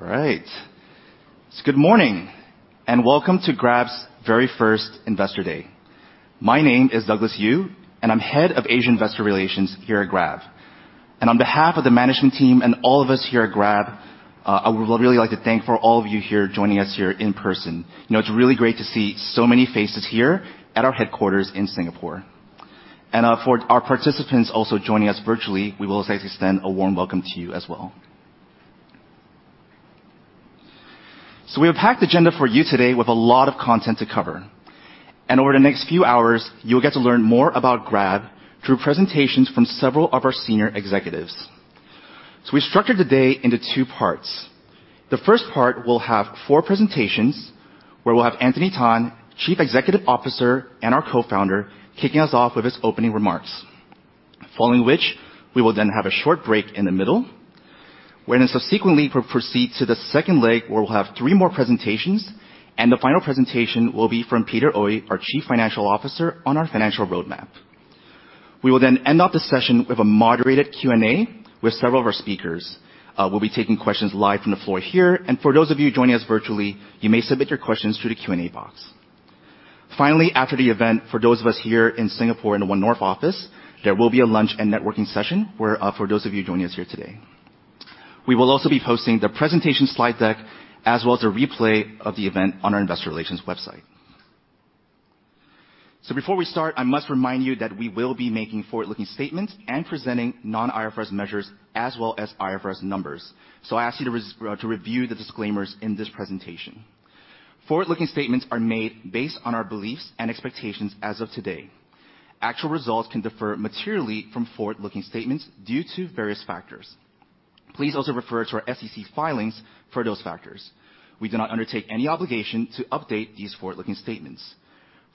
All right. Good morning, and welcome to Grab's very first Investor Day. My name is Douglas Eu, and I'm Head of Asia Investor Relations here at Grab. On behalf of the management team and all of us here at Grab, I would really like to thank for all of you here joining us here in person. You know, it's really great to see so many faces here at our headquarters in Singapore. For our participants also joining us virtually, we would also like to extend a warm welcome to you as well. We have a packed agenda for you today with a lot of content to cover. Over the next few hours, you'll get to learn more about Grab through presentations from several of our senior executives. We structured the day into two parts. The first part, we'll have four presentations, where we'll have Anthony Tan, Chief Executive Officer and our Co-Founder, kicking us off with his opening remarks. Following which, we will then have a short break in the middle. We're gonna subsequently proceed to the second leg, where we'll have three more presentations, and the final presentation will be from Peter Oey, our Chief Financial Officer, on our financial roadmap. We will then end off the session with a moderated Q&A with several of our speakers. We'll be taking questions live from the floor here. For those of you joining us virtually, you may submit your questions through the Q&A box. Finally, after the event, for those of us here in Singapore in the one-north office, there will be a lunch and networking session where for those of you joining us here today. We will also be posting the presentation slide deck as well as a replay of the event on our investor relations website. Before we start, I must remind you that we will be making forward-looking statements and presenting non-IFRS measures as well as IFRS numbers. I ask you to review the disclaimers in this presentation. Forward-looking statements are made based on our beliefs and expectations as of today. Actual results can differ materially from forward-looking statements due to various factors. Please also refer to our SEC filings for those factors. We do not undertake any obligation to update these forward-looking statements.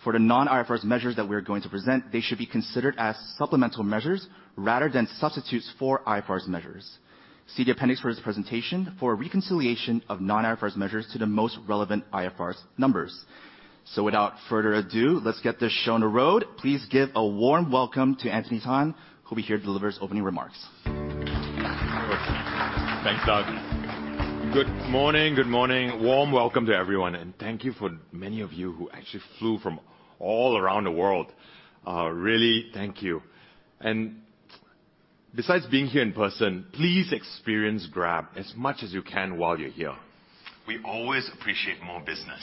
For the non-IFRS measures that we're going to present, they should be considered as supplemental measures rather than substitutes for IFRS measures. See the appendix for this presentation for a reconciliation of non-IFRS measures to the most relevant IFRS numbers. Without further ado, let's get this show on the road. Please give a warm welcome to Anthony Tan, who'll be here to deliver his opening remarks. Thanks, Doug. Good morning. Good morning. Warm welcome to everyone, and thank you for many of you who actually flew from all around the world. Really thank you. Besides being here in person, please experience Grab as much as you can while you're here. We always appreciate more business.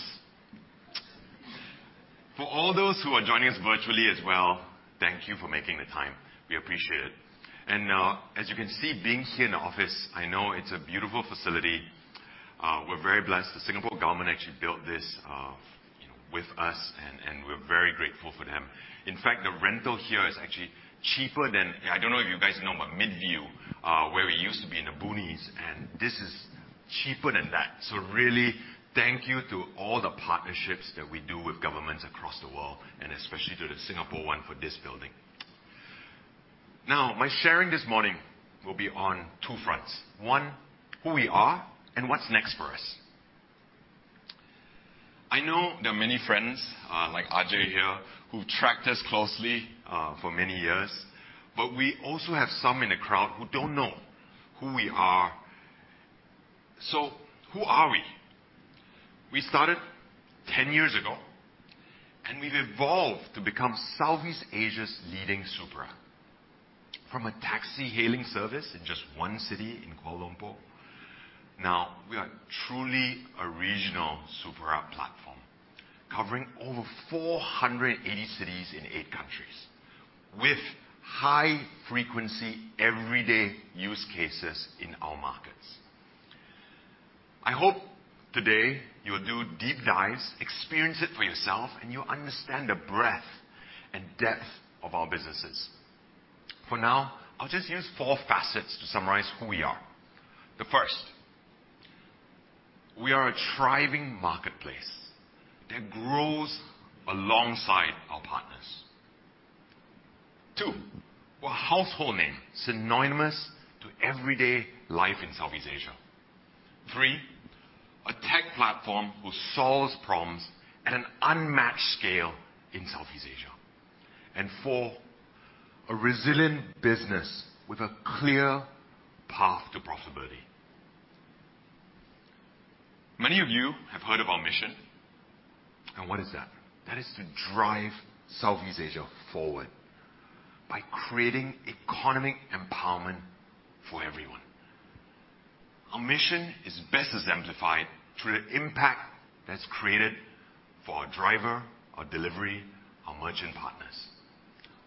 For all those who are joining us virtually as well, thank you for making the time. We appreciate it. As you can see, being here in the office, I know it's a beautiful facility. We're very blessed. The Singapore government actually built this, you know, with us, and we're very grateful for them. In fact, the rental here is actually cheaper than I don't know if you guys know about Midview, where we used to be in the boonies, and this is cheaper than that. Really thank you to all the partnerships that we do with governments across the world, and especially to the Singapore one for this building. Now, my sharing this morning will be on two fronts. One, who we are and what's next for us. I know there are many friends, like Ajay here, who've tracked us closely, for many years, but we also have some in the crowd who don't know who we are. Who are we? We started 10 years ago, and we've evolved to become Southeast Asia's leading superapp. From a taxi hailing service in just one city in Kuala Lumpur, now we are truly a regional superapp platform covering over 480 cities in eight countries with high frequency everyday use cases in our markets. I hope today you will do deep dives, experience it for yourself, and you'll understand the breadth and depth of our businesses. For now, I'll just use four facets to summarize who we are. The first, we are a thriving marketplace that grows alongside our partners. Two, we're a household name synonymous to everyday life in Southeast Asia. Three, a tech platform who solves problems at an unmatched scale in Southeast Asia. Four, a resilient business with a clear path to profitability. Many of you have heard of our mission, and what is that? That is to drive Southeast Asia forward by creating economic empowerment for everyone. Our mission is best exemplified through the impact that's created for our driver, our delivery, our merchant partners.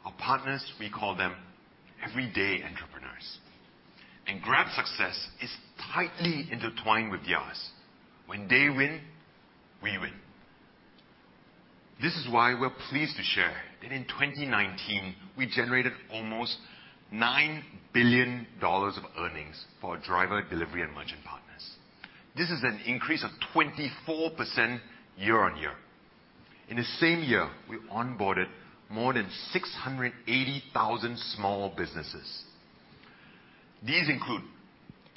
Our partners, we call them everyday entrepreneurs. Grab success is tightly intertwined with theirs. When they win, we win. This is why we're pleased to share that in 2019, we generated almost $9 billion of earnings for our driver, delivery, and merchant partners. This is an increase of 24% year-on-year. In the same year, we onboarded more than 680,000 small businesses. These include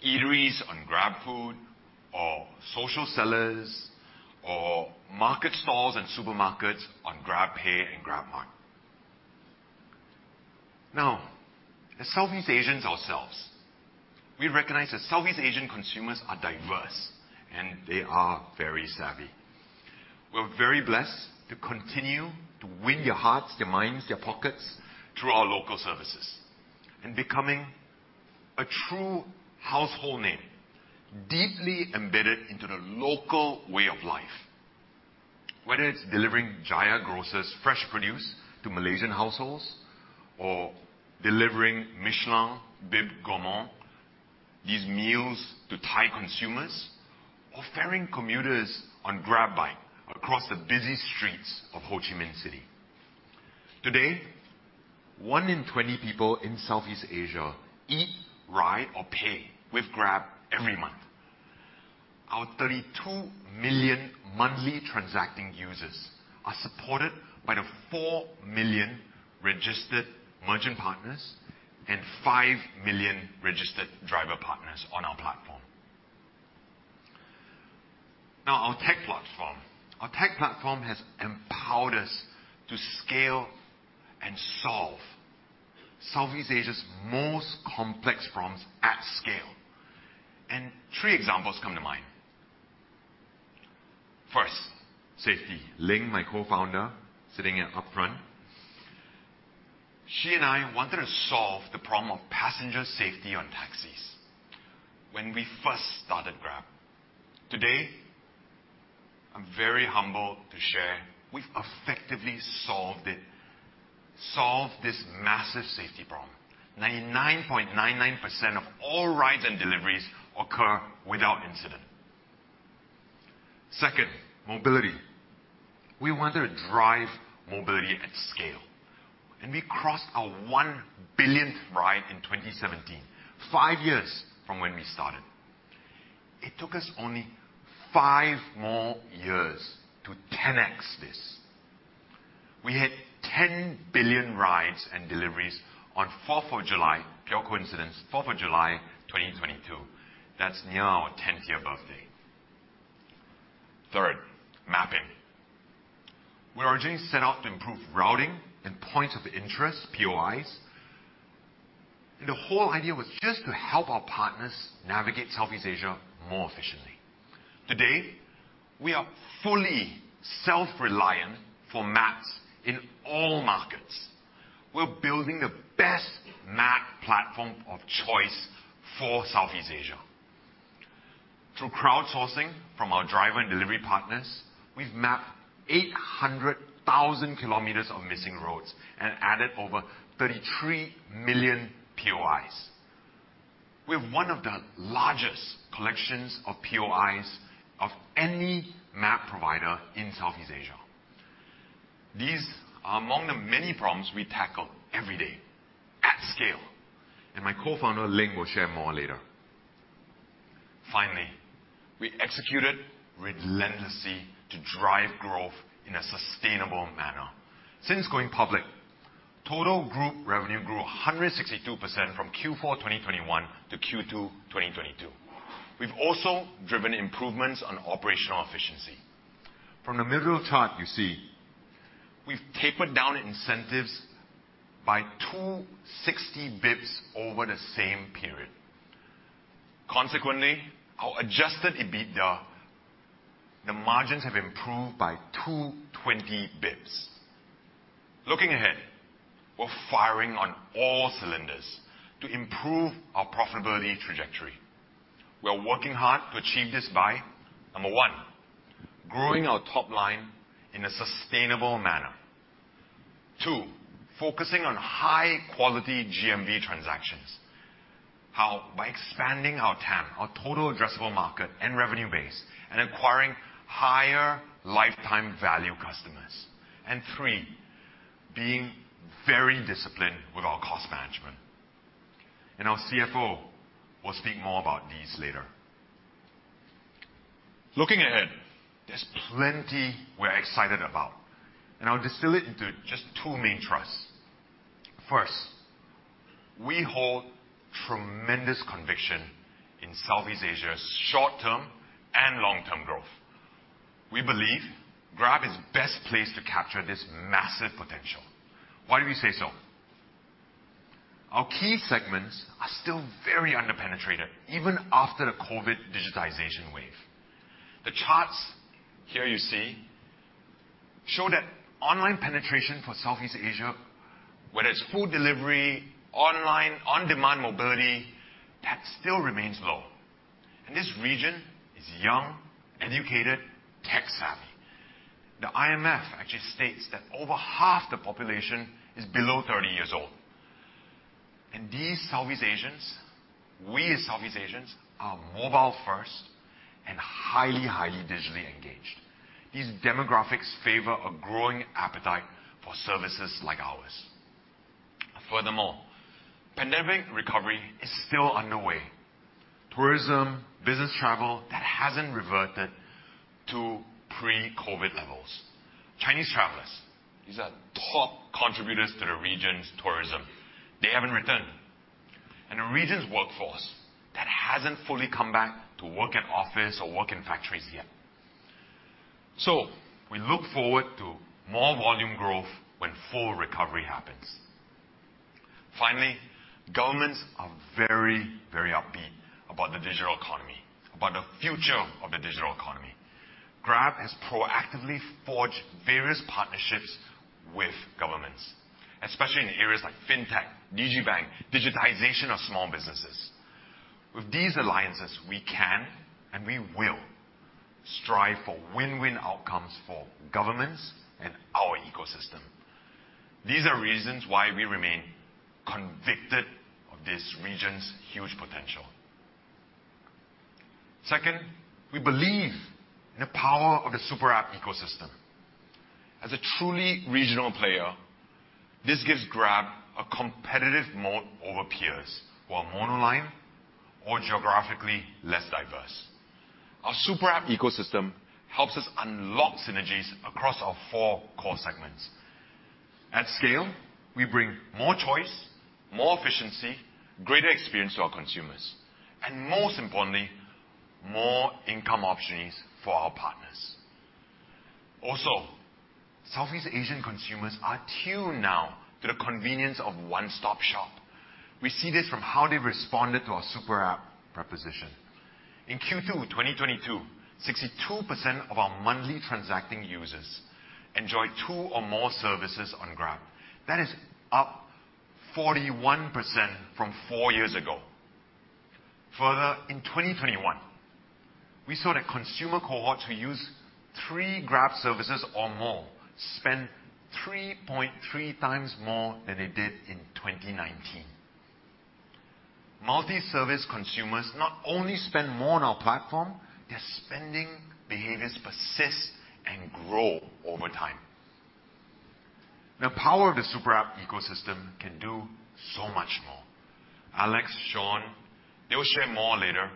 eateries on GrabFood or social sellers or market stalls and supermarkets on GrabPay and GrabMart. Now, as Southeast Asians ourselves, we recognize that Southeast Asian consumers are diverse, and they are very savvy. We're very blessed to continue to win their hearts, their minds, their pockets, through our local services. Becoming a true household name, deeply embedded into the local way of life. Whether it's delivering Jaya Grocer's fresh produce to Malaysian households, or delivering Michelin Bib Gourmand, these meals to Thai consumers, or ferrying commuters on GrabBike across the busy streets of Ho Chi Minh City. Today, one in 20 people in Southeast Asia eat, ride, or pay with Grab every month. Our 32 million monthly transacting users are supported by the 4 million registered merchant partners and 5 million registered driver partners on our platform. Now, our tech platform. Our tech platform has empowered us to scale and solve Southeast Asia's most complex problems at scale. Three examples come to mind. First, safety. Ling, my co-founder, sitting up front, she and I wanted to solve the problem of passenger safety on taxis when we first started Grab. Today, I'm very humbled to share we've effectively solved it, solved this massive safety problem. 99.99% of all rides and deliveries occur without incident. Second, mobility. We wanted to drive mobility at scale, and we crossed our 1-billionth ride in 2017, five years from when we started. It took us only five more years to 10x this. We had 10 billion rides and deliveries on fourth of July, pure coincidence, fourth of July, 2022. That's near our 10th-year birthday. Third, mapping. We originally set out to improve routing and points of interest, POIs. The whole idea was just to help our partners navigate Southeast Asia more efficiently. Today, we are fully self-reliant for maps in all markets. We're building the best map platform of choice for Southeast Asia. Through crowdsourcing from our driver and delivery partners, we've mapped 800,000 kilometers of missing roads and added over 33 million POIs. We have one of the largest collections of POIs of any map provider in Southeast Asia. These are among the many problems we tackle every day at scale, and my co-founder, Ling, will share more later. Finally, we executed relentlessly to drive growth in a sustainable manner. Since going public, total group revenue grew 162% from Q4 2021 to Q2 2022. We've also driven improvements on operational efficiency. From the middle chart you see, we've tapered down incentives by 260 basis points over the same period. Consequently, our adjusted EBITDA margins have improved by 220 basis points. Looking ahead, we're firing on all cylinders to improve our profitability trajectory. We're working hard to achieve this by, number one, growing our top line in a sustainable manner. Two, focusing on high-quality GMV transactions. How? By expanding our TAM, our total addressable market and revenue base, and acquiring higher lifetime value customers. Three, being very disciplined with our cost management. Our CFO will speak more about these later. Looking ahead, there's plenty we're excited about, and I'll distill it into just two main thrusts. First, we hold tremendous conviction in Southeast Asia's short-term and long-term growth. We believe Grab is best placed to capture this massive potential. Why do we say so? Our key segments are still very under-penetrated, even after the COVID digitization wave. The charts here you see show that online penetration for Southeast Asia, whether it's food delivery, online, on-demand mobility, that still remains low. This region is young, educated, tech-savvy. The IMF actually states that over half the population is below 30 years old. These Southeast Asians, we as Southeast Asians, are mobile-first and highly digitally engaged. These demographics favor a growing appetite for services like ours. Furthermore, pandemic recovery is still underway. Tourism, business travel, that hasn't reverted to pre-COVID levels. Chinese travelers, these are top contributors to the region's tourism. They haven't returned. The region's workforce, that hasn't fully come back to work in office or work in factories yet. We look forward to more volume growth when full recovery happens. Finally, governments are very, very upbeat about the digital economy, about the future of the digital economy. Grab has proactively forged various partnerships with governments, especially in areas like fintech, digibank, digitization of small businesses. With these alliances, we can and we will strive for win-win outcomes for governments and our ecosystem. These are reasons why we remain convicted of this region's huge potential. Second, we believe in the power of the super app ecosystem. As a truly regional player, this gives Grab a competitive moat over peers who are monoline or geographically less diverse. Our super app ecosystem helps us unlock synergies across our four core segments. At scale, we bring more choice, more efficiency, greater experience to our consumers, and most importantly, more income opportunities for our partners. Also, Southeast Asian consumers are tuned now to the convenience of one-stop shop. We see this from how they responded to our super app proposition. In Q2 2022, 62% of our monthly transacting users enjoyed two or more services on Grab. That is up 41% from four years ago. Further, in 2021, we saw that consumer cohorts who use three Grab services or more spent 3.3x more than they did in 2019. Multi-service consumers not only spend more on our platform, their spending behaviors persist and grow over time. The power of the super app ecosystem can do so much more. Alex, Sean, they will share more later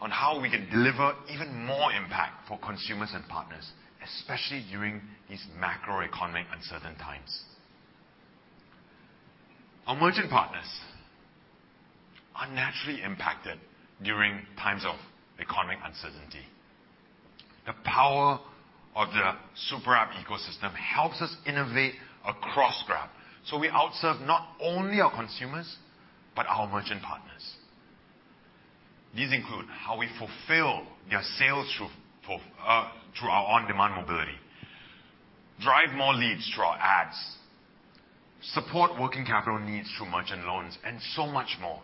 on how we can deliver even more impact for consumers and partners, especially during these macroeconomic uncertain times. Our merchant partners are naturally impacted during times of economic uncertainty. The power of the super app ecosystem helps us innovate across Grab, so we outserve not only our consumers, but our merchant partners. These include how we fulfill their sales through our on-demand mobility, drive more leads through our ads, support working capital needs through merchant loans, and so much more.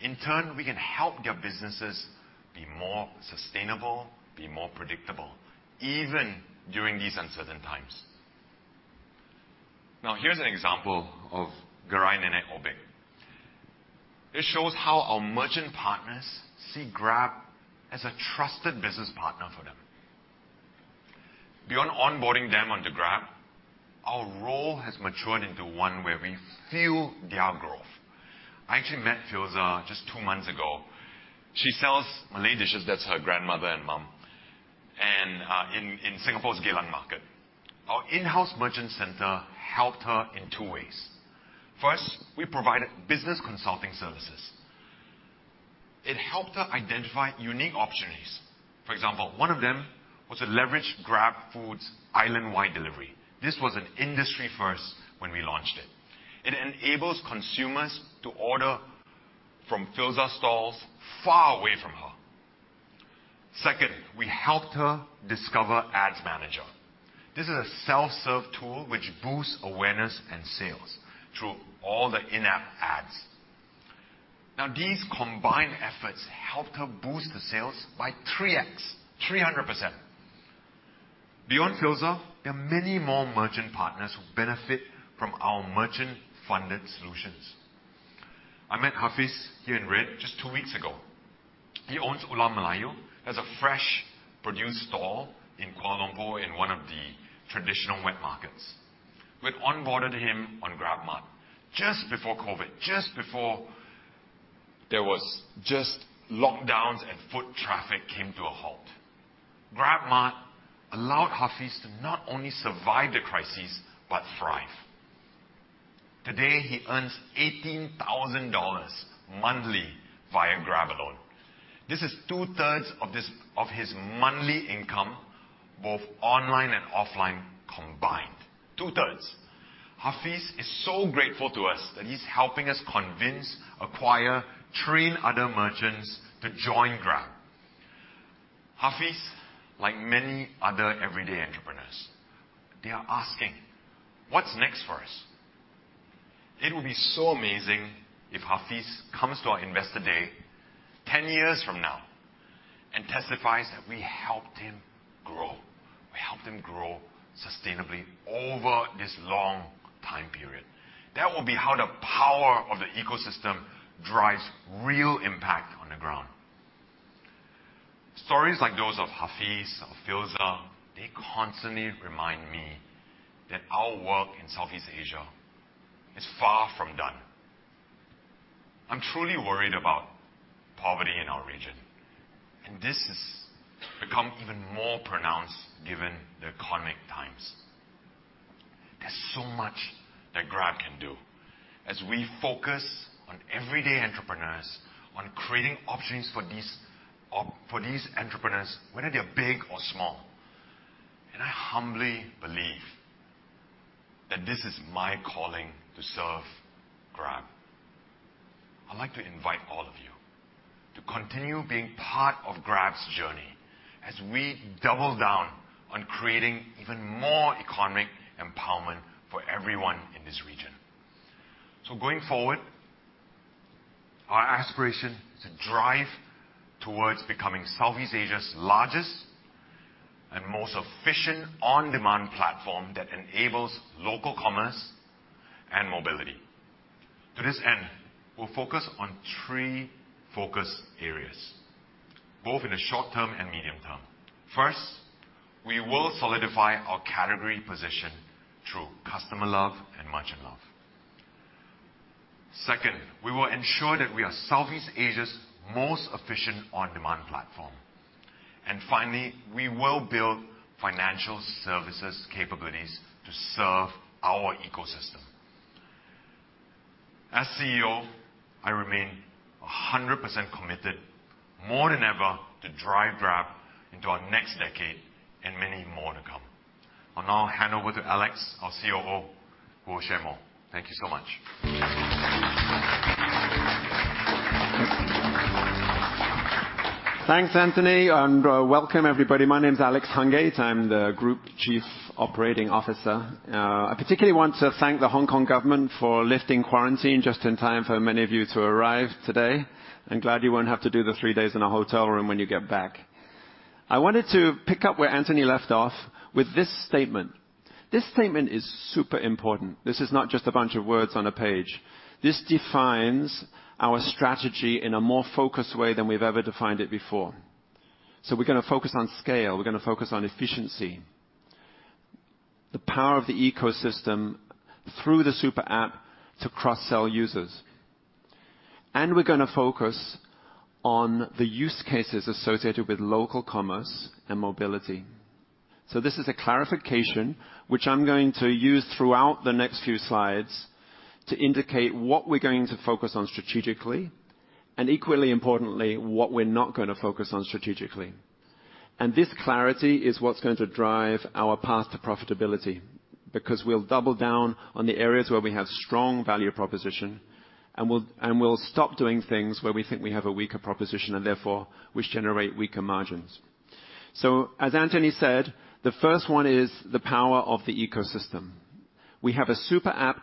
In turn, we can help their businesses be more sustainable, be more predictable, even during these uncertain times. Now, here's an example of Gerai Nenek Obek. This shows how our merchant partners see Grab as a trusted business partner for them. Beyond onboarding them onto Grab, our role has matured into one where we fuel their growth. I actually met Filzah just two months ago. She sells Malay dishes, that's her grandmother and mom, and in Singapore's Geylang Serai Market. Our in-house merchant center helped her in two ways. First, we provided business consulting services. It helped her identify unique opportunities. For example, one of them was to leverage GrabFood's island-wide delivery. This was an industry first when we launched it. It enables consumers to order from Filzah's stalls far away from her. Second, we helped her discover Ad Manager. This is a self-serve tool which boosts awareness and sales through all the in-app ads. Now, these combined efforts helped her boost the sales by 3x, 300%. Beyond Filzah, there are many more merchant partners who benefit from our merchant-funded solutions. I met Hafiz here in red just two weeks ago. He owns Ulam Melayu as a fresh produce stall in Kuala Lumpur in one of the traditional wet markets. We've onboarded him on GrabMart just before COVID, just before there was just lockdowns and foot traffic came to a halt. GrabMart allowed Hafiz to not only survive the crisis, but thrive. Today, he earns $18,000 monthly via Grab alone. This is two-thirds of this, of his monthly income, both online and offline combined. Two-thirds. Hafiz is so grateful to us that he's helping us convince, acquire, train other merchants to join Grab. Hafiz, like many other everyday entrepreneurs, they are asking, "What's next for us?" It will be so amazing if Hafiz comes to our Investor Day 10 years from now and testifies that we helped him grow. We helped him grow sustainably over this long time period. That will be how the power of the ecosystem drives real impact on the ground. Stories like those of Hafiz, of Filzah, they constantly remind me that our work in Southeast Asia is far from done. I'm truly worried about poverty in our region, and this has become even more pronounced given the economic times. Much that Grab can do. As we focus on everyday entrepreneurs, on creating opportunities for these entrepreneurs, whether they're big or small. I humbly believe that this is my calling to serve Grab. I'd like to invite all of you to continue being part of Grab's journey as we double down on creating even more economic empowerment for everyone in this region. Going forward, our aspiration is to drive towards becoming Southeast Asia's largest and most efficient on-demand platform that enables local commerce and mobility. To this end, we'll focus on three focus areas, both in the short term and medium term. First, we will solidify our category position through customer love and merchant love. Second, we will ensure that we are Southeast Asia's most efficient on-demand platform. Finally, we will build financial services capabilities to serve our ecosystem. As CEO, I remain 100% committed more than ever to drive Grab into our next decade and many more to come. I'll now hand over to Alex, our COO, who will share more. Thank you so much. Thanks, Anthony, and welcome everybody. My name's Alex Hungate. I'm the Group Chief Operating Officer. I particularly want to thank the Hong Kong government for lifting quarantine just in time for many of you to arrive today. I'm glad you won't have to do the three days in a hotel room when you get back. I wanted to pick up where Anthony left off with this statement. This statement is super important. This is not just a bunch of words on a page. This defines our strategy in a more focused way than we've ever defined it before. We're gonna focus on scale. We're gonna focus on efficiency. The power of the ecosystem through the super app to cross-sell users. We're gonna focus on the use cases associated with local commerce and mobility. This is a clarification which I'm going to use throughout the next few slides to indicate what we're going to focus on strategically, and equally importantly, what we're not gonna focus on strategically. This clarity is what's going to drive our path to profitability, because we'll double down on the areas where we have strong value proposition, and we'll stop doing things where we think we have a weaker proposition and therefore which generate weaker margins. As Anthony said, the first one is the power of the ecosystem. We have a super app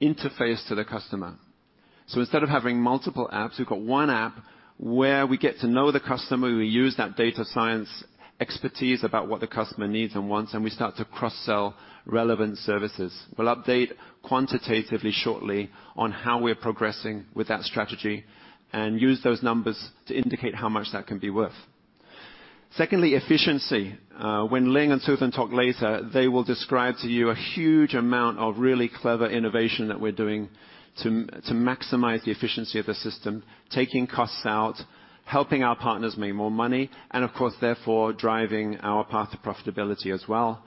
interface to the customer. Instead of having multiple apps, we've got one app where we get to know the customer, we use that data science expertise about what the customer needs and wants, and we start to cross-sell relevant services. We'll update quantitatively shortly on how we're progressing with that strategy and use those numbers to indicate how much that can be worth. Secondly, efficiency. When Ling and Suthen talk later, they will describe to you a huge amount of really clever innovation that we're doing to maximize the efficiency of the system, taking costs out, helping our partners make more money, and of course, therefore, driving our path to profitability as well.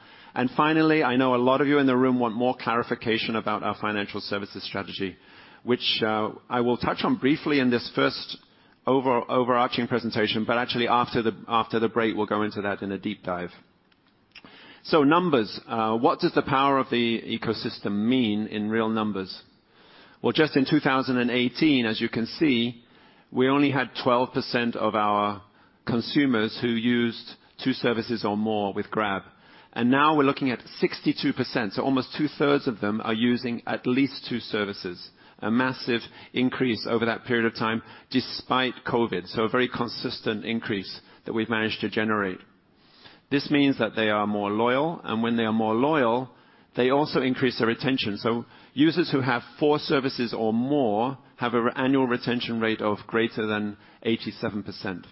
Finally, I know a lot of you in the room want more clarification about our financial services strategy, which, I will touch on briefly in this first overarching presentation, but actually after the break, we'll go into that in a deep dive. Numbers. What does the power of the ecosystem mean in real numbers? Well, just in 2018, as you can see, we only had 12% of our consumers who used two services or more with Grab. Now we're looking at 62%, so almost two-thirds of them are using at least two services. A massive increase over that period of time, despite COVID. A very consistent increase that we've managed to generate. This means that they are more loyal, and when they are more loyal, they also increase their retention. Users who have fou services or more have an annual retention rate of greater than 87%.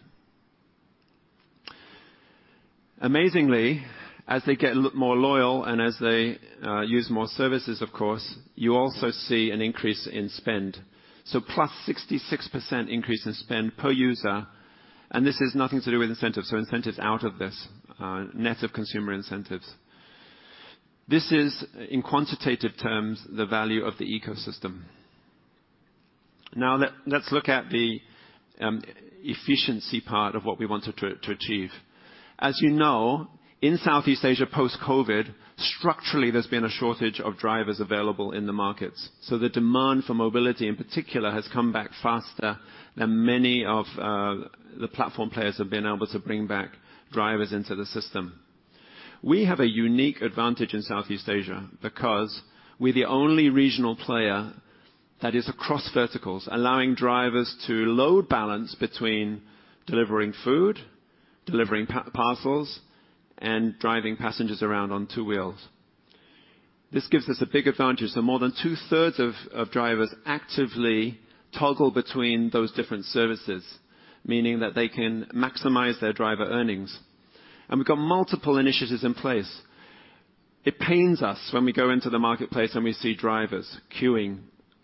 Amazingly, as they get more loyal and as they use more services, of course, you also see an increase in spend. +66% increase in spend per user, and this is nothing to do with incentives out of this, net of consumer incentives. This is, in quantitative terms, the value of the ecosystem. Now let's look at the efficiency part of what we want to achieve. As you know, in Southeast Asia, post-COVID, structurally, there's been a shortage of drivers available in the markets. The demand for mobility in particular has come back faster than many of the platform players have been able to bring back drivers into the system. We have a unique advantage in Southeast Asia because we're the only regional player that is across verticals, allowing drivers to load balance between delivering food, delivering parcels, and driving passengers around on two wheels. This gives us a big advantage, so more than two-thirds of drivers actively toggle between those different services, meaning that they can maximize their driver earnings. We've got multiple initiatives in place. It pains us when we go into the marketplace and we see drivers queuing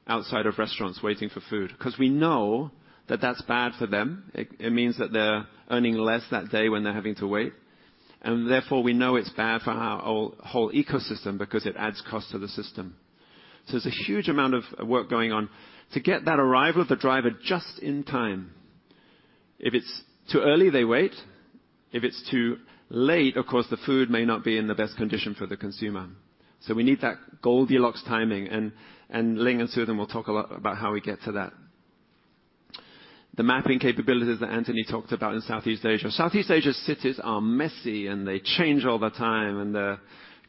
outside of restaurants waiting for food, 'cause we know that that's bad for them. It means that they're earning less that day when they're having to wait, and therefore, we know it's bad for our whole ecosystem because it adds cost to the system. There's a huge amount of work going on to get that arrival of the driver just in time. If it's too early, they wait. If it's too late, of course, the food may not be in the best condition for the consumer. We need that Goldilocks timing, and Ling and Suthen will talk a lot about how we get to that. The mapping capabilities that Anthony talked about in Southeast Asia. Southeast Asia's cities are messy, and they change all the time, and they're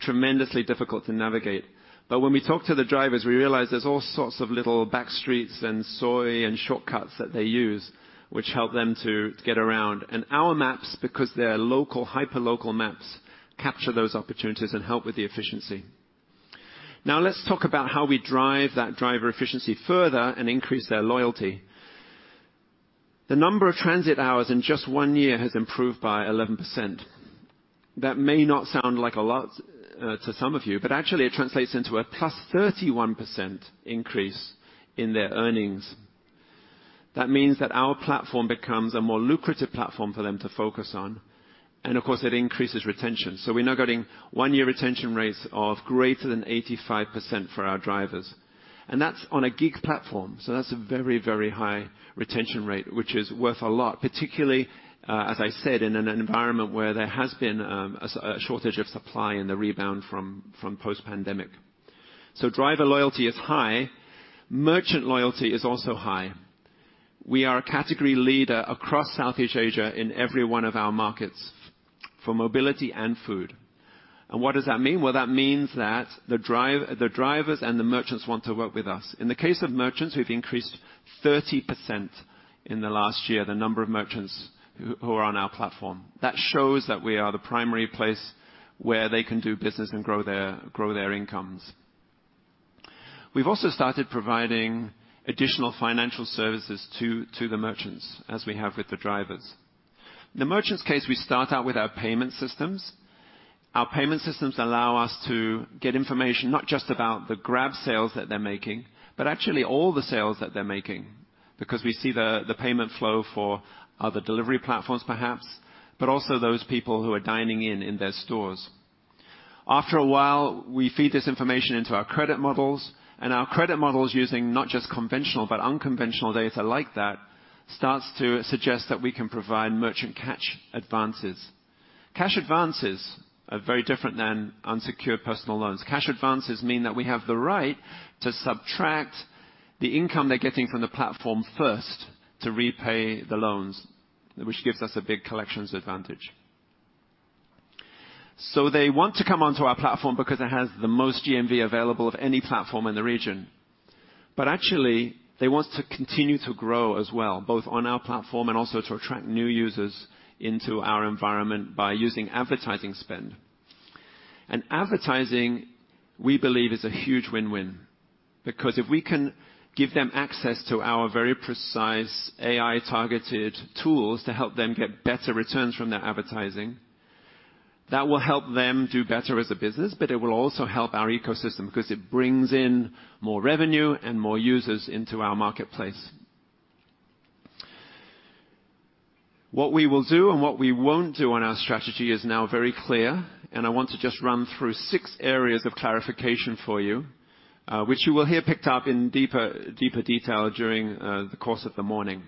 tremendously difficult to navigate. When we talk to the drivers, we realize there's all sorts of little back streets and soi and shortcuts that they use which help them to get around. Our maps, because they're local, hyperlocal maps, capture those opportunities and help with the efficiency. Now let's talk about how we drive that driver efficiency further and increase their loyalty. The number of transit hours in just one year has improved by 11%. That may not sound like a lot to some of you, but actually it translates into a +31% increase in their earnings. That means that our platform becomes a more lucrative platform for them to focus on, and of course, it increases retention. We're now getting one-year retention rates of greater than 85% for our drivers. That's on a gig platform, so that's a very, very high retention rate, which is worth a lot, particularly, as I said, in an environment where there has been a shortage of supply in the rebound from post-pandemic. Driver loyalty is high. Merchant loyalty is also high. We are a category leader across Southeast Asia in every one of our markets for mobility and food. What does that mean? Well, that means that the drivers and the merchants want to work with us. In the case of merchants, we've increased 30% in the last year, the number of merchants who are on our platform. That shows that we are the primary place where they can do business and grow their incomes. We've also started providing additional financial services to the merchants as we have with the drivers. In the merchants case, we start out with our payment systems. Our payment systems allow us to get information not just about the Grab sales that they're making, but actually all the sales that they're making, because we see the payment flow for other delivery platforms perhaps, but also those people who are dining in their stores. After a while, we feed this information into our credit models, and our credit models using not just conventional, but unconventional data like that, starts to suggest that we can provide merchant cash advances. Cash advances are very different than unsecured personal loans. Cash advances mean that we have the right to subtract the income they're getting from the platform first to repay the loans, which gives us a big collections advantage. They want to come onto our platform because it has the most GMV available of any platform in the region. Actually, they want to continue to grow as well, both on our platform and also to attract new users into our environment by using advertising spend. Advertising, we believe, is a huge win-win, because if we can give them access to our very precise AI-targeted tools to help them get better returns from their advertising, that will help them do better as a business, but it will also help our ecosystem 'cause it brings in more revenue and more users into our marketplace. What we will do and what we won't do on our strategy is now very clear, and I want to just run through six areas of clarification for you, which you will hear picked up in deeper detail during the course of the morning.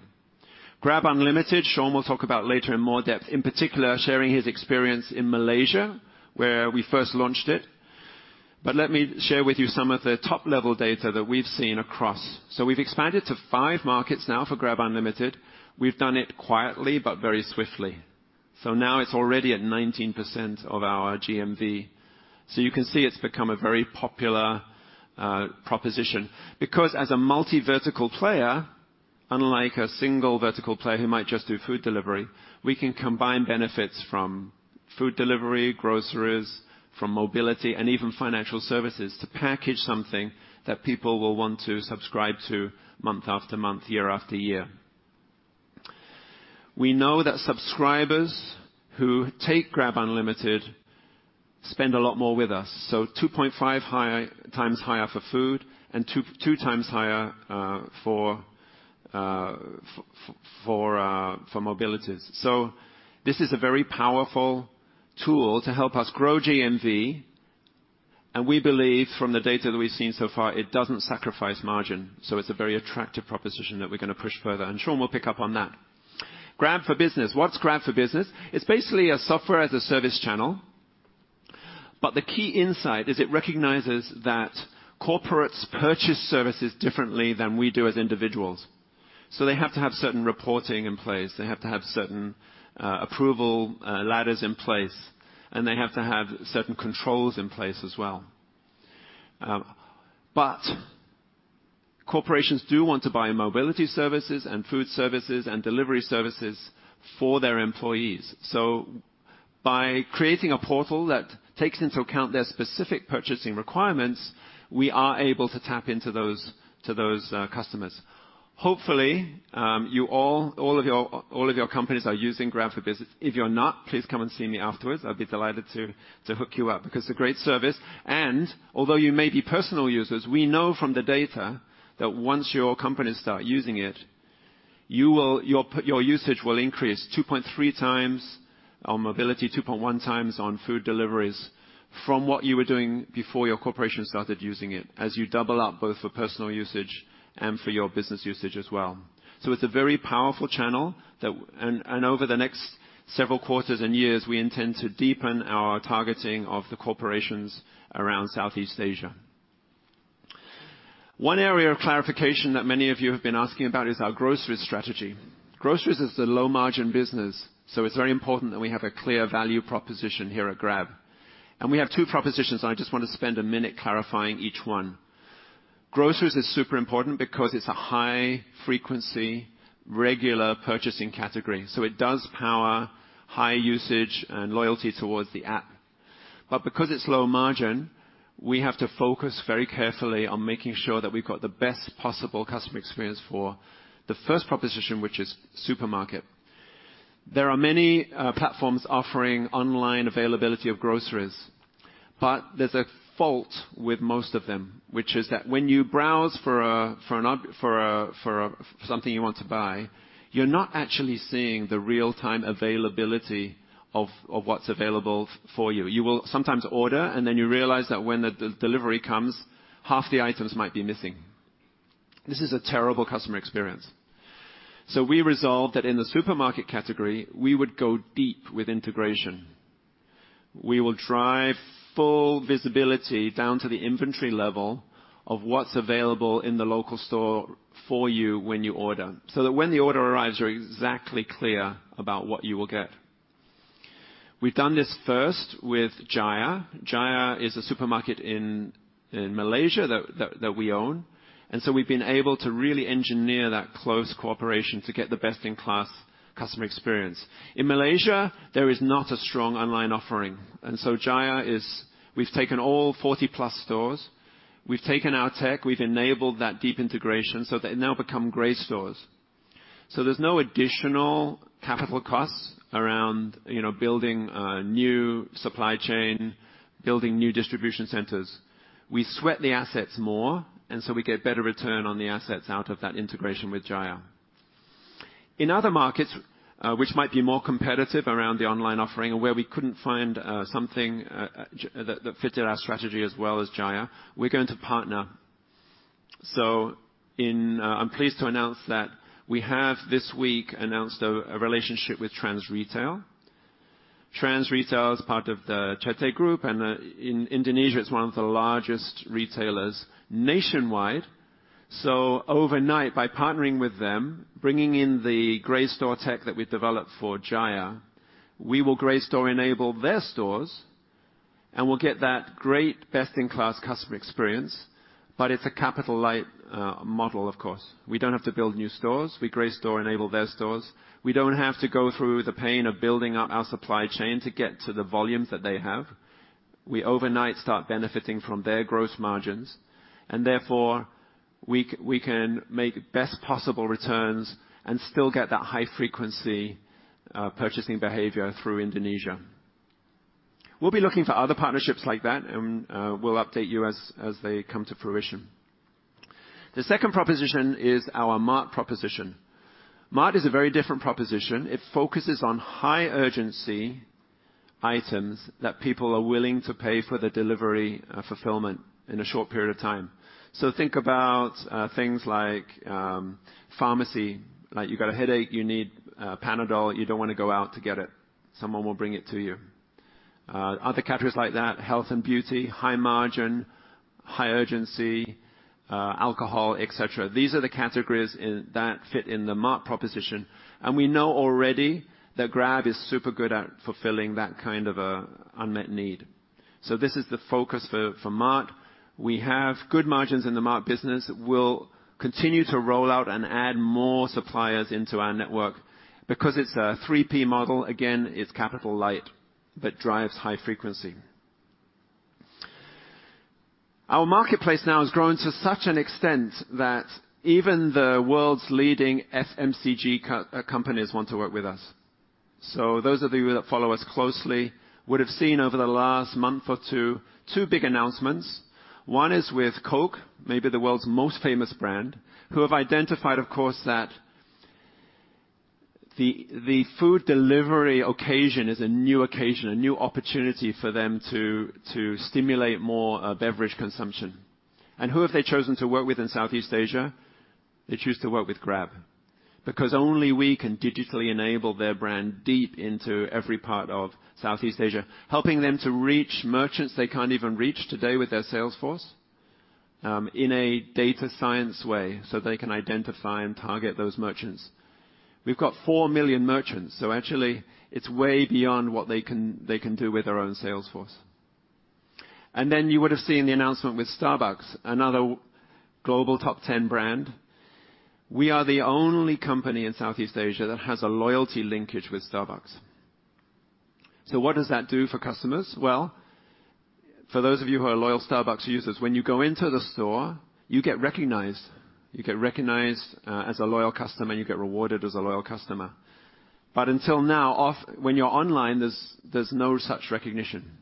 Grab Unlimited, Sean will talk about later in more depth, in particular sharing his experience in Malaysia, where we first launched it. Let me share with you some of the top-level data that we've seen across. We've expanded to five markets now for Grab Unlimited. We've done it quietly but very swiftly. Now it's already at 19% of our GMV. You can see it's become a very popular proposition. Because as a multivertical player, unlike a single vertical player who might just do food delivery, we can combine benefits from food delivery, groceries, from mobility, and even financial services to package something that people will want to subscribe to month after month, year after year. We know that subscribers who take Grab Unlimited spend a lot more with us, so 2.5x higher for food and 2x higher for mobilities. This is a very powerful tool to help us grow GMV, and we believe from the data that we've seen so far, it doesn't sacrifice margin. It's a very attractive proposition that we're gonna push further, and Sean will pick up on that. Grab For Business. What's Grab For Business? It's basically a software as a service channel, but the key insight is it recognizes that corporates purchase services differently than we do as individuals. They have to have certain reporting in place, they have to have certain approval ladders in place, and they have to have certain controls in place as well. Corporations do want to buy mobility services and food services and delivery services for their employees. By creating a portal that takes into account their specific purchasing requirements, we are able to tap into those customers. Hopefully, you all of your companies are using Grab For Business. If you're not, please come and see me afterwards. I'd be delighted to hook you up because it's a great service. Although you may be personal users, we know from the data that once your companies start using it, your personal usage will increase 2.3x on mobility, 2.1x on food deliveries from what you were doing before your corporation started using it, as you double up both for personal usage and for your business usage as well. It's a very powerful channel that. Over the next several quarters and years, we intend to deepen our targeting of the corporations around Southeast Asia. One area of clarification that many of you have been asking about is our groceries strategy. Groceries is a low-margin business, so it's very important that we have a clear value proposition here at Grab. We have two propositions, and I just wanna spend a minute clarifying each one. Groceries is super important because it's a high-frequency, regular purchasing category, so it does power high usage and loyalty towards the app. But because it's low margin, we have to focus very carefully on making sure that we've got the best possible customer experience for the first proposition, which is supermarket. There are many platforms offering online availability of groceries, but there's a fault with most of them, which is that when you browse for something you want to buy, you're not actually seeing the real-time availability of what's available for you. You will sometimes order, and then you realize that when the delivery comes, half the items might be missing. This is a terrible customer experience. We resolved that in the supermarket category, we would go deep with integration. We will drive full visibility down to the inventory level of what's available in the local store for you when you order, so that when the order arrives, you're exactly clear about what you will get. We've done this first with Jaya. Jaya is a supermarket in Malaysia that we own, and we've been able to really engineer that close cooperation to get the best-in-class customer experience. In Malaysia, there is not a strong online offering, and Jaya is. We've taken all 40-plus stores, we've taken our tech, we've enabled that deep integration, so they now become dark stores. There's no additional capital costs around, you know, building a new supply chain, building new distribution centers. We sweat the assets more, and so we get better return on the assets out of that integration with Jaya. In other markets, which might be more competitive around the online offering or where we couldn't find something that fitted our strategy as well as Jaya, we're going to partner. I'm pleased to announce that we have this week announced a relationship with Trans Retail. Trans Retail is part of the CT Corp, and in Indonesia, it's one of the largest retailers nationwide. Overnight, by partnering with them, bringing in the dark store tech that we've developed for Jaya, we will dark store enable their stores, and we'll get that great best-in-class customer experience. But it's a capital light model, of course. We don't have to build new stores. We dark store enable their stores. We don't have to go through the pain of building out our supply chain to get to the volumes that they have. We overnight start benefiting from their gross margins, and therefore, we can make best possible returns and still get that high-frequency purchasing behavior through Indonesia. We'll be looking for other partnerships like that, and we'll update you as they come to fruition. The second proposition is our mart proposition. Mart is a very different proposition. It focuses on high-urgency items that people are willing to pay for the delivery fulfillment in a short period of time. So think about things like pharmacy. Like, you've got a headache, you need Panadol, you don't wanna go out to get it. Someone will bring it to you. Other categories like that, health and beauty, high margin, high urgency, alcohol, et cetera. These are the categories that fit in the mart proposition, and we know already that Grab is super good at fulfilling that kind of an unmet need. This is the focus for mart. We have good margins in the mart business. We'll continue to roll out and add more suppliers into our network. Because it's a three-P model, again, it's capital light that drives high frequency. Our marketplace now has grown to such an extent that even the world's leading FMCG companies want to work with us. Those of you that follow us closely would have seen over the last month or two big announcements. One is with Coke, maybe the world's most famous brand, who have identified, of course, that the food delivery occasion is a new occasion, a new opportunity for them to stimulate more, beverage consumption. Who have they chosen to work with in Southeast Asia? They choose to work with Grab because only we can digitally enable their brand deep into every part of Southeast Asia, helping them to reach merchants they can't even reach today with their sales force, in a data science way, so they can identify and target those merchants. We've got 4 million merchants, so actually, it's way beyond what they can do with their own sales force. You would have seen the announcement with Starbucks, another global top ten brand. We are the only company in Southeast Asia that has a loyalty linkage with Starbucks. What does that do for customers? Well, for those of you who are loyal Starbucks users, when you go into the store, you get recognized. You get recognized as a loyal customer, and you get rewarded as a loyal customer. Until now, when you're online, there's no such recognition.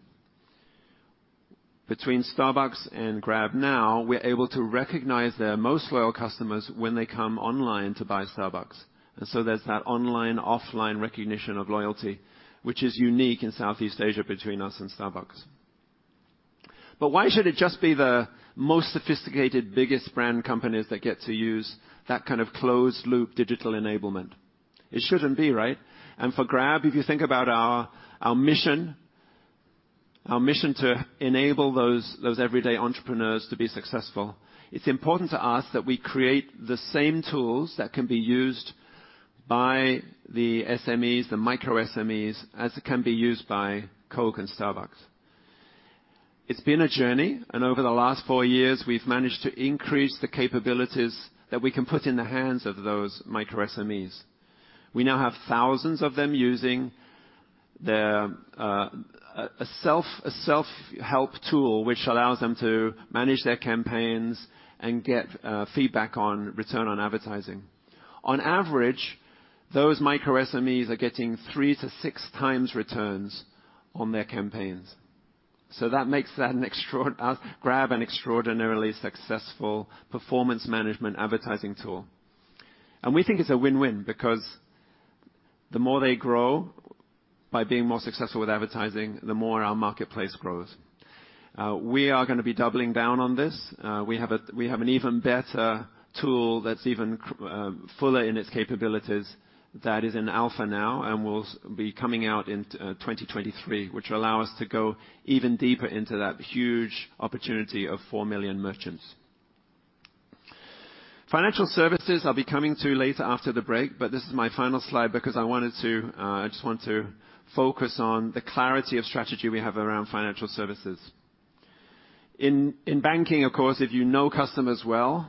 Between Starbucks and Grab now, we're able to recognize their most loyal customers when they come online to buy Starbucks. There's that online/offline recognition of loyalty, which is unique in Southeast Asia between us and Starbucks. Why should it just be the most sophisticated, biggest brand companies that get to use that kind of closed-loop digital enablement? It shouldn't be, right? For Grab, if you think about our mission to enable those everyday entrepreneurs to be successful, it's important to us that we create the same tools that can be used by the SMEs, the micro-SMEs, as it can be used by Coke and Starbucks. It's been a journey, and over the last four years we've managed to increase the capabilities that we can put in the hands of those micro-SMEs. We now have thousands of them using a self-help tool, which allows them to manage their campaigns and get feedback on return on advertising. On average, those micro-SMEs are getting three to 6x returns on their campaigns. That makes that an extraordinarily successful performance management advertising tool. We think it's a win-win because the more they grow by being more successful with advertising, the more our marketplace grows. We are gonna be doubling down on this. We have an even better tool that's even fuller in its capabilities that is in alpha now and will be coming out in 2023, which will allow us to go even deeper into that huge opportunity of 4 million merchants. Financial services, I'll be coming to later after the break, but this is my final slide because I wanted to, I just want to focus on the clarity of strategy we have around financial services. In banking, of course, if you know customers well,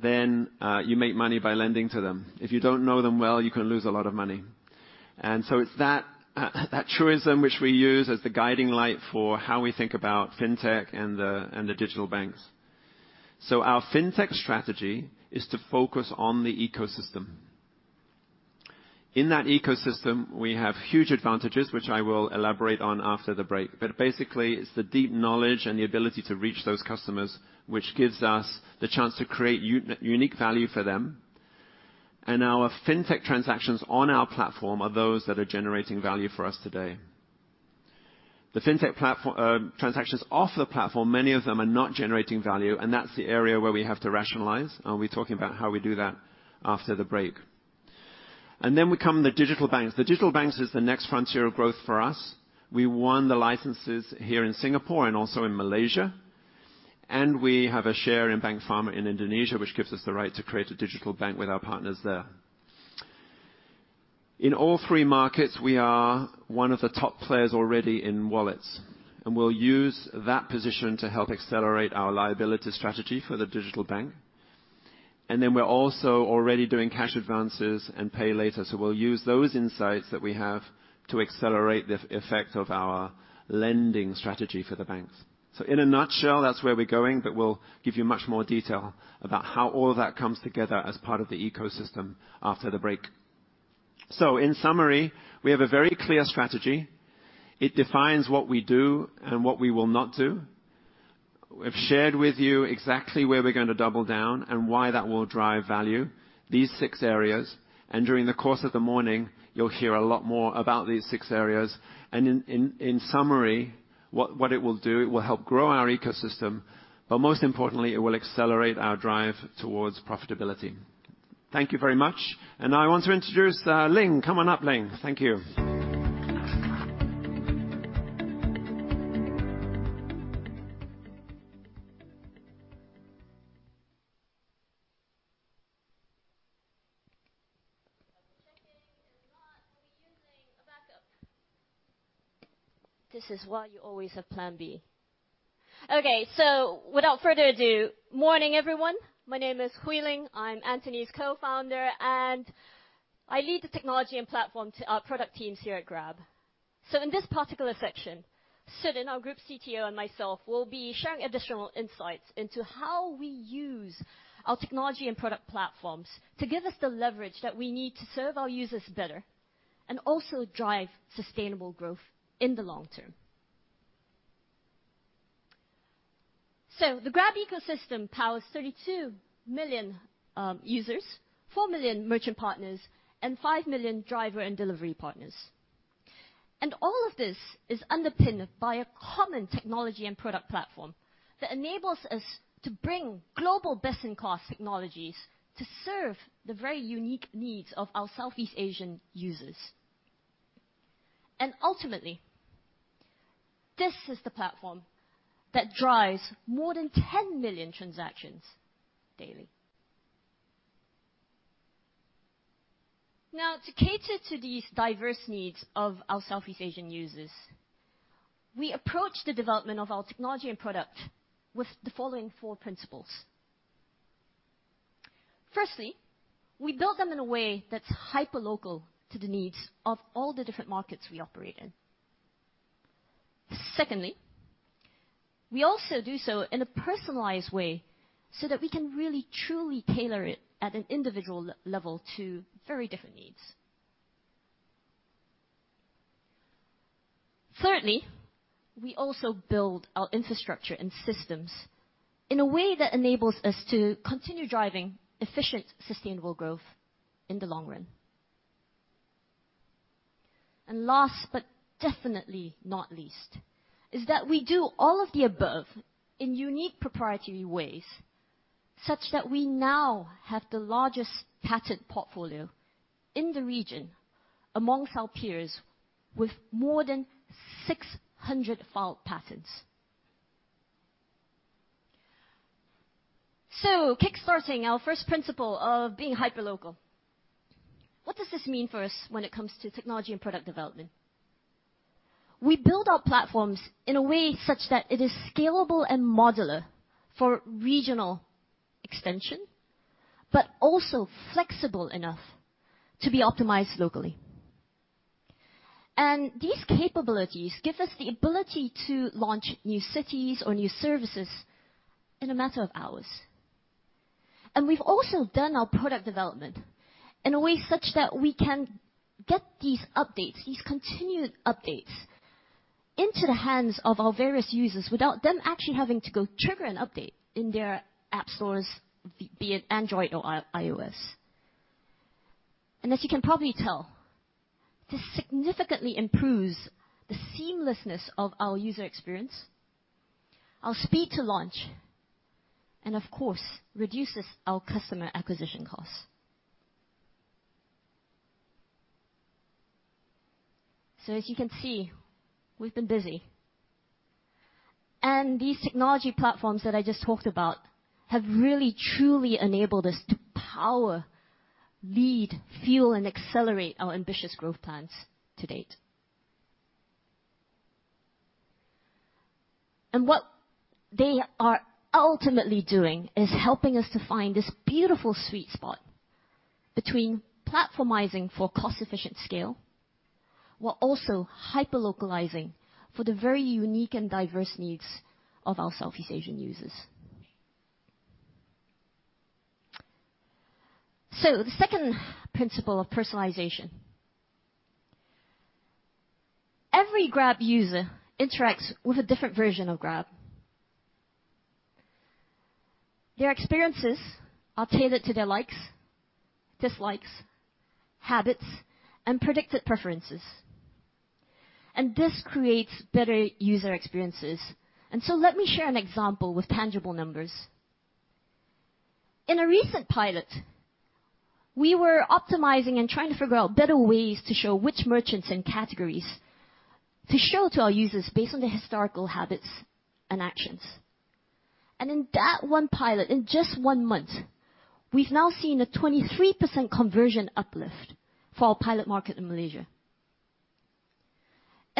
then you make money by lending to them. If you don't know them well, you can lose a lot of money. It's that truism which we use as the guiding light for how we think about fintech and the digital banks. Our fintech strategy is to focus on the ecosystem. In that ecosystem, we have huge advantages, which I will elaborate on after the break. Basically, it's the deep knowledge and the ability to reach those customers, which gives us the chance to create unique value for them. Our fintech transactions on our platform are those that are generating value for us today. The fintech transactions off the platform, many of them are not generating value, and that's the area where we have to rationalize, and we'll talk about how we do that after the break. We come to the digital banks. The digital banks is the next frontier of growth for us. We won the licenses here in Singapore and also in Malaysia, and we have a share in Bank Fama in Indonesia, which gives us the right to create a digital bank with our partners there. In all three markets, we are one of the top players already in wallets, and we'll use that position to help accelerate our liability strategy for the digital bank. We're also already doing cash advances and pay later, so we'll use those insights that we have to accelerate the effect of our lending strategy for the banks. In a nutshell, that's where we're going, but we'll give you much more detail about how all of that comes together as part of the ecosystem after the break. In summary, we have a very clear strategy. It defines what we do and what we will not do. We've shared with you exactly where we're gonna double down and why that will drive value, these six areas. During the course of the morning, you'll hear a lot more about these six areas. In summary, what it will do, it will help grow our ecosystem, but most importantly, it will accelerate our drive towards profitability. Thank you very much. Now I want to introduce Ling. Come on up, Ling. Thank you. Just checking and now we'll be using a backup. This is why you always have plan B. Okay, without further ado, morning, everyone. My name is Hooi Ling. I'm Anthony's co-founder, and I lead the technology and platform product teams here at Grab. In this particular section, Suthen, our group CTO, and myself will be sharing additional insights into how we use our technology and product platforms to give us the leverage that we need to serve our users better and also drive sustainable growth in the long term. The Grab ecosystem powers 32 million users, 4 million merchant partners, and 5 million driver and delivery partners. All of this is underpinned by a common technology and product platform that enables us to bring global best-in-class technologies to serve the very unique needs of our Southeast Asian users. Ultimately, this is the platform that drives more than 10 million transactions daily. Now, to cater to these diverse needs of our Southeast Asian users, we approach the development of our technology and product with the following four principles. Firstly, we build them in a way that's hyperlocal to the needs of all the different markets we operate in. Secondly, we also do so in a personalized way, so that we can really truly tailor it at an individual level to very different needs. Thirdly, we also build our infrastructure and systems in a way that enables us to continue driving efficient, sustainable growth in the long run. Last, but definitely not least, is that we do all of the above in unique proprietary ways, such that we now have the largest patent portfolio in the region amongst our peers with more than 600 filed patents. Kick-starting our first principle of being hyperlocal. What does this mean for us when it comes to technology and product development? We build our platforms in a way such that it is scalable and modular for regional extension, but also flexible enough to be optimized locally. These capabilities give us the ability to launch new cities or new services in a matter of hours. We've also done our product development in a way such that we can get these updates, these continued updates, into the hands of our various users without them actually having to go trigger an update in their app stores, be it Android or iOS. As you can probably tell, this significantly improves the seamlessness of our user experience, our speed to launch, and of course, reduces our customer acquisition costs. As you can see, we've been busy. These technology platforms that I just talked about have really, truly enabled us to power, lead, fuel, and accelerate our ambitious growth plans to date. What they are ultimately doing is helping us to find this beautiful sweet spot between platformizing for cost-efficient scale, while also hyperlocalizing for the very unique and diverse needs of our Southeast Asian users. The second principle of personalization. Every Grab user interacts with a different version of Grab. Their experiences are tailored to their likes, dislikes, habits, and predicted preferences. This creates better user experiences. Let me share an example with tangible numbers. In a recent pilot, we were optimizing and trying to figure out better ways to show which merchants and categories to show to our users based on their historical habits and actions. In that one pilot, in just one month, we've now seen a 23% conversion uplift for our pilot market in Malaysia.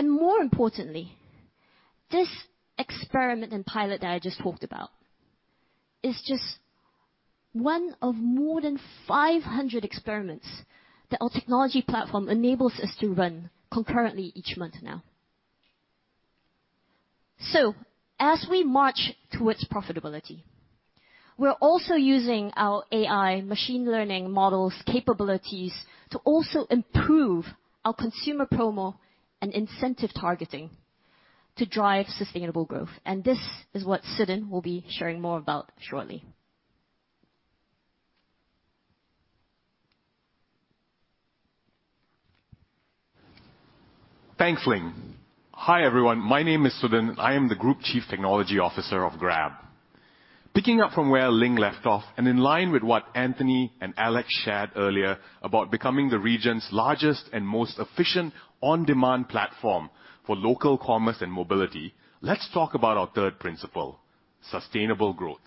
More importantly, this experiment and pilot that I just talked about is just one of more than 500 experiments that our technology platform enables us to run concurrently each month now. As we march towards profitability, we're also using our AI machine learning models capabilities to also improve our consumer promo and incentive targeting to drive sustainable growth. This is what Suthen will be sharing more about shortly. Thanks, Hooi Ling. Hi, everyone. My name is Suthen. I am the Group Chief Technology Officer of Grab. Picking up from where Hooi Ling left off, and in line with what Anthony and Alex shared earlier about becoming the region's largest and most efficient on-demand platform for local commerce and mobility, let's talk about our third principle, sustainable growth.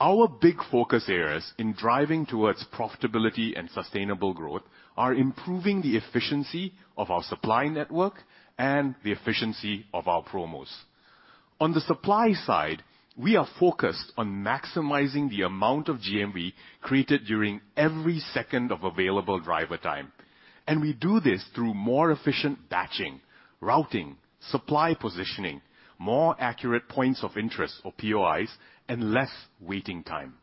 Our big focus areas in driving towards profitability and sustainable growth are improving the efficiency of our supply network and the efficiency of our promos. On the supply side, we are focused on maximizing the amount of GMV created during every second of available driver time. We do this through more efficient batching, routing, supply positioning, more accurate points of interest or POIs, and less waiting time.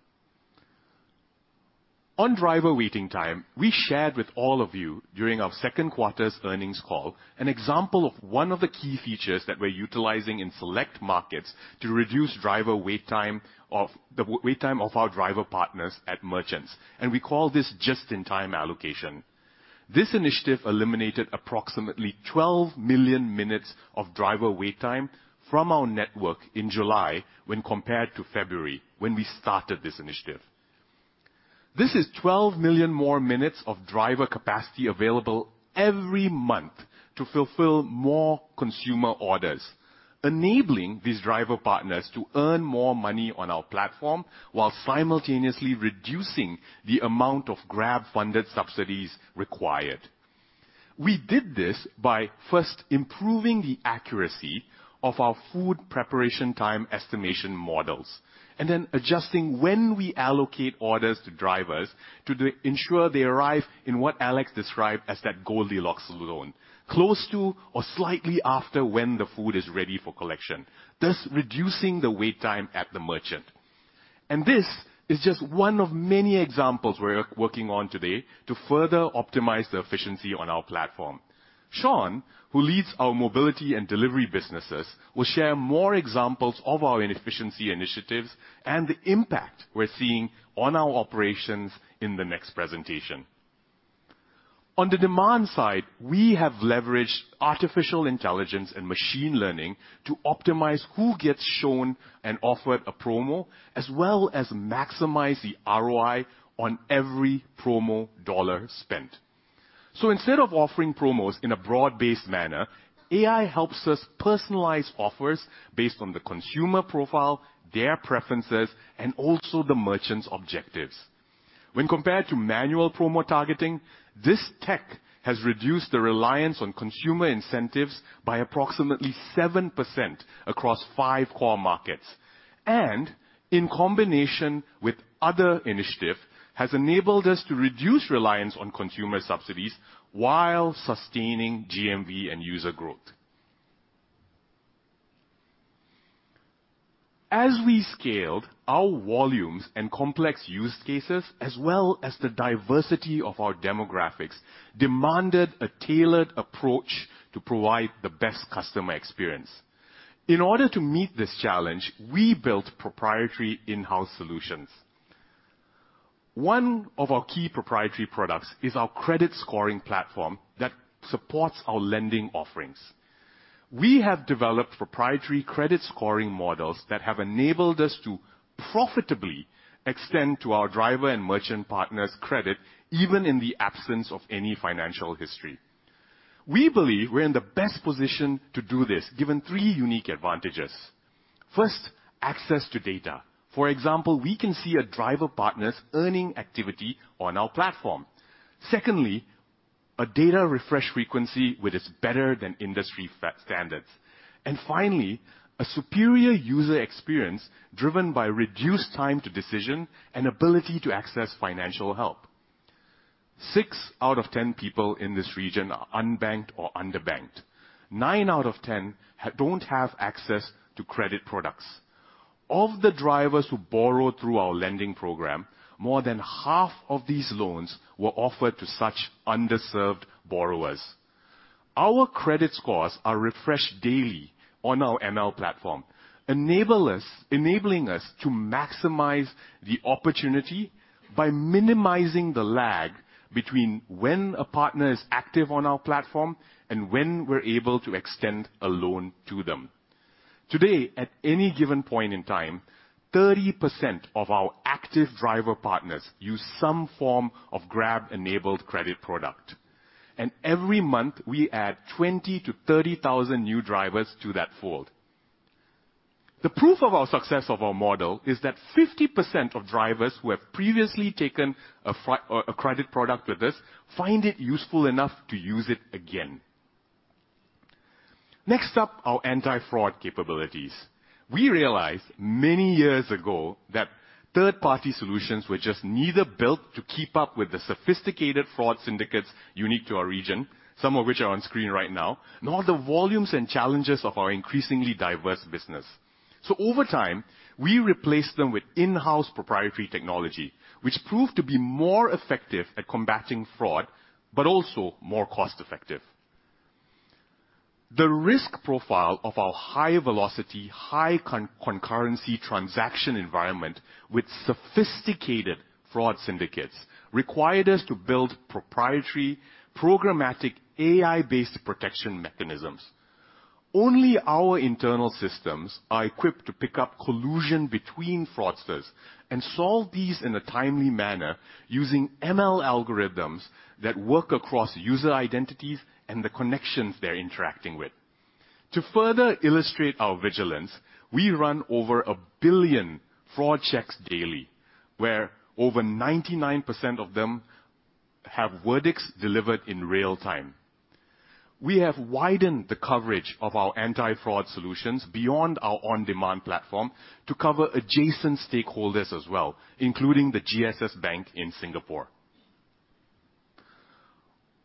On driver waiting time, we shared with all of you during our second quarter's earnings call, an example of one of the key features that we're utilizing in select markets to reduce the wait time of our driver partners at merchants, and we call this just-in-time allocation. This initiative eliminated approximately 12 million minutes of driver wait time from our network in July when compared to February, when we started this initiative. This is 12 million more minutes of driver capacity available every month to fulfill more consumer orders, enabling these driver partners to earn more money on our platform while simultaneously reducing the amount of Grab-funded subsidies required. We did this by first improving the accuracy of our food preparation time estimation models, and then adjusting when we allocate orders to drivers to ensure they arrive in what Alex described as that Goldilocks zone, close to or slightly after when the food is ready for collection, thus reducing the wait time at the merchant. This is just one of many examples we're working on today to further optimize the efficiency on our platform. Sean, who leads our mobility and delivery businesses, will share more examples of our efficiency initiatives and the impact we're seeing on our operations in the next presentation. On the demand side, we have leveraged artificial intelligence and machine learning to optimize who gets shown and offered a promo, as well as maximize the ROI on every promo dollar spent. Instead of offering promos in a broad-based manner, AI helps us personalize offers based on the consumer profile, their preferences, and also the merchant's objectives. When compared to manual promo targeting, this tech has reduced the reliance on consumer incentives by approximately 7% across five core markets. In combination with other initiative, has enabled us to reduce reliance on consumer subsidies while sustaining GMV and user growth. As we scaled, our volumes and complex use cases, as well as the diversity of our demographics, demanded a tailored approach to provide the best customer experience. In order to meet this challenge, we built proprietary in-house solutions. One of our key proprietary products is our credit scoring platform that supports our lending offerings. We have developed proprietary credit scoring models that have enabled us to profitably extend to our driver and merchant partners credit even in the absence of any financial history. We believe we're in the best position to do this, given three unique advantages. First, access to data. For example, we can see a driver partner's earning activity on our platform. Secondly, a data refresh frequency which is better than industry standards. Finally, a superior user experience driven by reduced time to decision and ability to access financial help. Six out of 10 people in this region are unbanked or underbanked. Nine out of 10 don't have access to credit products. Of the drivers who borrow through our lending program, more than half of these loans were offered to such underserved borrowers. Our credit scores are refreshed daily on our ML platform, enabling us to maximize the opportunity by minimizing the lag between when a partner is active on our platform and when we're able to extend a loan to them. Today, at any given point in time, 30% of our active driver partners use some form of Grab-enabled credit product. Every month, we add 20-30,000 new drivers to that fold. The proof of our success of our model is that 50% of drivers who have previously taken a credit product with us find it useful enough to use it again. Next up, our anti-fraud capabilities. We realized many years ago that third-party solutions were just neither built to keep up with the sophisticated fraud syndicates unique to our region, some of which are on screen right now, nor the volumes and challenges of our increasingly diverse business. Over time, we replaced them with in-house proprietary technology, which proved to be more effective at combating fraud, but also more cost-effective. The risk profile of our high-velocity, high concurrency transaction environment with sophisticated fraud syndicates required us to build proprietary programmatic AI-based protection mechanisms. Only our internal systems are equipped to pick up collusion between fraudsters and solve these in a timely manner using ML algorithms that work across user identities and the connections they're interacting with. To further illustrate our vigilance, we run over a billion fraud checks daily, where over 99% of them have verdicts delivered in real time. We have widened the coverage of our anti-fraud solutions beyond our on-demand platform to cover adjacent stakeholders as well, including the GXS Bank in Singapore.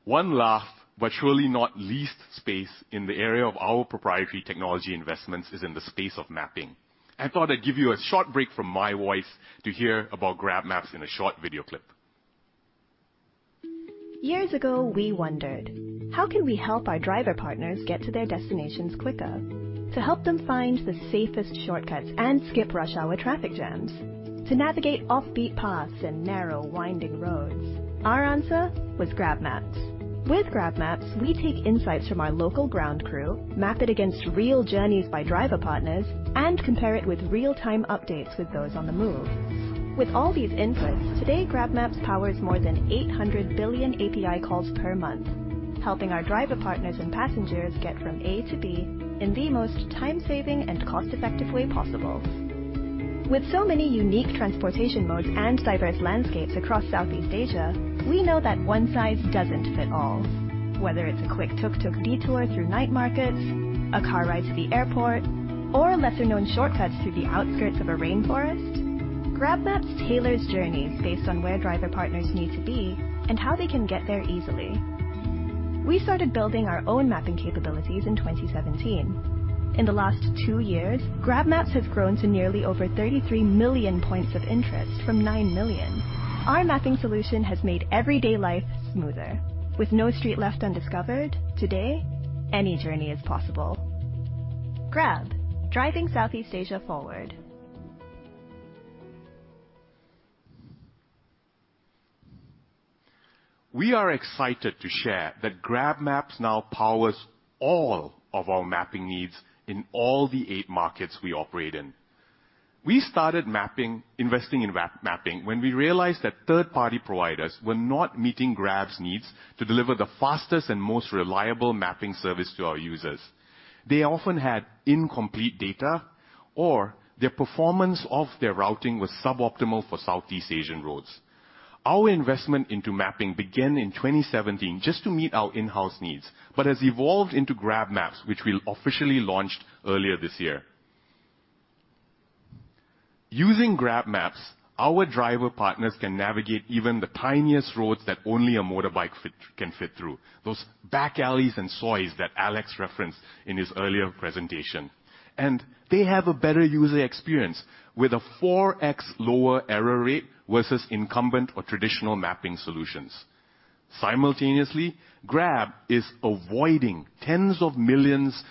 One last, but surely not least space in the area of our proprietary technology investments is in the space of mapping. I thought I'd give you a short break from my voice to hear about GrabMaps in a short video clip. Years ago, we wondered, "How can we help our driver partners get to their destinations quicker? To help them find the safest shortcuts and skip rush hour traffic jams? To navigate offbeat paths and narrow, winding roads?" Our answer was GrabMaps. With GrabMaps, we take insights from our local ground crew, map it against real journeys by driver partners, and compare it with real-time updates with those on the move. With all these inputs, today, GrabMaps powers more than 800 billion API calls per month, helping our driver partners and passengers get from A to B in the most time-saving and cost-effective way possible. With so many unique transportation modes and diverse landscapes across Southeast Asia, we know that one size doesn't fit all. Whether it's a quick tuk-tuk detour through night markets, a car ride to the airport, or lesser-known shortcuts through the outskirts of a rainforest, GrabMaps tailors journeys based on where driver partners need to be and how they can get there easily. We started building our own mapping capabilities in 2017. In the last two years, GrabMaps has grown to nearly over 33 million points of interest from 9 million. Our mapping solution has made everyday life smoother. With no street left undiscovered, today, any journey is possible. Grab, driving Southeast Asia forward. We are excited to share that GrabMaps now powers all of our mapping needs in all the eight markets we operate in. We started investing in mapping when we realized that third-party providers were not meeting Grab's needs to deliver the fastest and most reliable mapping service to our users. They often had incomplete data or their performance of their routing was suboptimal for Southeast Asian roads. Our investment into mapping began in 2017 just to meet our in-house needs, but has evolved into GrabMaps, which we officially launched earlier this year. Using GrabMaps, our driver partners can navigate even the tiniest roads that only a motorbike can fit through. Those back alleys and sois that Alex referenced in his earlier presentation. They have a better user experience with a 4x lower error rate versus incumbent or traditional mapping solutions. Simultaneously, Grab is avoiding tens of millions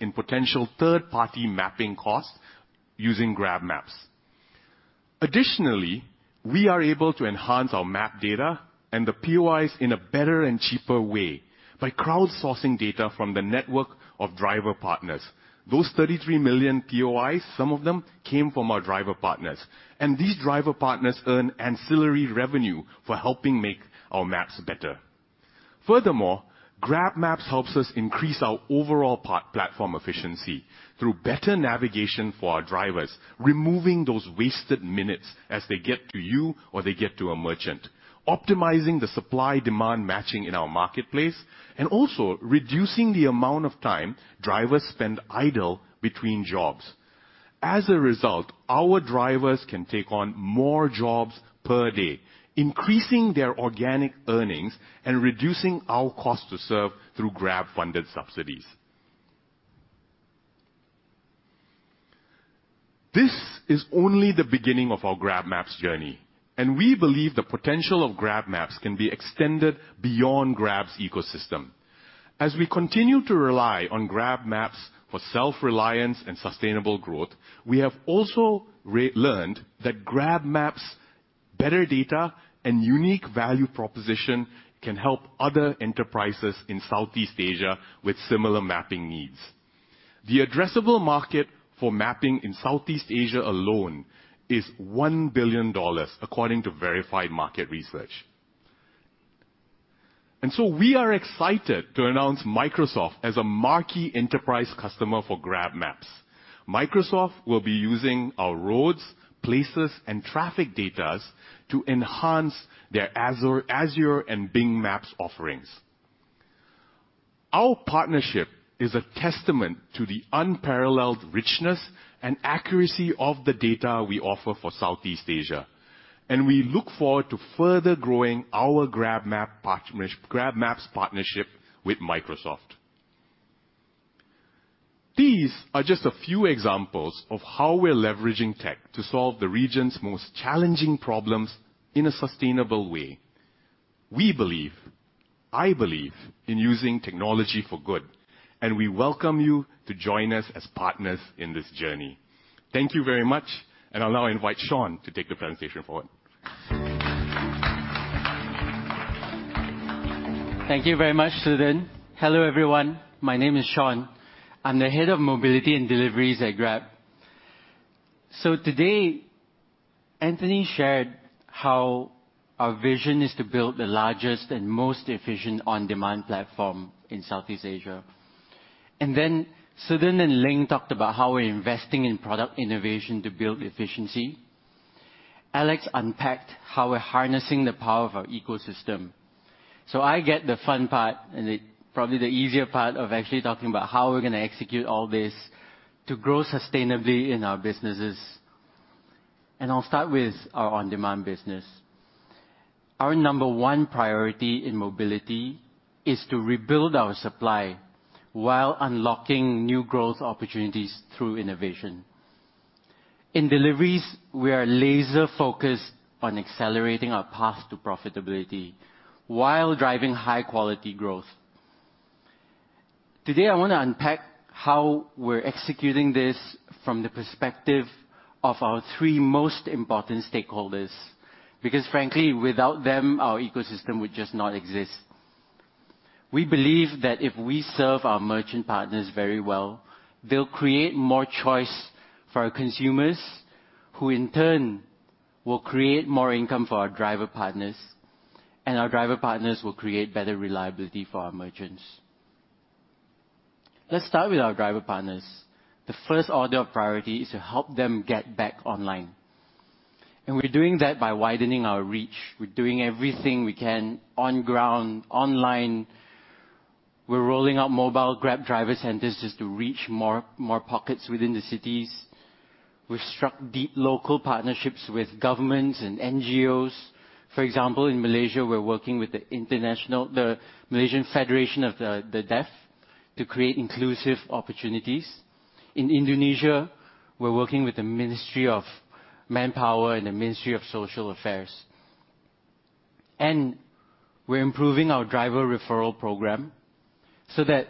in potential third-party mapping costs using GrabMaps. Additionally, we are able to enhance our map data and the POIs in a better and cheaper way by crowdsourcing data from the network of driver partners. Those 33 million POIs, some of them came from our driver partners, and these driver partners earn ancillary revenue for helping make our maps better. Furthermore, GrabMaps helps us increase our overall platform efficiency through better navigation for our drivers, removing those wasted minutes as they get to you or they get to a merchant, optimizing the supply-demand matching in our marketplace, and also reducing the amount of time drivers spend idle between jobs. As a result, our drivers can take on more jobs per day, increasing their organic earnings and reducing our cost to serve through Grab-funded subsidies. This is only the beginning of our GrabMaps journey, and we believe the potential of GrabMaps can be extended beyond Grab's ecosystem. As we continue to rely on GrabMaps for self-reliance and sustainable growth, we have also learned that GrabMaps' better data and unique value proposition can help other enterprises in Southeast Asia with similar mapping needs. The addressable market for mapping in Southeast Asia alone is $1 billion according to Verified Market Research. We are excited to announce Microsoft as a marquee enterprise customer for GrabMaps. Microsoft will be using our roads, places, and traffic data to enhance their Azure and Bing Maps offerings. Our partnership is a testament to the unparalleled richness and accuracy of the data we offer for Southeast Asia, and we look forward to further growing our GrabMaps partnership with Microsoft. These are just a few examples of how we're leveraging tech to solve the region's most challenging problems in a sustainable way. We believe, I believe in using technology for good, and we welcome you to join us as partners in this journey. Thank you very much, and I'll now invite Sean to take the presentation forward. Thank you very much, Suthen. Hello, everyone. My name is Sean. I'm the head of mobility and deliveries at Grab. Today, Anthony shared how our vision is to build the largest and most efficient on-demand platform in Southeast Asia. Suthen and Ling talked about how we're investing in product innovation to build efficiency. Alex unpacked how we're harnessing the power of our ecosystem. I get the fun part and probably the easier part of actually talking about how we're gonna execute all this to grow sustainably in our businesses. I'll start with our on-demand business. Our number one priority in mobility is to rebuild our supply while unlocking new growth opportunities through innovation. In deliveries, we are laser-focused on accelerating our path to profitability while driving high-quality growth. Today, I wanna unpack how we're executing this from the perspective of our three most important stakeholders, because frankly, without them, our ecosystem would just not exist. We believe that if we serve our merchant partners very well, they'll create more choice for our consumers, who in turn will create more income for our driver partners, and our driver partners will create better reliability for our merchants. Let's start with our driver partners. The first order of priority is to help them get back online, and we're doing that by widening our reach. We're doing everything we can on ground, online. We're rolling out mobile Grab driver centers just to reach more pockets within the cities. We've struck deep local partnerships with governments and NGOs. For example, in Malaysia, we're working with the Malaysian Federation of the Deaf to create inclusive opportunities. In Indonesia, we're working with the Ministry of Manpower and the Ministry of Social Affairs. We're improving our driver referral program so that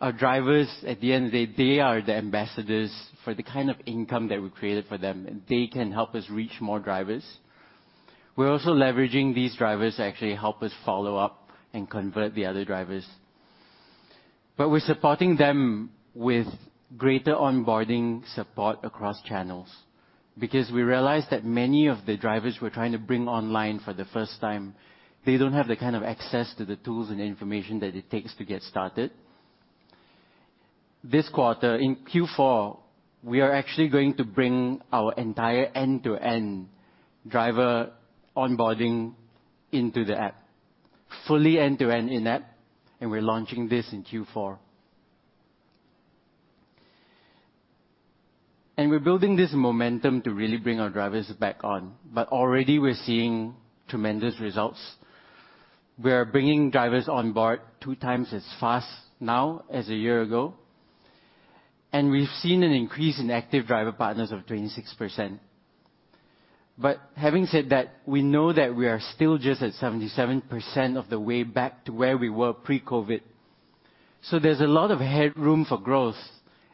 our drivers, at the end of the day, they are the ambassadors for the kind of income that we created for them, and they can help us reach more drivers. We're also leveraging these drivers to actually help us follow up and convert the other drivers. We're supporting them with greater onboarding support across channels because we realized that many of the drivers we're trying to bring online for the first time, they don't have the kind of access to the tools and information that it takes to get started. This quarter, in Q4, we are actually going to bring our entire end-to-end driver onboarding into the app. Fully end-to-end in-app, and we're launching this in Q4. We're building this momentum to really bring our drivers back on, but already we're seeing tremendous results. We are bringing drivers on board 2x as fast now as a year ago, and we've seen an increase in active driver partners of 26%. Having said that, we know that we are still just at 77% of the way back to where we were pre-COVID. There's a lot of headroom for growth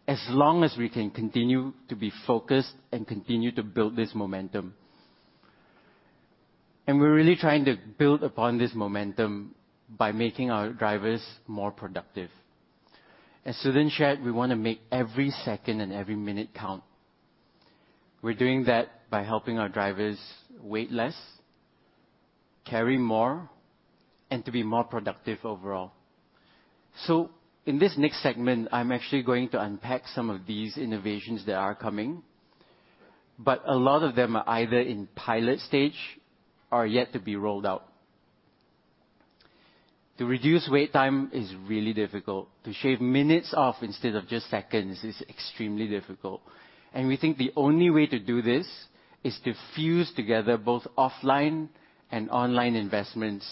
as long as we can continue to be focused and continue to build this momentum. We're really trying to build upon this momentum by making our drivers more productive. As Suthen shared, we wanna make every second and every minute count. We're doing that by helping our drivers wait less, carry more, and to be more productive overall. In this next segment, I'm actually going to unpack some of these innovations that are coming, but a lot of them are either in pilot stage or yet to be rolled out. To reduce wait time is really difficult. To shave minutes off instead of just seconds is extremely difficult, and we think the only way to do this is to fuse together both offline and online investments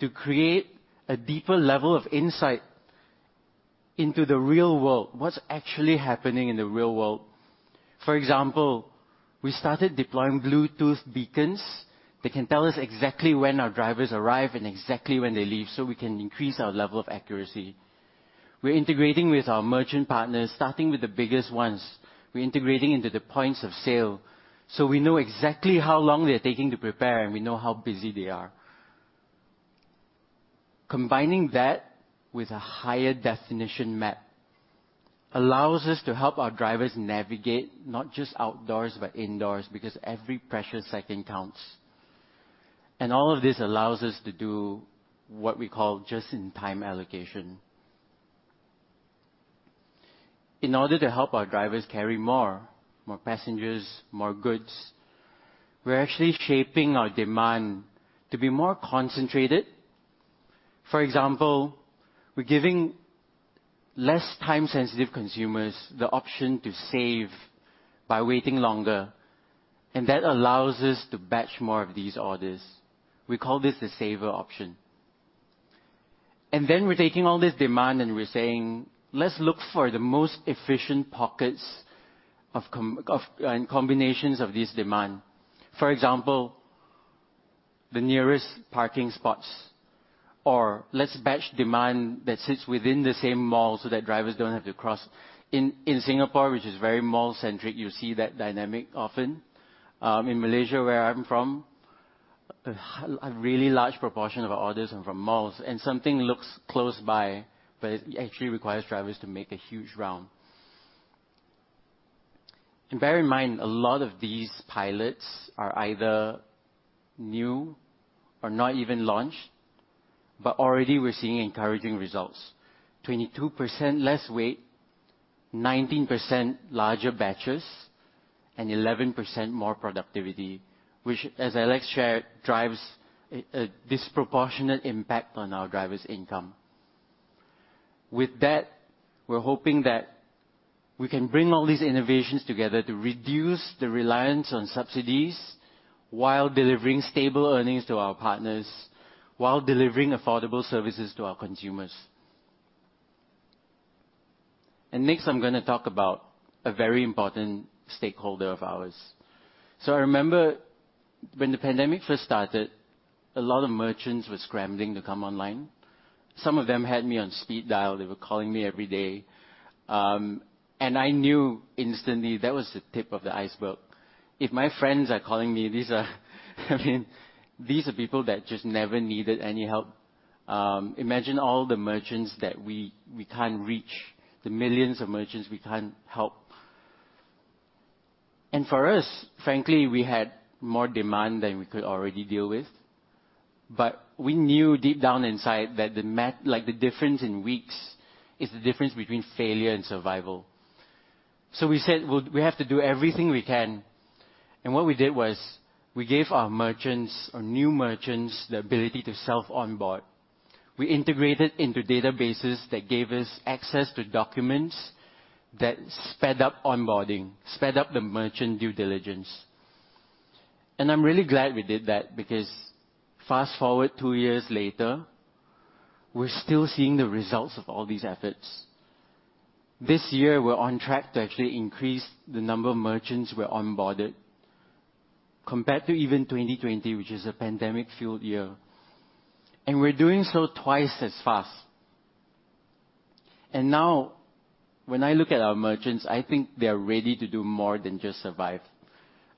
to create a deeper level of insight into the real world, what's actually happening in the real world. For example, we started deploying Bluetooth beacons that can tell us exactly when our drivers arrive and exactly when they leave, so we can increase our level of accuracy. We're integrating with our merchant partners, starting with the biggest ones. We're integrating into the points of sale, so we know exactly how long they're taking to prepare, and we know how busy they are. Combining that with a higher definition map allows us to help our drivers navigate not just outdoors, but indoors, because every precious second counts. All of this allows us to do what we call just-in-time allocation. In order to help our drivers carry more passengers, more goods, we're actually shaping our demand to be more concentrated. For example, we're giving less time-sensitive consumers the option to save by waiting longer, and that allows us to batch more of these orders. We call this the saver option. We're taking all this demand, and we're saying, "Let's look for the most efficient pockets of combinations of this demand." For example, the nearest parking spots, or let's batch demand that sits within the same mall so that drivers don't have to cross. In Singapore, which is very mall-centric, you see that dynamic often. In Malaysia, where I'm from, a really large proportion of our orders are from malls. Something looks close by, but it actually requires drivers to make a huge round. Bear in mind, a lot of these pilots are either new or not even launched, but already we're seeing encouraging results. 22% less wait, 19% larger batches, and 11% more productivity, which, as Alex shared, drives a disproportionate impact on our drivers' income. With that, we're hoping that we can bring all these innovations together to reduce the reliance on subsidies while delivering stable earnings to our partners, while delivering affordable services to our consumers. Next, I'm gonna talk about a very important stakeholder of ours. I remember when the pandemic first started, a lot of merchants were scrambling to come online. Some of them had me on speed dial. They were calling me every day. I knew instantly that was the tip of the iceberg. If my friends are calling me, these are I mean, these are people that just never needed any help. Imagine all the merchants that we can't reach, the millions of merchants we can't help. For us, frankly, we had more demand than we could already deal with. We knew deep down inside that the difference in weeks is the difference between failure and survival. We said, "Well, we have to do everything we can." What we did was we gave our merchants, our new merchants, the ability to self-onboard. We integrated into databases that gave us access to documents that sped up onboarding, sped up the merchant due diligence. I'm really glad we did that because fast-forward two years later, we're still seeing the results of all these efforts. This year, we're on track to actually increase the number of merchants we're onboarded compared to even 2020, which is a pandemic-filled year. We're doing so twice as fast. Now, when I look at our merchants, I think they are ready to do more than just survive.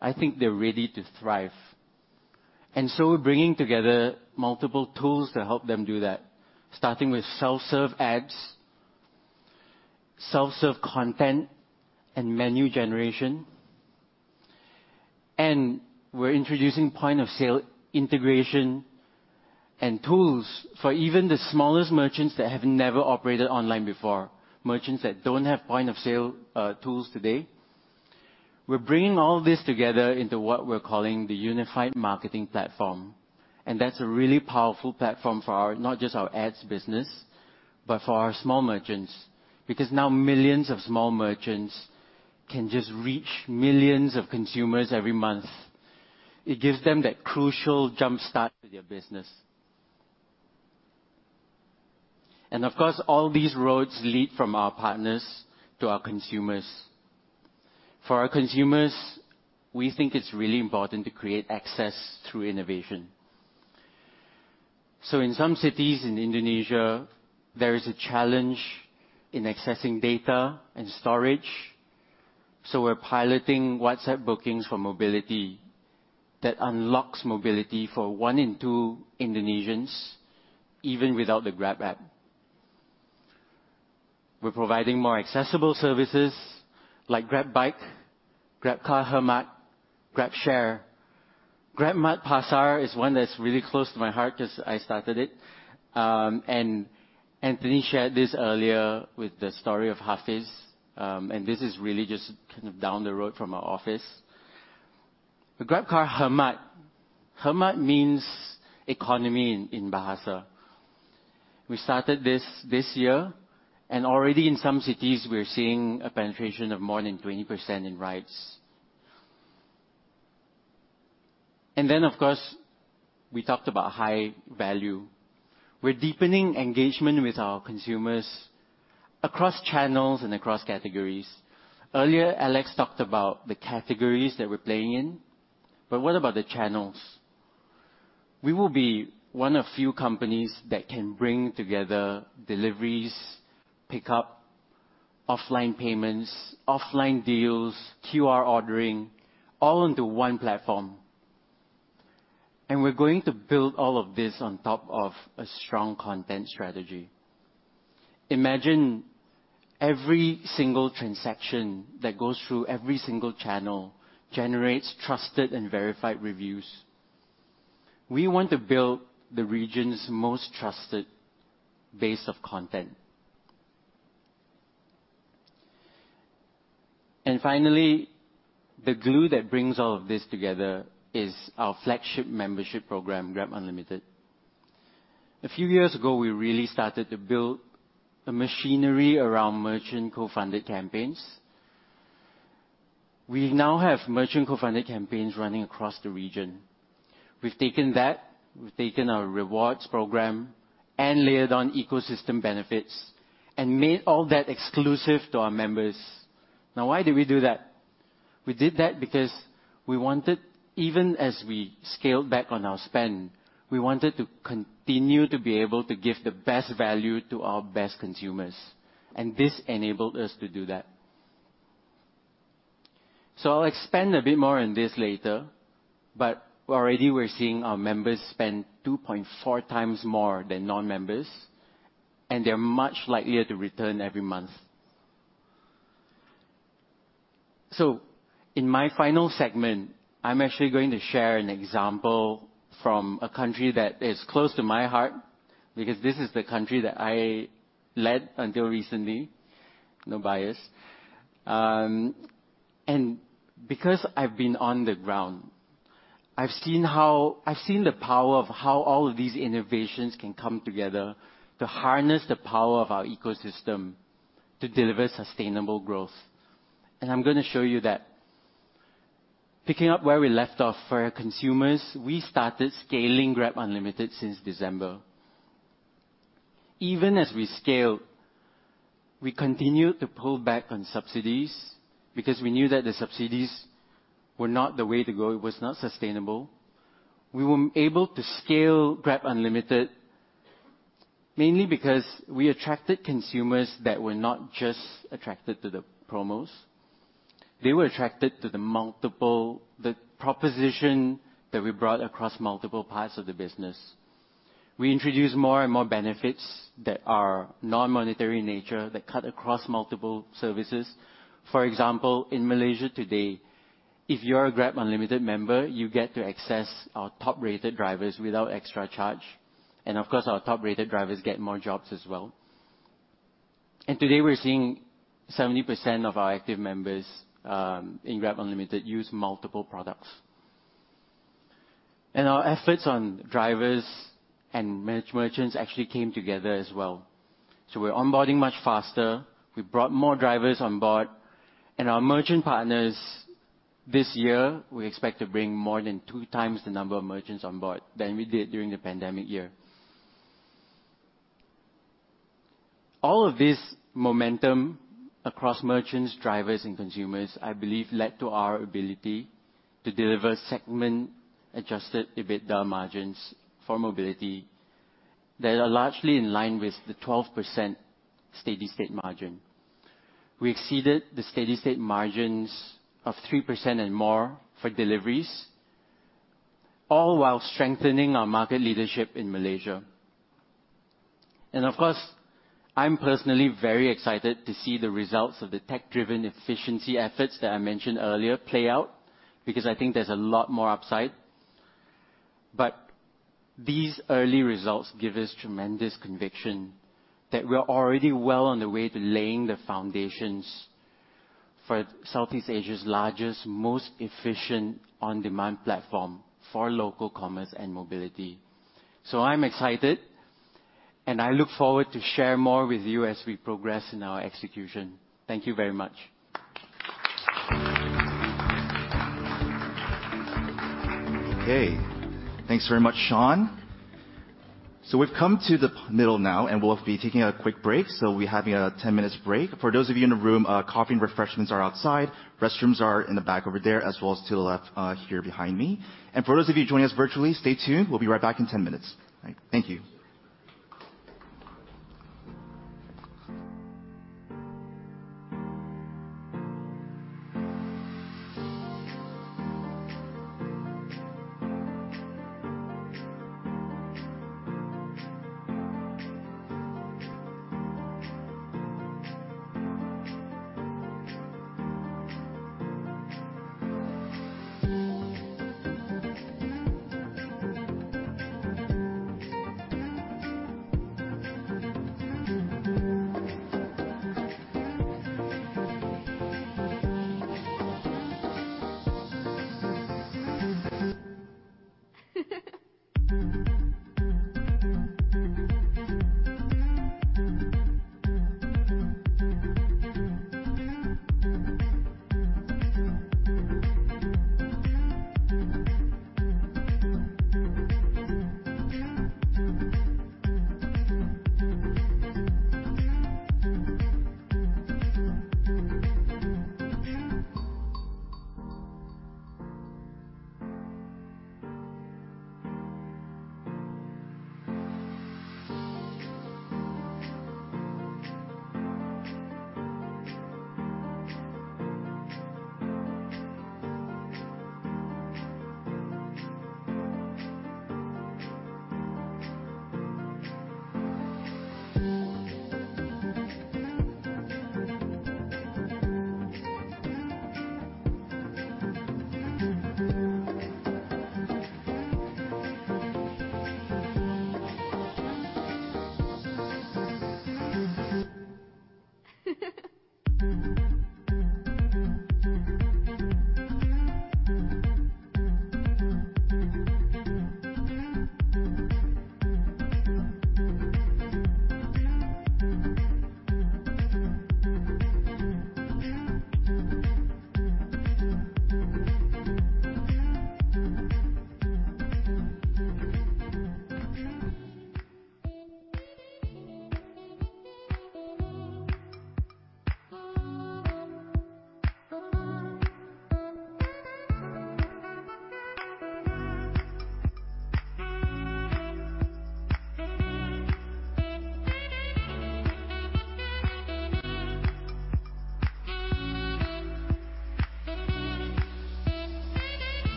I think they're ready to thrive. We're bringing together multiple tools to help them do that, starting with self-serve ads, self-serve content, and menu generation. We're introducing point-of-sale integration and tools for even the smallest merchants that have never operated online before, merchants that don't have point-of-sale tools today. We're bringing all this together into what we're calling the Unified Marketing Platform, and that's a really powerful platform for our, not just our ads business, but for our small merchants. Because now millions of small merchants can just reach millions of consumers every month. It gives them that crucial jumpstart to their business. Of course, all these roads lead from our partners to our consumers. For our consumers, we think it's really important to create access through innovation. In some cities in Indonesia, there is a challenge in accessing data and storage, so we're piloting WhatsApp bookings for mobility that unlocks mobility for one in two Indonesians, even without the Grab app. We're providing more accessible services like GrabBike, GrabCar Hemat, GrabShare. GrabMart Pasar is one that's really close to my heart 'cause I started it, and Anthony shared this earlier with the story of Hafiz, and this is really just kind of down the road from our office. The GrabCar Hemat. Hemat means economy in Bahasa. We started this year, and already in some cities we're seeing a penetration of more than 20% in rides. Of course, we talked about high value. We're deepening engagement with our consumers across channels and across categories. Earlier, Alex talked about the categories that we're playing in, but what about the channels? We will be one of few companies that can bring together deliveries, pickup, offline payments, offline deals, QR ordering, all onto one platform. We're going to build all of this on top of a strong content strategy. Imagine every single transaction that goes through every single channel generates trusted and verified reviews. We want to build the region's most trusted base of content. Finally, the glue that brings all of this together is our flagship membership program, GrabUnlimited. A few years ago, we really started to build a machinery around merchant co-funded campaigns. We now have merchant co-funded campaigns running across the region. We've taken that, we've taken our rewards program and layered on ecosystem benefits and made all that exclusive to our members. Now why did we do that? We did that because we wanted, even as we scaled back on our spend, we wanted to continue to be able to give the best value to our best consumers, and this enabled us to do that. I'll expand a bit more on this later, but already we're seeing our members spend 2.4x more than non-members, and they're much likelier to return every month. In my final segment, I'm actually going to share an example from a country that is close to my heart because this is the country that I led until recently. No bias. And because I've been on the ground, I've seen the power of how all of these innovations can come together to harness the power of our ecosystem to deliver sustainable growth. I'm gonna show you that. Picking up where we left off for our consumers, we started scaling GrabUnlimited since December. Even as we scaled, we continued to pull back on subsidies because we knew that the subsidies were not the way to go. It was not sustainable. We were able to scale GrabUnlimited mainly because we attracted consumers that were not just attracted to the promos. They were attracted to the proposition that we brought across multiple parts of the business. We introduce more and more benefits that are non-monetary in nature that cut across multiple services. For example, in Malaysia today, if you're a GrabUnlimited member, you get to access our top-rated drivers without extra charge. Of course, our top-rated drivers get more jobs as well. Today, we're seeing 70% of our active members in GrabUnlimited use multiple products. Our efforts on drivers and merchants actually came together as well. We're onboarding much faster. We brought more drivers on board. Our merchant partners this year, we expect to bring more than 2x the number of merchants on board than we did during the pandemic year. All of this momentum across merchants, drivers, and consumers, I believe, led to our ability to deliver segment-adjusted EBITDA margins for mobility that are largely in line with the 12% steady-state margin. We exceeded the steady-state margins of 3% and more for deliveries, all while strengthening our market leadership in Malaysia. Of course, I'm personally very excited to see the results of the tech-driven efficiency efforts that I mentioned earlier play out, because I think there's a lot more upside. These early results give us tremendous conviction that we're already well on the way to laying the foundations for Southeast Asia's largest, most efficient on-demand platform for local commerce and mobility. I'm excited, and I look forward to share more with you as we progress in our execution. Thank you very much. Okay. Thanks very much, Sean. We've come to the middle now, and we'll be taking a quick break, so we're having a 10 minutes break. For those of you in the room, coffee and refreshments are outside. Restrooms are in the back over there, as well as to the left, here behind me. For those of you joining us virtually, stay tuned. We'll be right back in 10 minutes. Thank you.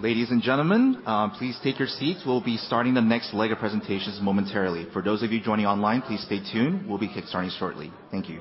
All right. Ladies and gentlemen, please take your seats. We'll be starting the next leg of presentations momentarily. For those of you joining online, please stay tuned. We'll be kick-starting shortly. Thank you.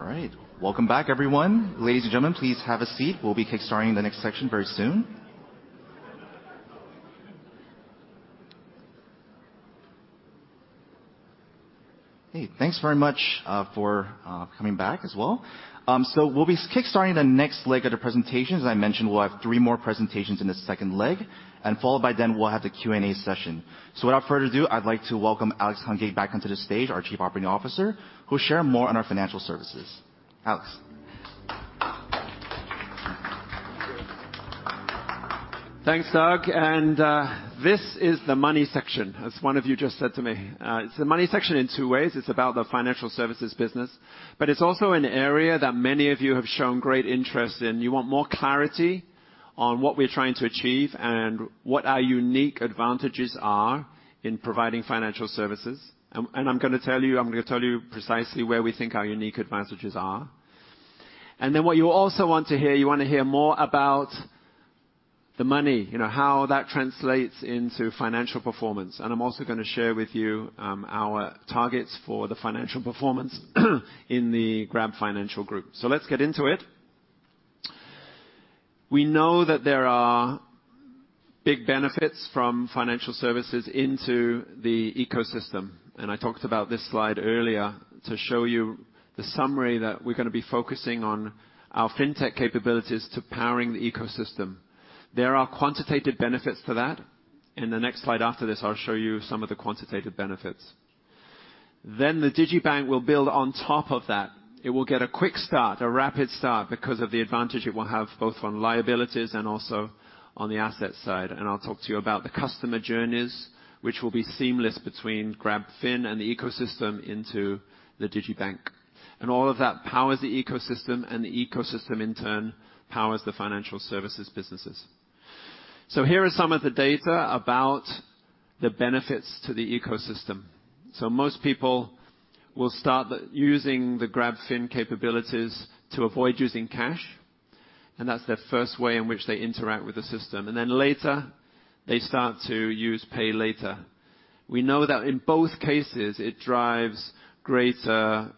All right. Welcome back, everyone. Ladies and gentlemen, please have a seat. We'll be kick-starting the next section very soon. Hey, thanks very much for coming back as well. We'll be kick-starting the next leg of the presentation. As I mentioned, we'll have three more presentations in the second leg, and followed by then we'll have the Q&A session. Without further ado, I'd like to welcome Alex Hungate back onto the stage, our Chief Operating Officer, who'll share more on our financial services. Alex. Thanks, Doug. This is the money section, as one of you just said to me. It's the money section in two ways. It's about the financial services business, but it's also an area that many of you have shown great interest in. You want more clarity on what we're trying to achieve and what our unique advantages are in providing financial services. I'm gonna tell you, I'm gonna tell you precisely where we think our unique advantages are. Then what you also want to hear, you wanna hear more about the money, you know, how that translates into financial performance. I'm also gonna share with you our targets for the financial performance in the Grab Financial Group. Let's get into it. We know that there are big benefits from financial services into the ecosystem, and I talked about this slide earlier to show you the summary that we're gonna be focusing on our fintech capabilities to powering the ecosystem. There are quantitative benefits to that. In the next slide after this, I'll show you some of the quantitative benefits. Then the digibank will build on top of that. It will get a quick start, a rapid start, because of the advantage it will have both on liabilities and also on the asset side. I'll talk to you about the customer journeys, which will be seamless between GrabFin and the ecosystem into the digibank. All of that powers the ecosystem, and the ecosystem in turn powers the financial services businesses. Here are some of the data about the benefits to the ecosystem. Most people will start using the GrabFin capabilities to avoid using cash, and that's their first way in which they interact with the system. Later, they start to use PayLater. We know that in both cases, it drives greater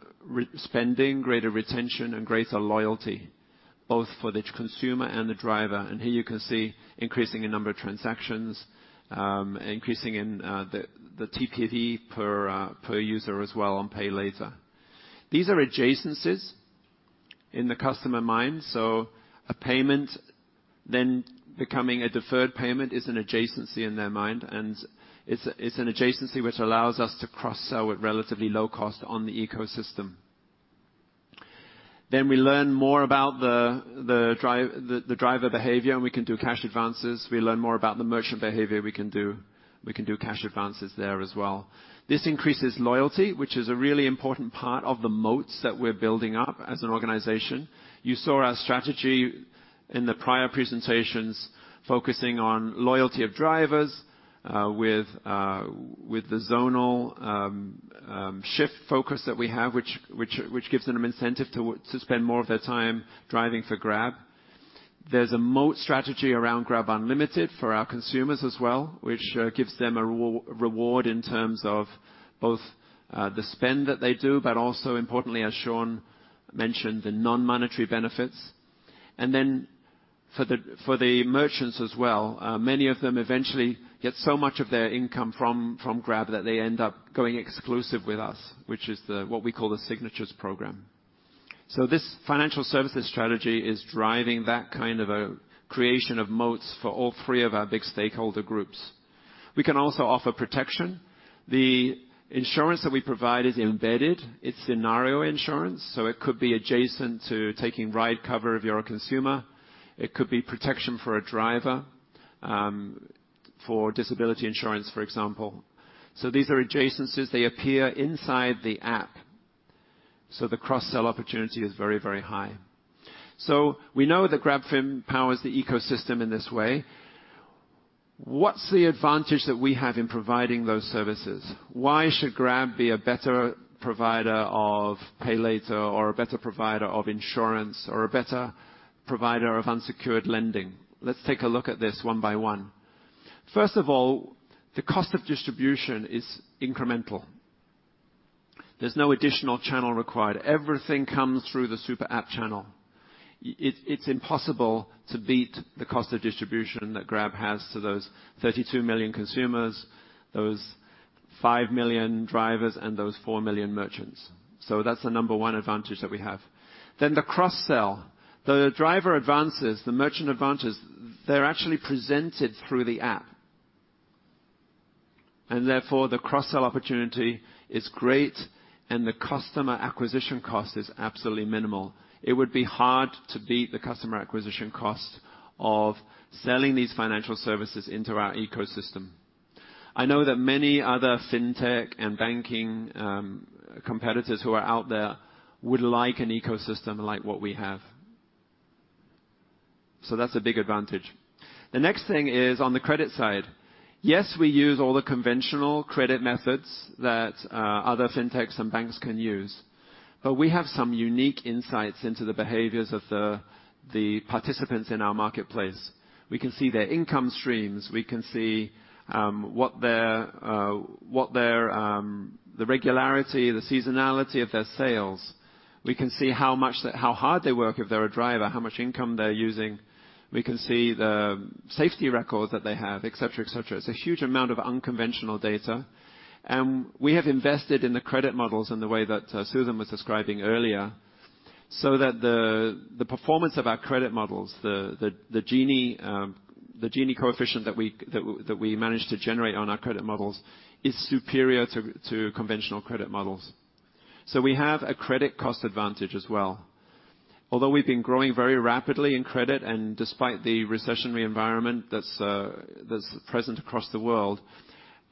spending, greater retention, and greater loyalty, both for the consumer and the driver. Here you can see increasing in number of transactions, increasing in the TPV per user as well on PayLater. These are adjacencies in the customer mind. A payment then becoming a deferred payment is an adjacency in their mind, and it's an adjacency which allows us to cross-sell at relatively low cost on the ecosystem. We learn more about the driver behavior, and we can do cash advances. We learn more about the merchant behavior. We can do cash advances there as well. This increases loyalty, which is a really important part of the moats that we're building up as an organization. You saw our strategy in the prior presentations focusing on loyalty of drivers, with the zonal shift focus that we have, which gives them an incentive to spend more of their time driving for Grab. There's a moat strategy around Grab Unlimited for our consumers as well, which gives them a reward in terms of both the spend that they do, but also importantly, as Sean mentioned, the non-monetary benefits. For the merchants as well, many of them eventually get so much of their income from Grab that they end up going exclusive with us, which is what we call the Signatures program. This financial services strategy is driving that kind of a creation of moats for all three of our big stakeholder groups. We can also offer protection. The insurance that we provide is embedded. It's scenario insurance, so it could be adjacent to taking ride cover if you're a consumer. It could be protection for a driver, for disability insurance, for example. These are adjacencies. They appear inside the app, so the cross-sell opportunity is very, very high. We know that GrabFin powers the ecosystem in this way. What's the advantage that we have in providing those services? Why should Grab be a better provider of PayLater or a better provider of insurance or a better provider of unsecured lending? Let's take a look at this one by one. First of all, the cost of distribution is incremental. There's no additional channel required. Everything comes through the super app channel. It's impossible to beat the cost of distribution that Grab has to those 32 million consumers, those 5 million drivers, and those 4 million merchants. That's the number one advantage that we have. The cross-sell. The driver advances, the merchant advances, they're actually presented through the app, and therefore, the cross-sell opportunity is great, and the customer acquisition cost is absolutely minimal. It would be hard to beat the customer acquisition cost of selling these financial services into our ecosystem. I know that many other fintech and banking competitors who are out there would like an ecosystem like what we have. That's a big advantage. The next thing is on the credit side. Yes, we use all the conventional credit methods that other fintechs and banks can use, but we have some unique insights into the behaviors of the participants in our marketplace. We can see their income streams. We can see what their regularity, the seasonality of their sales. We can see how hard they work if they're a driver, how much income they're using. We can see the safety records that they have, et cetera, et cetera. It's a huge amount of unconventional data, and we have invested in the credit models in the way that Suthen was describing earlier, so that the performance of our credit models, the Gini coefficient that we manage to generate on our credit models, is superior to conventional credit models. We have a credit cost advantage as well. Although we've been growing very rapidly in credit and despite the recessionary environment that's present across the world,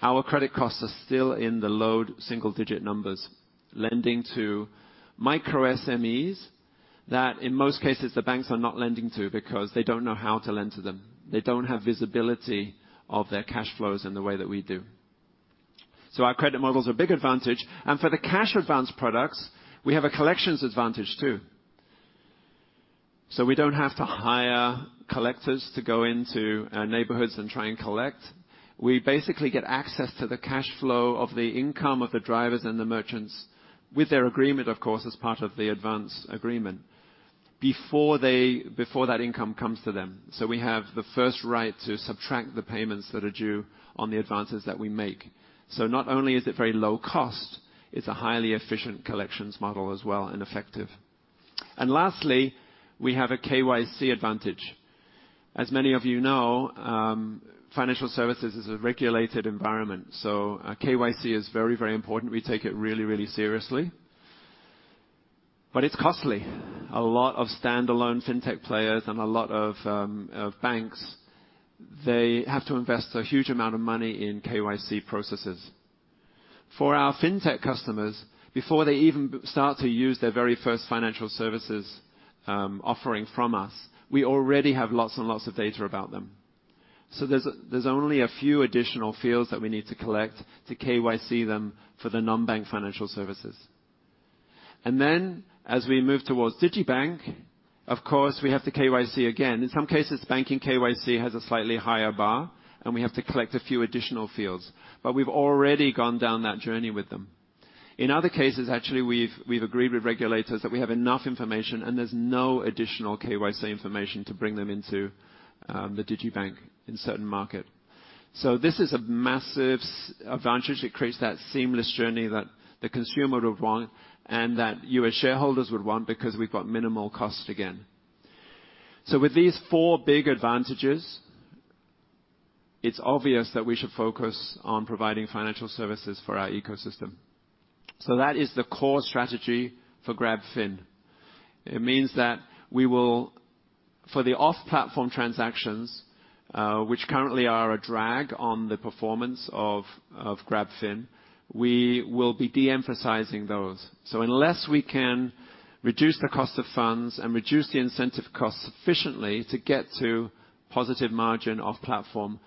our credit costs are still in the low single-digit numbers, lending to micro-SMEs that in most cases the banks are not lending to because they don't know how to lend to them. They don't have visibility of their cash flows in the way that we do. Our credit model's a big advantage. For the cash advance products, we have a collections advantage too. We don't have to hire collectors to go into neighborhoods and try and collect. We basically get access to the cash flow of the income of the drivers and the merchants, with their agreement, of course, as part of the advance agreement, before that income comes to them. We have the first right to subtract the payments that are due on the advances that we make. Not only is it very low cost, it's a highly efficient collections model as well, and effective. Lastly, we have a KYC advantage. As many of you know, financial services is a regulated environment, so a KYC is very, very important. We take it really, really seriously. It's costly. A lot of standalone fintech players and a lot of banks. They have to invest a huge amount of money in KYC processes. For our fintech customers, before they even start to use their very first financial services offering from us, we already have lots and lots of data about them. There's only a few additional fields that we need to collect to KYC them for the non-bank financial services. As we move towards digibank, of course, we have to KYC again. In some cases, banking KYC has a slightly higher bar, and we have to collect a few additional fields. We've already gone down that journey with them. In other cases, actually, we've agreed with regulators that we have enough information, and there's no additional KYC information to bring them into the digibank in certain market. This is a massive advantage. It creates that seamless journey that the consumer would want and that you as shareholders would want because we've got minimal cost again. With these four big advantages, it's obvious that we should focus on providing financial services for our ecosystem. That is the core strategy for GrabFin. It means that we will for the off-platform transactions, which currently are a drag on the performance of GrabFin, we will be de-emphasizing those. Unless we can reduce the cost of funds and reduce the incentive costs sufficiently to get to positive margin off-platform,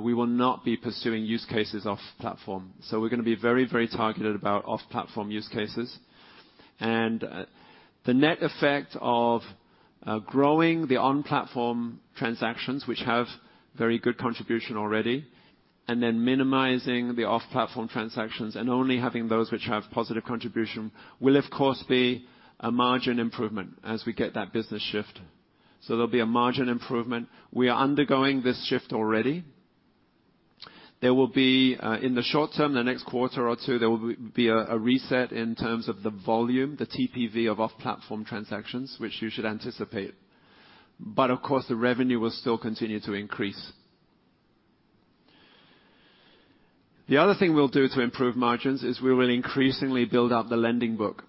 we will not be pursuing use cases off-platform. We're gonna be very, very targeted about off platform use cases. The net effect of growing the on-platform transactions, which have very good contribution already, and then minimizing the off-platform transactions and only having those which have positive contribution, will of course, be a margin improvement as we get that business shift. There'll be a margin improvement. We are undergoing this shift already. There will be, in the short term, the next quarter or two, a reset in terms of the volume, the TPV of off-platform transactions, which you should anticipate. Of course, the revenue will still continue to increase. The other thing we'll do to improve margins is we will increasingly build out the lending book.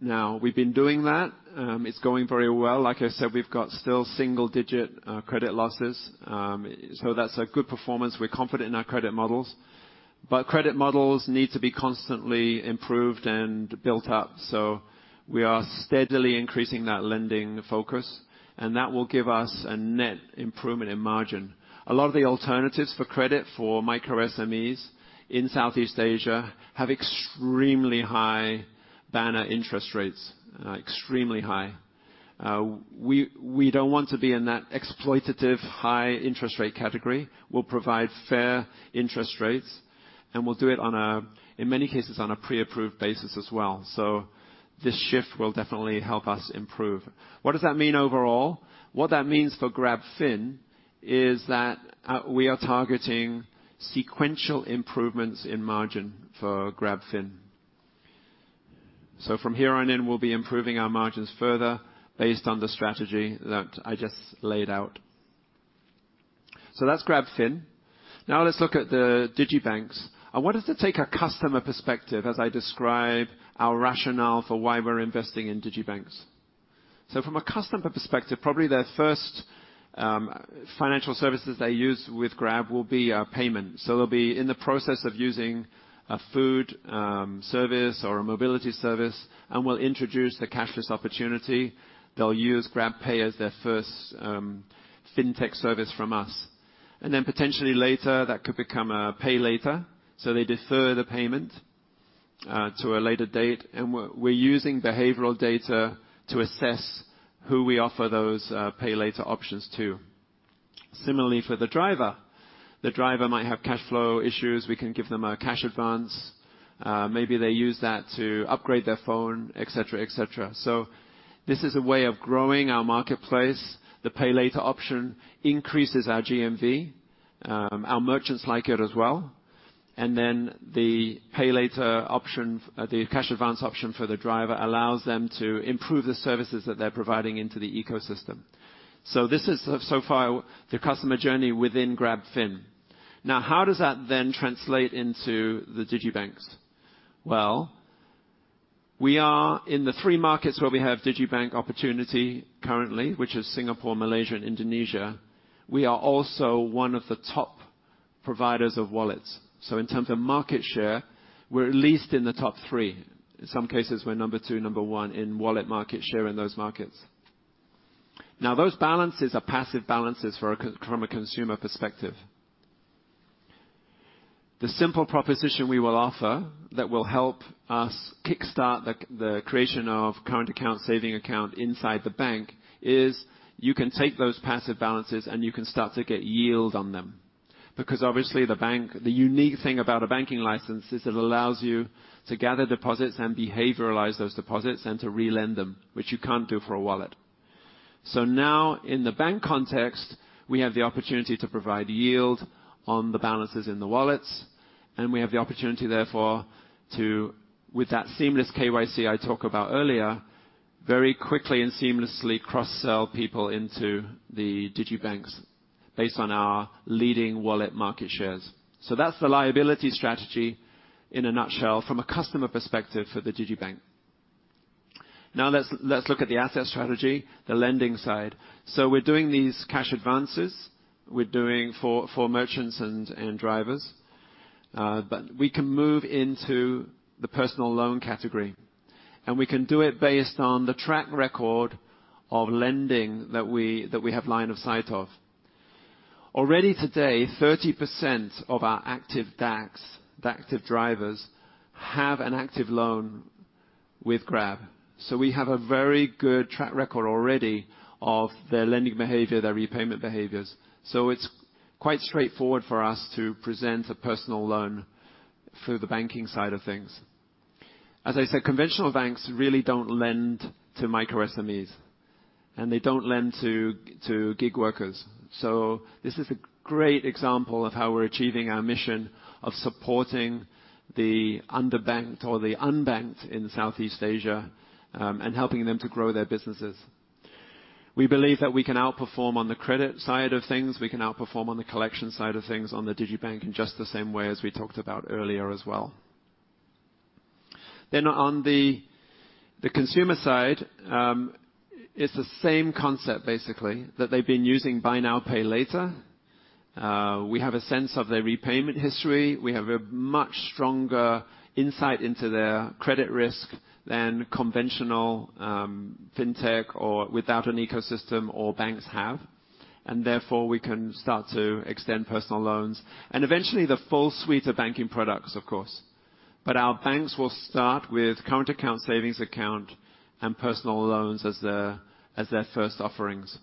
Now, we've been doing that. It's going very well. Like I said, we've got still single-digit credit losses. That's a good performance. We're confident in our credit models. Credit models need to be constantly improved and built up, so we are steadily increasing that lending focus, and that will give us a net improvement in margin. A lot of the alternatives for credit for micro-SMEs in Southeast Asia have extremely high banner interest rates. Extremely high. We don't want to be in that exploitative high-interest rate category. We'll provide fair interest rates, and we'll do it on a, in many cases, on a pre-approved basis as well. This shift will definitely help us improve. What does that mean overall? What that means for GrabFin is that, we are targeting sequential improvements in margin for GrabFin. From here on in, we'll be improving our margins further based on the strategy that I just laid out. That's GrabFin. Now let's look at the digibanks. I wanted to take a customer perspective as I describe our rationale for why we're investing in digibanks. From a customer perspective, probably their first, financial services they use with Grab will be a payment. They'll be in the process of using a food, service or a mobility service, and we'll introduce the cashless opportunity. They'll use GrabPay as their first, fintech service from us. Potentially later, that could become a pay later. They defer the payment to a later date. We're using behavioral data to assess who we offer those, pay later options to. Similarly for the driver, the driver might have cash flow issues, we can give them a cash advance. Maybe they use that to upgrade their phone, et cetera, et cetera. This is a way of growing our marketplace. The pay later option increases our GMV. Our merchants like it as well. The pay later option, the cash advance option for the driver allows them to improve the services that they're providing into the ecosystem. This is so far the customer journey within GrabFin. Now, how does that then translate into the digital banks? Well, we are in the three markets where we have digital bank opportunity currently, which is Singapore, Malaysia, and Indonesia. We are also one of the top providers of wallets. In terms of market share, we're at least in the top three. In some cases, we're number two, number one in wallet market share in those markets. Now, those balances are passive balances from a consumer perspective. The simple proposition we will offer that will help us kickstart the creation of current account, savings account inside the bank is you can take those passive balances and you can start to get yield on them. Because obviously the bank, the unique thing about a banking license is it allows you to gather deposits and behavioralize those deposits and to re-lend them, which you can't do for a wallet. Now in the bank context, we have the opportunity to provide yield on the balances in the wallets, and we have the opportunity, therefore, to with that seamless KYC I talked about earlier, very quickly and seamlessly cross-sell people into the digibanks based on our leading wallet market shares. That's the liability strategy in a nutshell from a customer perspective for the digibank. Now let's look at the asset strategy, the lending side. We're doing these cash advances, we're doing for merchants and drivers. We can move into the personal loan category, and we can do it based on the track record of lending that we have line of sight of. Already today, 30% of our active DAX, the active drivers, have an active loan with Grab. We have a very good track record already of their lending behavior, their repayment behaviors. It's quite straightforward for us to present a personal loan through the banking side of things. As I said, conventional banks really don't lend to micro-SMEs, and they don't lend to gig workers. This is a great example of how we're achieving our mission of supporting the underbanked or the unbanked in Southeast Asia, and helping them to grow their businesses. We believe that we can outperform on the credit side of things. We can outperform on the collection side of things, on the digital bank in just the same way as we talked about earlier as well. On the consumer side, it's the same concept basically that they've been using buy now, pay later. We have a sense of their repayment history. We have a much stronger insight into their credit risk than conventional fintech or without an ecosystem or banks have. Therefore, we can start to extend personal loans and eventually the full suite of banking products, of course. Our banks will start with current account, savings account, and personal loans as their first offerings.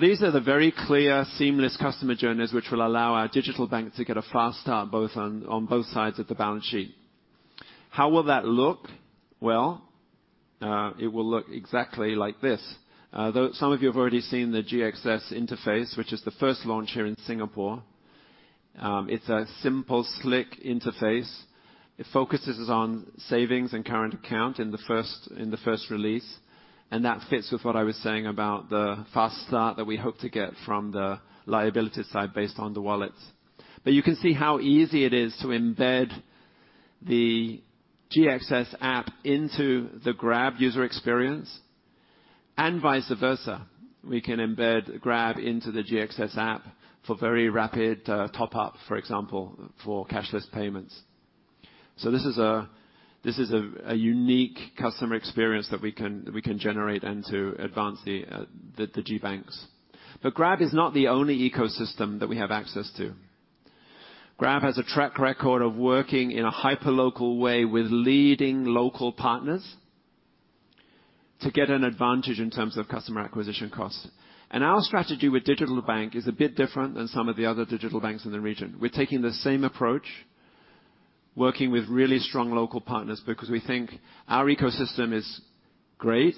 These are the very clear seamless customer journeys, which will allow our digital bank to get a fast start, both on both sides of the balance sheet. How will that look? Well, it will look exactly like this. Though some of you have already seen the GXS interface, which is the first launch here in Singapore, it's a simple slick interface. It focuses on savings and current account in the first release, and that fits with what I was saying about the fast start that we hope to get from the liability side based on the wallets. You can see how easy it is to embed the GXS app into the Grab user experience and vice versa. We can embed Grab into the GXS app for very rapid top up, for example, for cashless payments. This is a unique customer experience that we can generate and to advance the digibanks. Grab is not the only ecosystem that we have access to. Grab has a track record of working in a hyperlocal way with leading local partners to get an advantage in terms of customer acquisition costs. Our strategy with digital bank is a bit different than some of the other digital banks in the region. We're taking the same approach, working with really strong local partners because we think our ecosystem is great,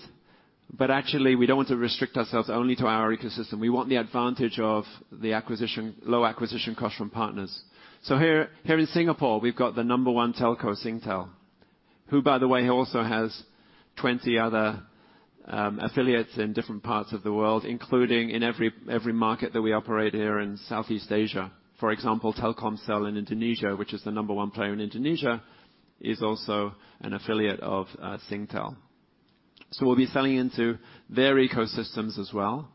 but actually we don't want to restrict ourselves only to our ecosystem. We want the advantage of the acquisition, low acquisition cost from partners. Here in Singapore, we've got the number one telco, Singtel, who by the way, also has 20 other affiliates in different parts of the world, including in every market that we operate here in Southeast Asia. For example, Telkomsel in Indonesia, which is the number one player in Indonesia, is also an affiliate of Singtel. We'll be selling into their ecosystems as well.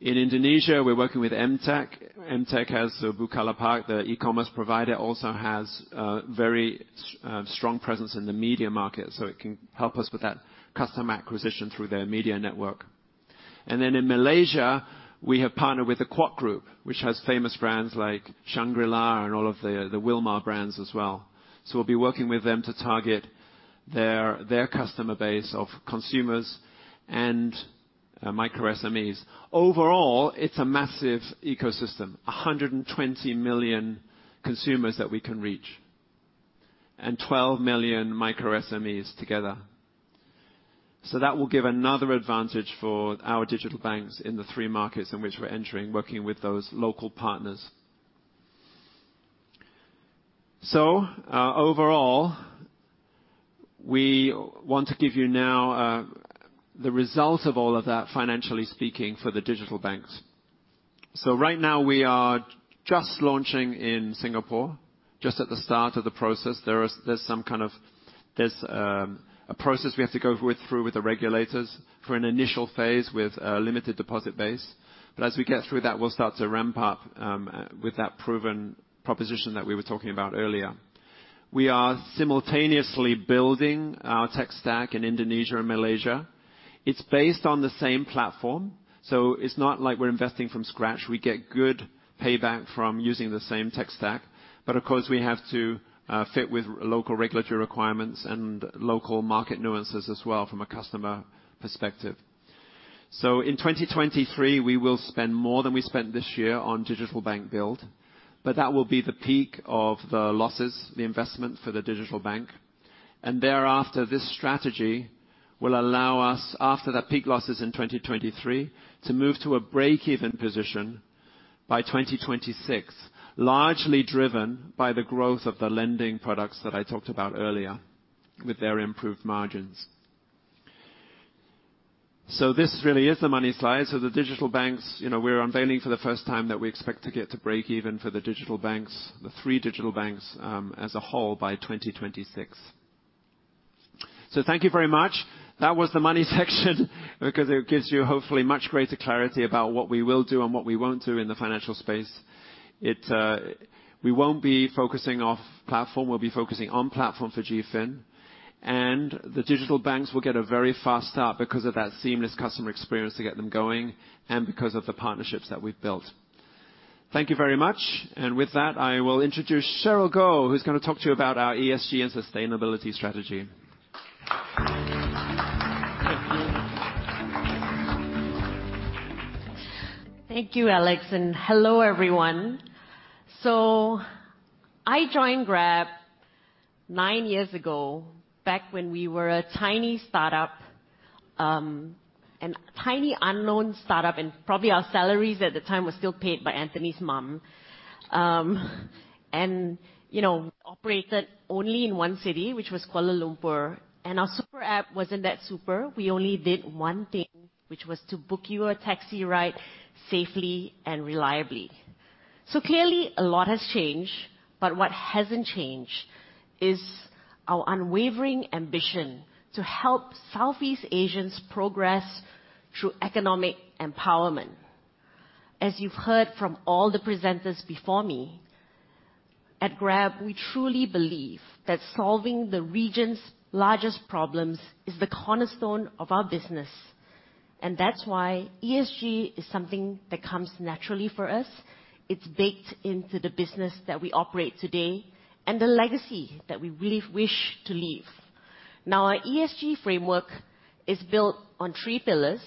In Indonesia, we're working with Emtek. Emtek has, so Bukalapak, the e-commerce provider, also has very strong presence in the media market, so it can help us with that customer acquisition through their media network. In Malaysia, we have partnered with the Kuok Group, which has famous brands like Shangri-La and all of the the Wilmar brands as well. We'll be working with them to target their customer base of consumers and micro-SMEs. Overall, it's a massive ecosystem. 120 million consumers that we can reach and 12 million micro-SMEs together. That will give another advantage for our digital banks in the three markets in which we're entering, working with those local partners. Overall, we want to give you now the results of all of that financially speaking for the digital banks. Right now we are just launching in Singapore, just at the start of the process. There's a process we have to go through with the regulators for an initial phase with a limited deposit base. As we get through that, we'll start to ramp up with that proven proposition that we were talking about earlier. We are simultaneously building our tech stack in Indonesia and Malaysia. It's based on the same platform, so it's not like we're investing from scratch. We get good payback from using the same tech stack. Of course, we have to fit with local regulatory requirements and local market nuances as well from a customer perspective. In 2023, we will spend more than we spent this year on digital bank build, but that will be the peak of the losses, the investment for the digital bank. Thereafter, this strategy will allow us, after the peak losses in 2023, to move to a break-even position by 2026. Largely driven by the growth of the lending products that I talked about earlier with their improved margins. This really is the money slide. The digital banks, you know, we're unveiling for the first time that we expect to get to break even for the digital banks, the three digital banks, as a whole by 2026. Thank you very much. That was the money section because it gives you, hopefully, much greater clarity about what we will do and what we won't do in the financial space. We won't be focusing off platform. We'll be focusing on platform for GrabFin, and the digital banks will get a very fast start because of that seamless customer experience to get them going and because of the partnerships that we've built. Thank you very much. With that, I will introduce Cheryl Goh, who's gonna talk to you about our ESG and sustainability strategy. Thank you, Alex, and hello everyone. I joined Grab nine years ago back when we were a tiny unknown startup, and probably our salaries at the time were still paid by Anthony's mom. You know, operated only in one city, which was Kuala Lumpur, and our super app wasn't that super. We only did one thing, which was to book you a taxi ride safely and reliably. Clearly, a lot has changed, but what hasn't changed is our unwavering ambition to help Southeast Asians progress through economic empowerment. As you've heard from all the presenters before me, at Grab, we truly believe that solving the region's largest problems is the cornerstone of our business, and that's why ESG is something that comes naturally for us. It's baked into the business that we operate today and the legacy that we really wish to leave. Now, our ESG framework is built on three pillars.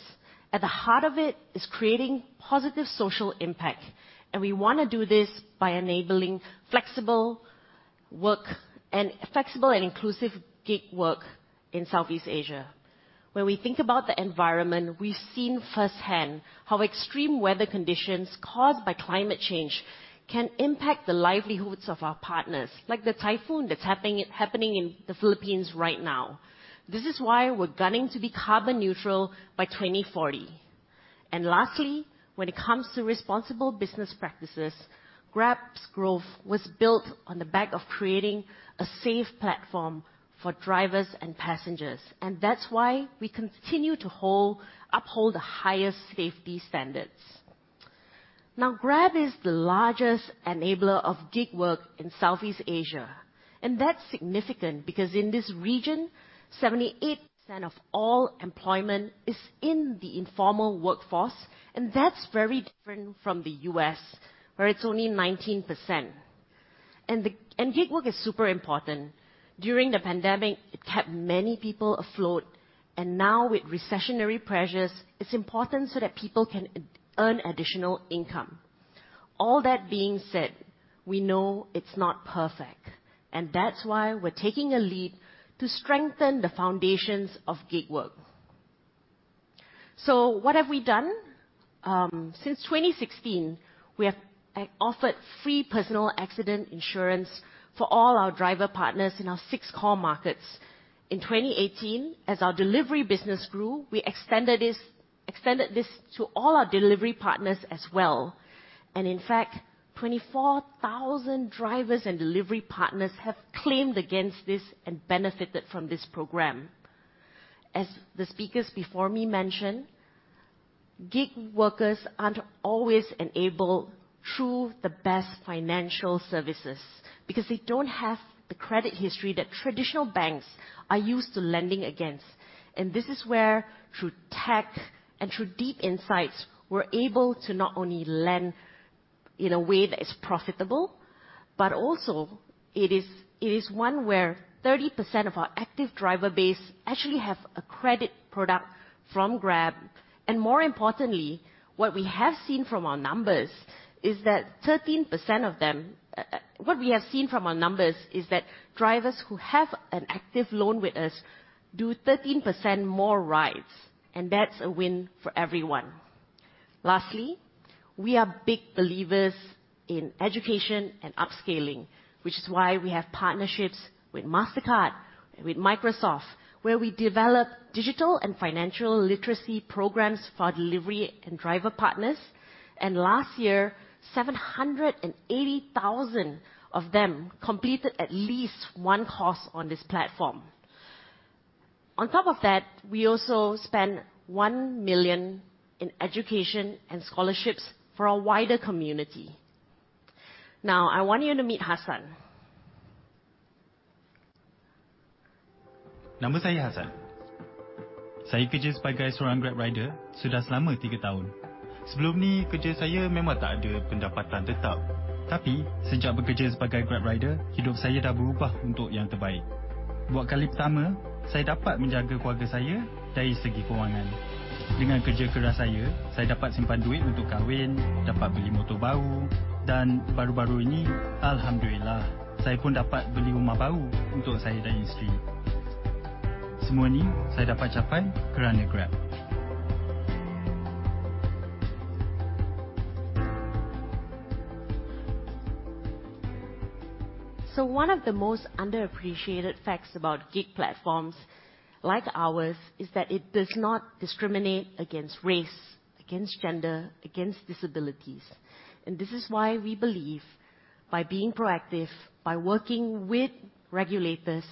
At the heart of it is creating positive social impact, and we wanna do this by enabling flexible work and flexible and inclusive gig work in Southeast Asia. When we think about the environment, we've seen firsthand how extreme weather conditions caused by climate change can impact the livelihoods of our partners. Like the typhoon that's happening in the Philippines right now. This is why we're gunning to be carbon neutral by 2040. Lastly, when it comes to responsible business practices, Grab's growth was built on the back of creating a safe platform for drivers and passengers, and that's why we continue to uphold the highest safety standards. Now, Grab is the largest enabler of gig work in Southeast Asia, and that's significant because in this region, 78% of all employment is in the informal workforce, and that's very different from the U.S., where it's only 19%. Gig work is super important. During the pandemic, it kept many people afloat, and now with recessionary pressures, it's important so that people can earn additional income. All that being said, we know it's not perfect, and that's why we're taking a leap to strengthen the foundations of gig work. What have we done? Since 2016, we have offered free personal accident insurance for all our driver-partners in our six core markets. In 2018, as our delivery business grew, we extended this to all our delivery partners as well. In fact, 24,000 drivers and delivery partners have claimed against this and benefited from this program. As the speakers before me mentioned, gig workers aren't always enabled through the best financial services because they don't have the credit history that traditional banks are used to lending against. This is where, through tech and through deep insights, we're able to not only lend in a way that is profitable, but also it is one where 30% of our active driver base actually have a credit product from Grab. More importantly, what we have seen from our numbers is that drivers who have an active loan with us do 13% more rides, and that's a win for everyone. Lastly, we are big believers in education and upscaling, which is why we have partnerships with Mastercard and with Microsoft, where we develop digital and financial literacy programs for delivery and driver partners. Last year, 780,000 of them completed at least one course on this platform. On top of that, we also spent $1 million in education and scholarships for our wider community. Now, I want you to meet Hassan. One of the most underappreciated facts about gig platforms like ours is that it does not discriminate against race, against gender, against disabilities. This is why we believe by being proactive, by working with regulators,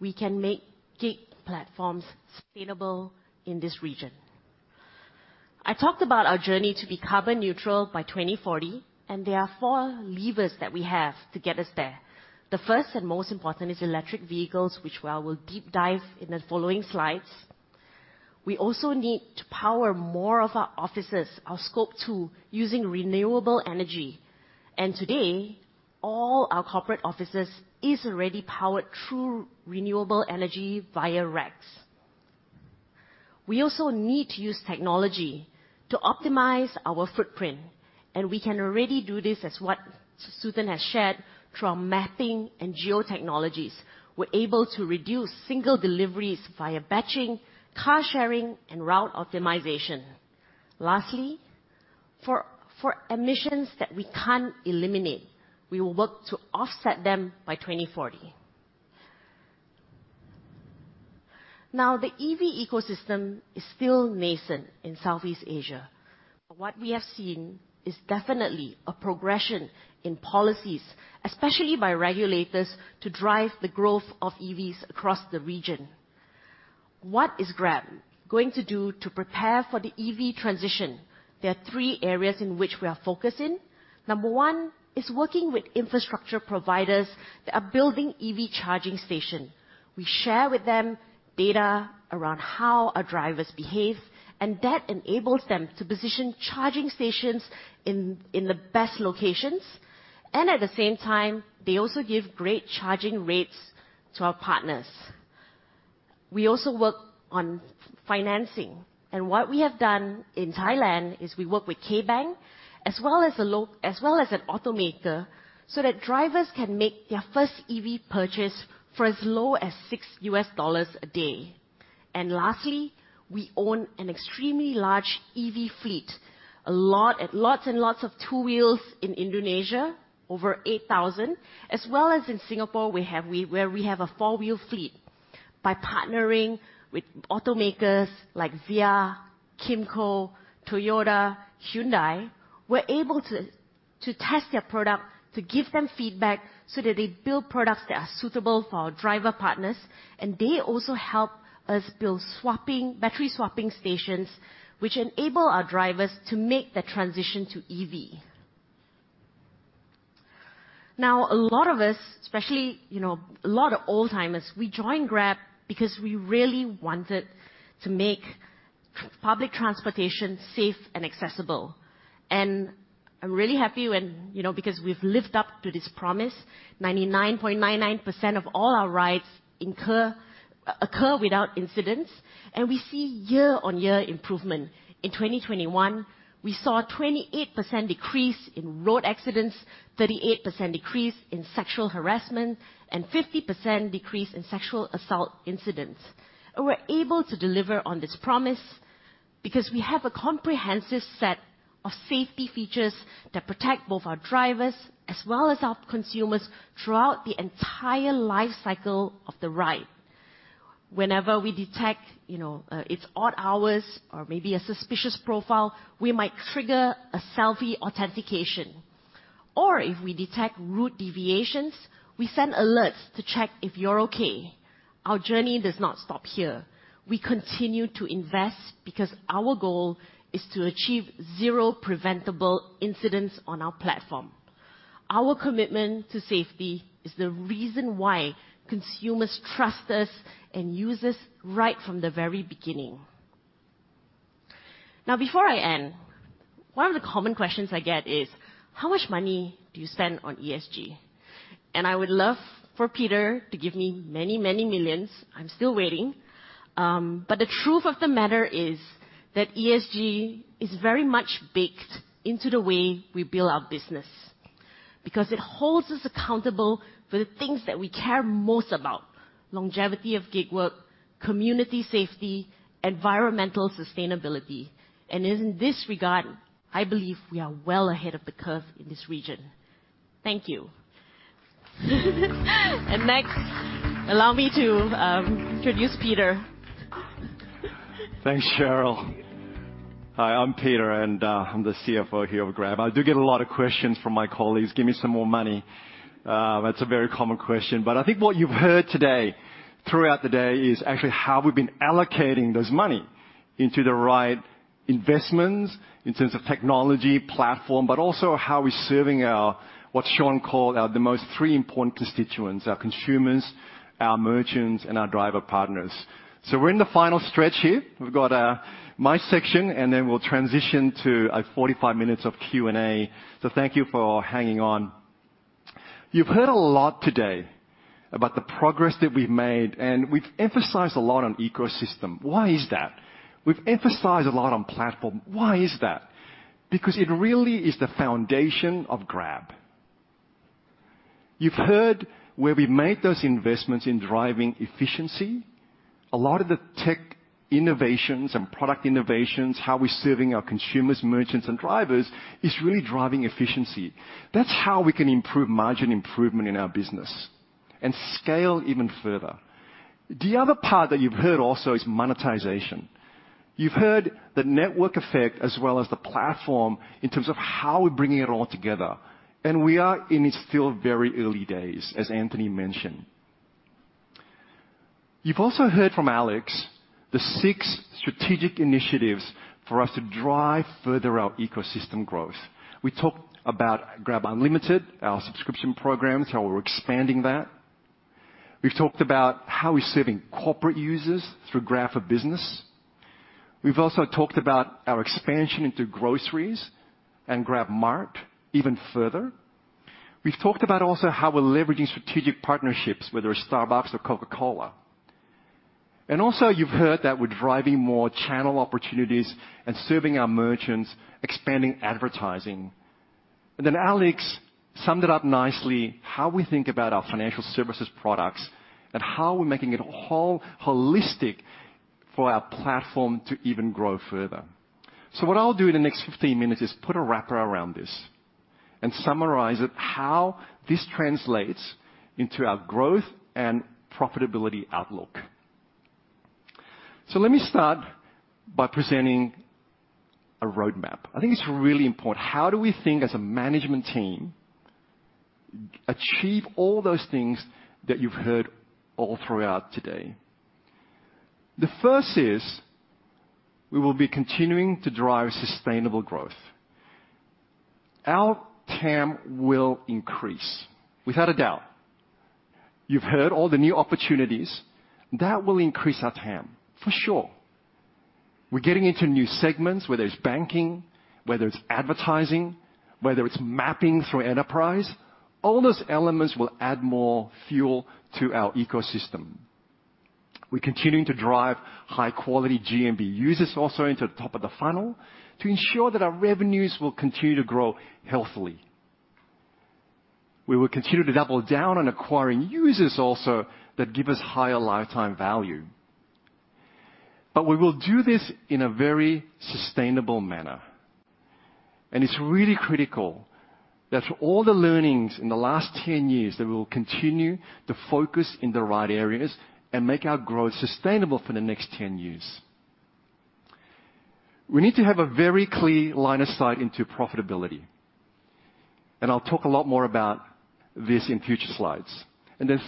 we can make gig platforms sustainable in this region. I talked about our journey to be carbon neutral by 2040, and there are four levers that we have to get us there. The first and most important is electric vehicles, which we'll deep dive in the following slides. We also need to power more of our offices, our scope two, using renewable energy. Today, all our corporate offices is already powered through renewable energy via RECs. We also need to use technology to optimize our footprint, and we can already do this as what Suthen has shared through our mapping and geo-technologies. We're able to reduce single deliveries via batching, car sharing, and route optimization. Lastly, for emissions that we can't eliminate, we will work to offset them by 2040. Now, the EV ecosystem is still nascent in Southeast Asia. What we have seen is definitely a progression in policies, especially by regulators, to drive the growth of EVs across the region. What is Grab going to do to prepare for the EV transition? There are three areas in which we are focused in. Number one is working with infrastructure providers that are building EV charging station. We share with them data around how our drivers behave, and that enables them to position charging stations in the best locations. At the same time, they also give great charging rates to our partners. We also work on financing. What we have done in Thailand is we work with KBank as well as an automaker, so that drivers can make their first EV purchase for as low as $6 a day. Lastly, we own an extremely large EV fleet, lots of two wheels in Indonesia, over 8,000, as well as in Singapore, where we have a four-wheel fleet. By partnering with automakers like VIA, KYMCO, Toyota, Hyundai, we're able to test their product, to give them feedback so that they build products that are suitable for our driver partners, and they also help us build swapping, battery swapping stations, which enable our drivers to make the transition to EV. Now, a lot of us, especially, you know, a lot of old-timers, we joined Grab because we really wanted to make public transportation safe and accessible. I'm really happy when, you know, because we've lived up to this promise. 99.99% of all our rides occur without incidents, and we see year-on-year improvement. In 2021, we saw a 28% decrease in road accidents, 38% decrease in sexual harassment, and 50% decrease in sexual assault incidents. We're able to deliver on this promise because we have a comprehensive set of safety features that protect both our drivers as well as our consumers throughout the entire life cycle of the ride. Whenever we detect, you know, it's odd hours or maybe a suspicious profile, we might trigger a selfie authentication. Or if we detect route deviations, we send alerts to check if you're okay. Our journey does not stop here. We continue to invest because our goal is to achieve zero preventable incidents on our platform. Our commitment to safety is the reason why consumers trust us and use us right from the very beginning. Now, before I end, one of the common questions I get is, "How much money do you spend on ESG?" I would love for Peter to give me many, many millions. I'm still waiting. The truth of the matter is that ESG is very much baked into the way we build our business, because it holds us accountable for the things that we care most about, longevity of gig work, community safety, environmental sustainability. In this regard, I believe we are well ahead of the curve in this region. Thank you. Next, allow me to introduce Peter. Thanks, Cheryl. Hi, I'm Peter, and I'm the CFO here of Grab. I do get a lot of questions from my colleagues, "Give me some more money." That's a very common question. I think what you've heard today, throughout the day, is actually how we've been allocating this money into the right investments in terms of technology, platform, but also how we're serving our, what Sean called our, the three most important constituents, our consumers, our merchants, and our driver partners. We're in the final stretch here. We've got my section, and then we'll transition to 45 minutes of Q&A. Thank you for hanging on. You've heard a lot today about the progress that we've made, and we've emphasized a lot on ecosystem. Why is that? We've emphasized a lot on platform. Why is that? Because it really is the foundation of Grab. You've heard where we made those investments in driving efficiency. A lot of the tech innovations and product innovations, how we're serving our consumers, merchants, and drivers, is really driving efficiency. That's how we can improve margin improvement in our business and scale even further. The other part that you've heard also is monetization. You've heard the network effect as well as the platform in terms of how we're bringing it all together, and we are in its still very early days, as Anthony mentioned. You've also heard from Alex the six strategic initiatives for us to drive further our ecosystem growth. We talked about GrabUnlimited, our subscription program, how we're expanding that. We've talked about how we're serving corporate users through Grab For Business. We've also talked about our expansion into groceries and GrabMart even further. We've talked about also how we're leveraging strategic partnerships, whether it's Starbucks or Coca-Cola. Also you've heard that we're driving more channel opportunities and serving our merchants, expanding advertising. Then Alex summed it up nicely how we think about our financial services products and how we're making it holistic for our platform to even grow further. What I'll do in the next 15 minutes is put a wrapper around this and summarize it how this translates into our growth and profitability outlook. Let me start by presenting a roadmap. I think it's really important. How do we think as a management team, achieve all those things that you've heard all throughout today? The first is, we will be continuing to drive sustainable growth. Our TAM will increase, without a doubt. You've heard all the new opportunities. That will increase our TAM, for sure. We're getting into new segments, whether it's banking, whether it's advertising, whether it's mapping through Enterprise. All those elements will add more fuel to our ecosystem. We're continuing to drive high-quality GMV users also into the top of the funnel to ensure that our revenues will continue to grow healthily. We will continue to double down on acquiring users also that give us higher lifetime value. We will do this in a very sustainable manner. It's really critical that all the learnings in the last 10 years, that we will continue to focus in the right areas and make our growth sustainable for the next 10 years. We need to have a very clear line of sight into profitability. I'll talk a lot more about this in future slides.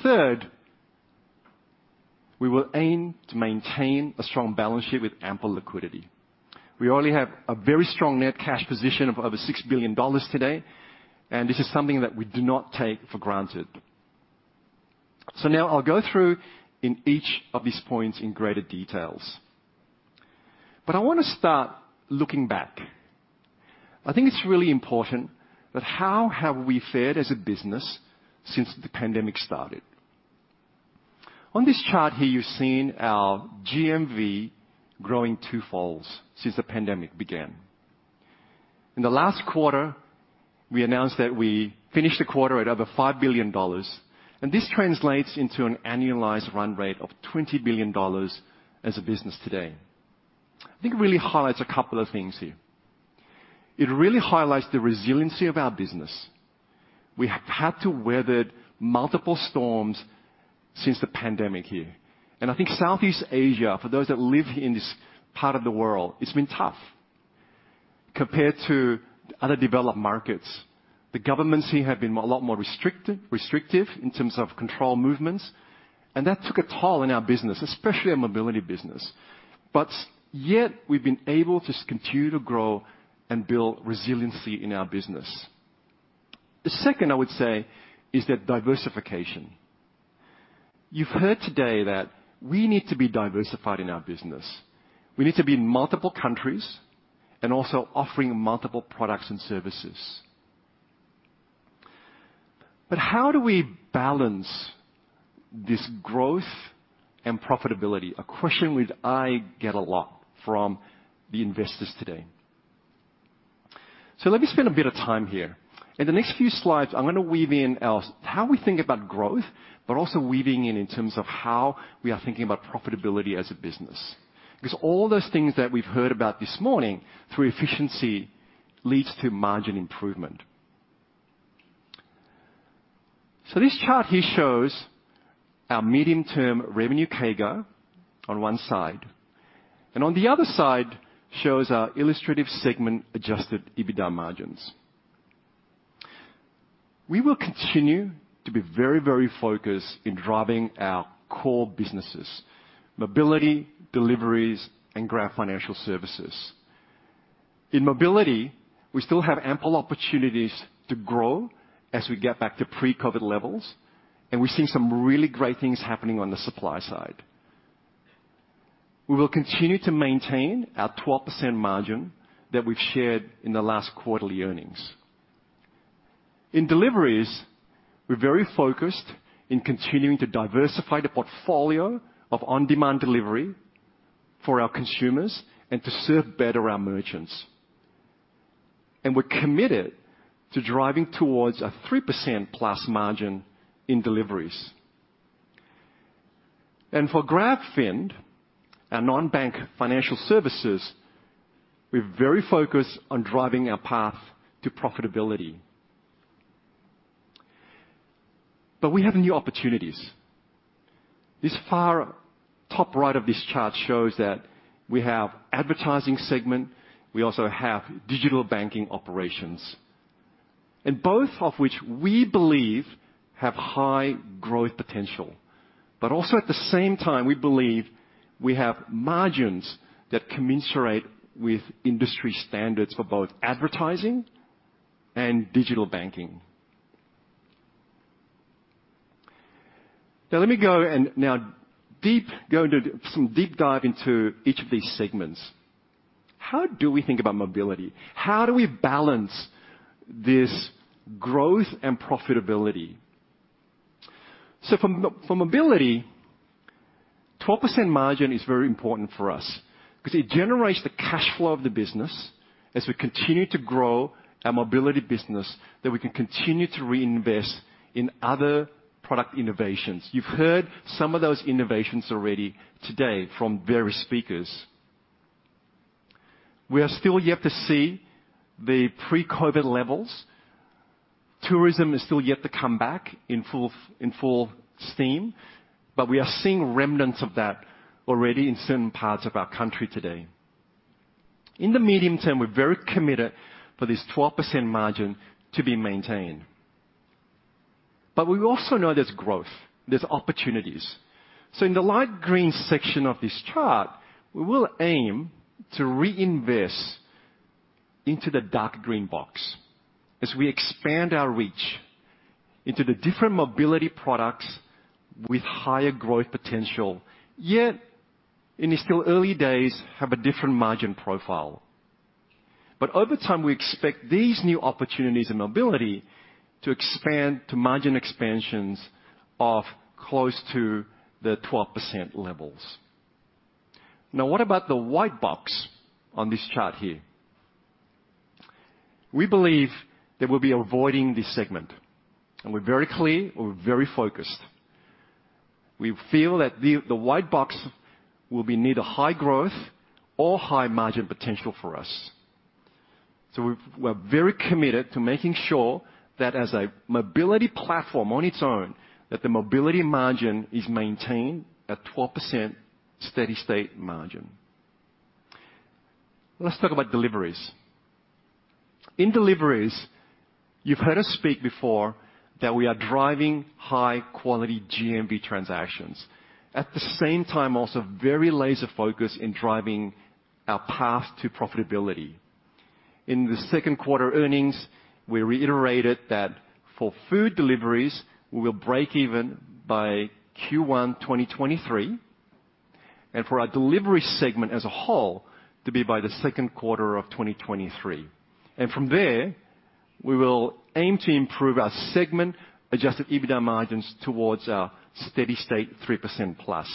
Third, we will aim to maintain a strong balance sheet with ample liquidity. We already have a very strong net cash position of over $6 billion today, and this is something that we do not take for granted. Now I'll go through in each of these points in greater details. I wanna start looking back. I think it's really important that how have we fared as a business since the pandemic started. On this chart here, you've seen our GMV growing twofolds since the pandemic began. In the last quarter, we announced that we finished the quarter at over $5 billion, and this translates into an annualized run rate of $20 billion as a business today. I think it really highlights a couple of things here. It really highlights the resiliency of our business. We have had to weathered multiple storms since the pandemic here. I think Southeast Asia, for those that live in this part of the world, it's been tough compared to other developed markets. The governments here have been a lot more restrictive in terms of control movements, and that took a toll in our business, especially our mobility business. Yet we've been able to continue to grow and build resiliency in our business. The second I would say is that diversification. You've heard today that we need to be diversified in our business. We need to be in multiple countries and also offering multiple products and services. How do we balance this growth and profitability? A question which I get a lot from the investors today. Let me spend a bit of time here. In the next few slides, I'm gonna weave in our, how we think about growth, but also weaving in terms of how we are thinking about profitability as a business. Because all those things that we've heard about this morning, through efficiency, leads to margin improvement. This chart here shows our medium-term revenue CAGR on one side, and on the other side, shows our illustrative segment adjusted EBITDA margins. We will continue to be very, very focused in driving our core businesses, mobility, deliveries, and Grab Financial Services. In mobility, we still have ample opportunities to grow as we get back to pre-COVID levels, and we're seeing some really great things happening on the supply side. We will continue to maintain our 12% margin that we've shared in the last quarterly earnings. In deliveries, we're very focused in continuing to diversify the portfolio of on-demand delivery for our consumers and to serve better our merchants. We're committed to driving towards a 3%+ margin in deliveries. For GrabFin, our non-bank financial services, we're very focused on driving our path to profitability. We have new opportunities. The far top right of this chart shows that we have advertising segment, we also have digital banking operations. Both of which we believe have high growth potential. Also at the same time, we believe we have margins that commensurate with industry standards for both advertising and digital banking. Now, let me go into some deep dive into each of these segments. How do we think about mobility? How do we balance this growth and profitability? For mobility, 12% margin is very important for us 'cause it generates the cash flow of the business as we continue to grow our mobility business that we can continue to reinvest in other product innovations. You've heard some of those innovations already today from various speakers. We are still yet to see the pre-COVID levels. Tourism is still yet to come back in full steam, but we are seeing remnants of that already in certain parts of our country today. In the medium term, we're very committed for this 12% margin to be maintained. We also know there's growth, there's opportunities. In the light green section of this chart, we will aim to reinvest into the dark green box as we expand our reach into the different mobility products with higher growth potential, yet in its still early days, have a different margin profile. Over time, we expect these new opportunities in mobility to expand to margin expansions of close to the 12% levels. Now, what about the white box on this chart here? We believe that we'll be avoiding this segment, and we're very clear, we're very focused. We feel that the white box will be neither high growth or high margin potential for us. We're very committed to making sure that as a mobility platform on its own, that the mobility margin is maintained at 12% steady-state margin. Let's talk about deliveries. In deliveries, you've heard us speak before that we are driving high-quality GMV transactions. At the same time, also very laser focused in driving our path to profitability. In the second quarter earnings, we reiterated that for food deliveries, we will break even by Q1 2023, and for our delivery segment as a whole, to be by the second quarter of 2023. From there, we will aim to improve our segment adjusted EBITDA margins towards our steady-state 3%+.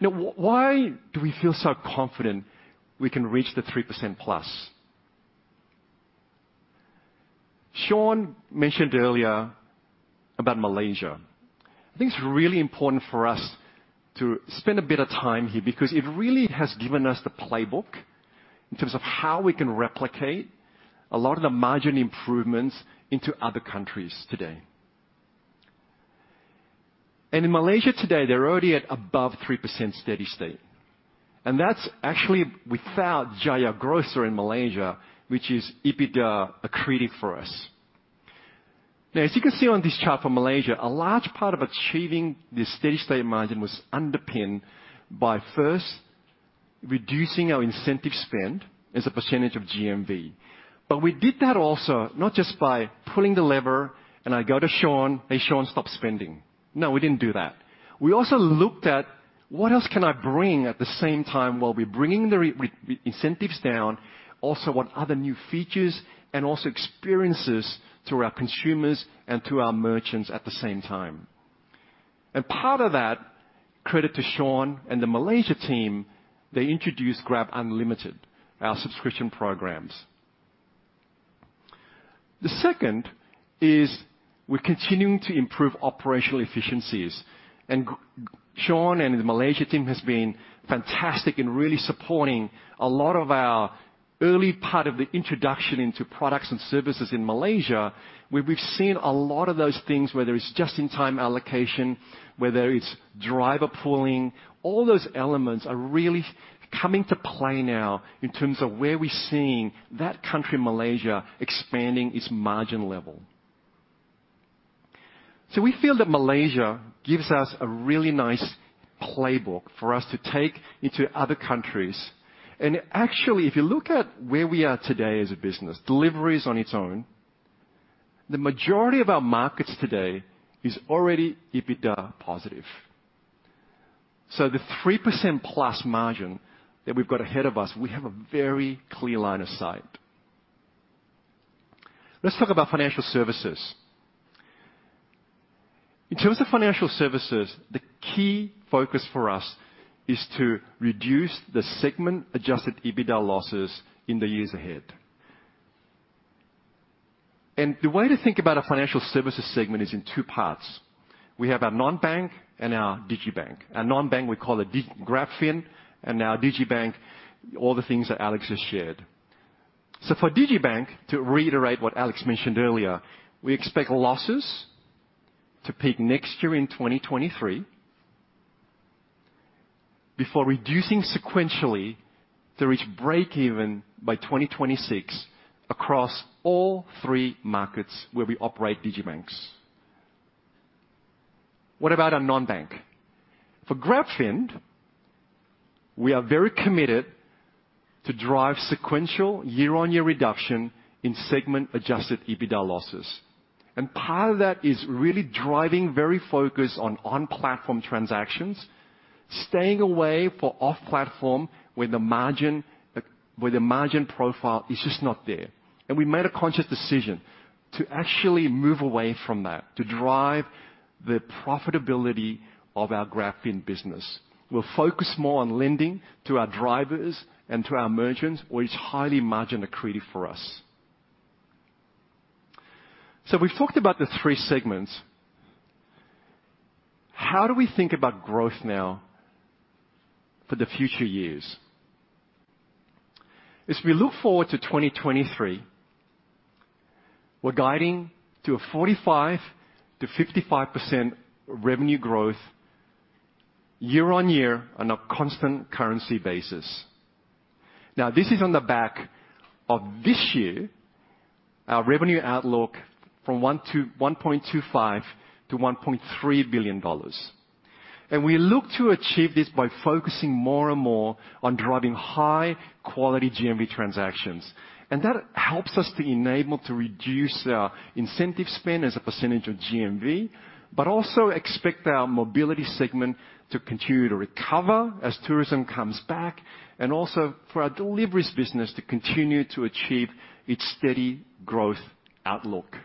Now, why do we feel so confident we can reach the 3%+? Sean mentioned earlier about Malaysia. I think it's really important for us to spend a bit of time here because it really has given us the playbook in terms of how we can replicate a lot of the margin improvements into other countries today. In Malaysia today, they're already at above 3% steady state. That's actually without Jaya Grocer in Malaysia, which is EBITDA accretive for us. Now, as you can see on this chart for Malaysia, a large part of achieving this steady-state margin was underpinned by first reducing our incentive spend as a percentage of GMV. We did that also not just by pulling the lever and I go to Sean, "Hey, Sean, stop spending." No, we didn't do that. We also looked at what else can I bring at the same time while we're bringing the incentives down, also on other new features and also experiences to our consumers and to our merchants at the same time. Part of that credit to Sean and the Malaysia team, they introduced Grab Unlimited, our subscription programs. The second is we're continuing to improve operational efficiencies. Sean and the Malaysia team has been fantastic in really supporting a lot of our early part of the introduction into products and services in Malaysia, where we've seen a lot of those things, whether it's just-in-time allocation, whether it's driver pooling, all those elements are really coming to play now in terms of where we're seeing that country, Malaysia, expanding its margin level. We feel that Malaysia gives us a really nice playbook for us to take into other countries. Actually, if you look at where we are today as a business, deliveries on its own, the majority of our markets today is already EBITDA positive. The 3%+ margin that we've got ahead of us, we have a very clear line of sight. Let's talk about financial services. In terms of financial services, the key focus for us is to reduce the segment-adjusted EBITDA losses in the years ahead. The way to think about a financial services segment is in two parts. We have our non-bank and our digibank. Our non-bank, we call it GrabFin, and our digibank, all the things that Alex has shared. For digibank, to reiterate what Alex mentioned earlier, we expect losses to peak next year in 2023 before reducing sequentially to reach breakeven by 2026 across all three markets where we operate digibanks. What about our non-bank? For GrabFin, we are very committed to drive sequential year-on-year reduction in segment-adjusted EBITDA losses. Part of that is really driving very focused on on-platform transactions, staying away from off-platform, where the margin profile is just not there. We made a conscious decision to actually move away from that, to drive the profitability of our GrabFin business. We'll focus more on lending to our drivers and to our merchants, which is highly margin accretive for us. We've talked about the three segments. How do we think about growth now for the future years? As we look forward to 2023, we're guiding to a 45%-55% revenue growth year-on-year on a constant currency basis. Now, this is on the back of this year, our revenue outlook from $1.25 billion-$1.3 billion. We look to achieve this by focusing more and more on driving high-quality GMV transactions. That helps us to enable to reduce our incentive spend as a percentage of GMV, but also expect our mobility segment to continue to recover as tourism comes back, and also for our deliveries business to continue to achieve its steady growth outlook.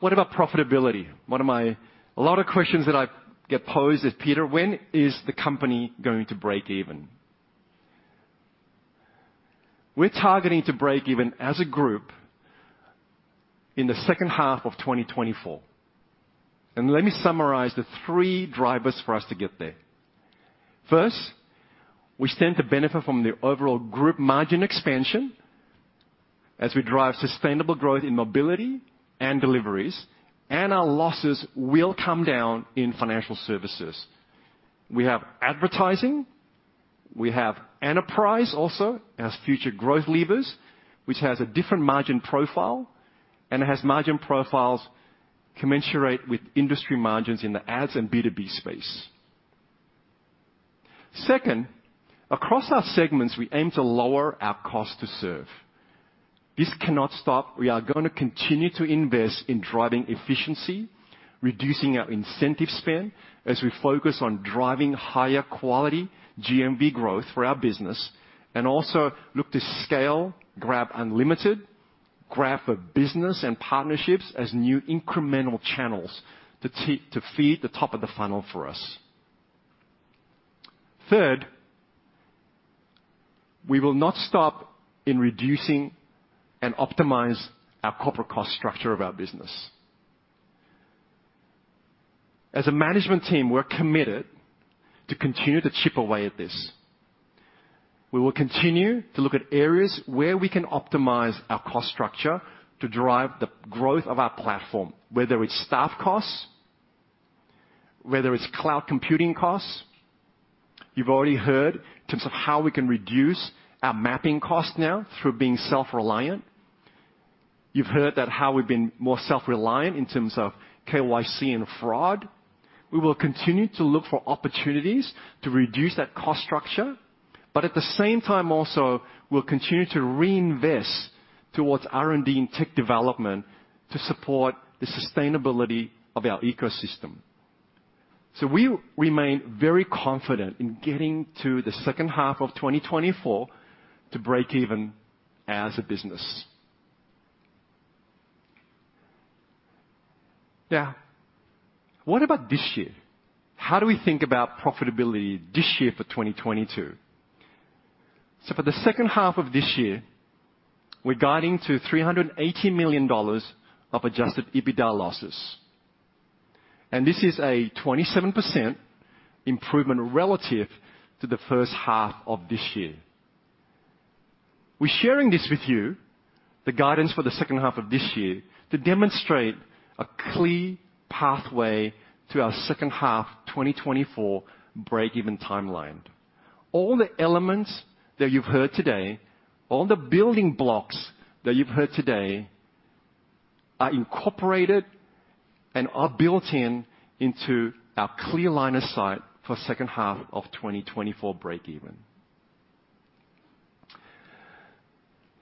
What about profitability? A lot of questions that I get posed is, "Peter, when is the company going to break even?" We're targeting to break even as a group in the second half of 2024. Let me summarize the three drivers for us to get there. First, we stand to benefit from the overall group margin expansion as we drive sustainable growth in mobility and deliveries, and our losses will come down in financial services. We have advertising, we have enterprise also as future growth levers, which has a different margin profile, and it has margin profiles commensurate with industry margins in the ads and B2B space. Second, across our segments, we aim to lower our cost to serve. This cannot stop. We are gonna continue to invest in driving efficiency, reducing our incentive spend as we focus on driving higher quality GMV growth for our business, and also look to scale GrabUnlimited, Grab For Business and Partnerships as new incremental channels to feed the top of the funnel for us. Third, we will not stop in reducing and optimize our corporate cost structure of our business. As a management team, we're committed to continue to chip away at this. We will continue to look at areas where we can optimize our cost structure to drive the growth of our platform, whether it's staff costs, whether it's cloud computing costs. You've already heard in terms of how we can reduce our mapping costs now through being self-reliant. You've heard that how we've been more self-reliant in terms of KYC and fraud. We will continue to look for opportunities to reduce that cost structure, but at the same time also, we'll continue to reinvest towards R&D and tech development to support the sustainability of our ecosystem. We remain very confident in getting to the second half of 2024 to break even as a business. Now, what about this year? How do we think about profitability this year for 2022? For the second half of this year, we're guiding to $380 million of adjusted EBITDA losses. This is a 27% improvement relative to the first half of this year. We're sharing this with you, the guidance for the second half of this year, to demonstrate a clear pathway to our second half 2024 breakeven timeline. All the elements that you've heard today, all the building blocks that you've heard today are incorporated and are built into our clear line of sight for second half of 2024 breakeven.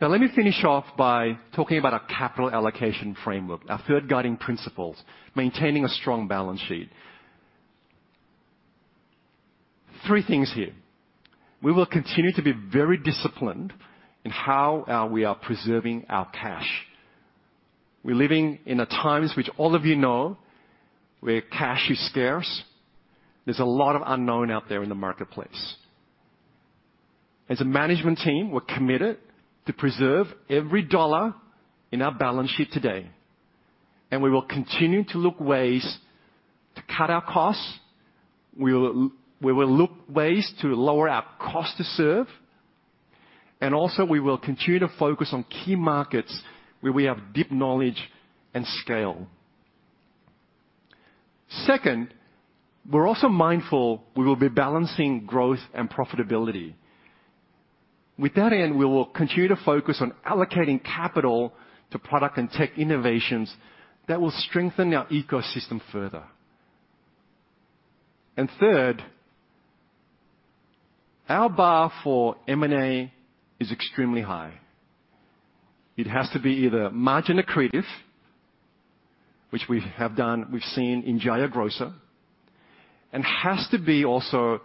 Now, let me finish off by talking about our capital allocation framework, our third guiding principles, maintaining a strong balance sheet. Three things here. We will continue to be very disciplined in how we are preserving our cash. We're living in times which all of you know where cash is scarce. There's a lot of unknown out there in the marketplace. As a management team, we're committed to preserve every dollar in our balance sheet today, and we will continue to look ways to cut our costs. We will look ways to lower our cost to serve, and also we will continue to focus on key markets where we have deep knowledge and scale. Second, we're also mindful we will be balancing growth and profitability. With that end, we will continue to focus on allocating capital to product and tech innovations that will strengthen our ecosystem further. Third, our bar for M&A is extremely high. It has to be either margin accretive, which we have done, we've seen in Jaya Grocer, and has to be also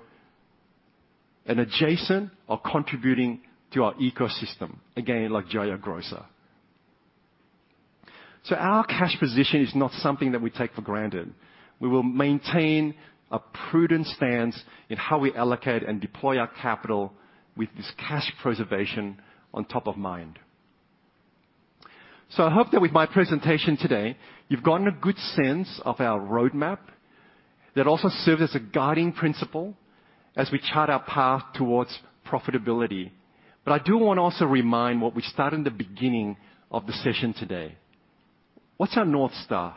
an adjacent or contributing to our ecosystem, again, like Jaya Grocer. Our cash position is not something that we take for granted. We will maintain a prudent stance in how we allocate and deploy our capital with this cash preservation on top of mind. I hope that with my presentation today, you've gotten a good sense of our roadmap that also serves as a guiding principle as we chart our path towards profitability. I do wanna also remind what we started in the beginning of the session today. What's our North Star?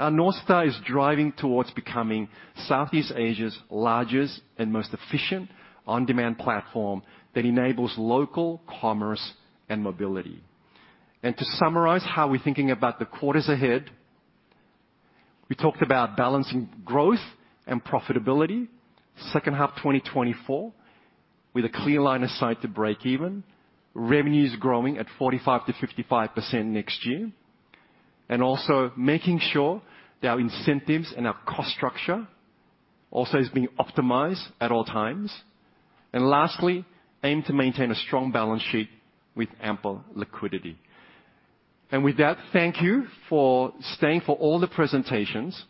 Our North Star is driving towards becoming Southeast Asia's largest and most efficient on-demand platform that enables local commerce and mobility. To summarize how we're thinking about the quarters ahead, we talked about balancing growth and profitability second half 2024, with a clear line of sight to break even. Revenue is growing at 45%-55% next year. Also making sure that our incentives and our cost structure also is being optimized at all times. Lastly, aim to maintain a strong balance sheet with ample liquidity. With that, thank you for staying for all the presentations.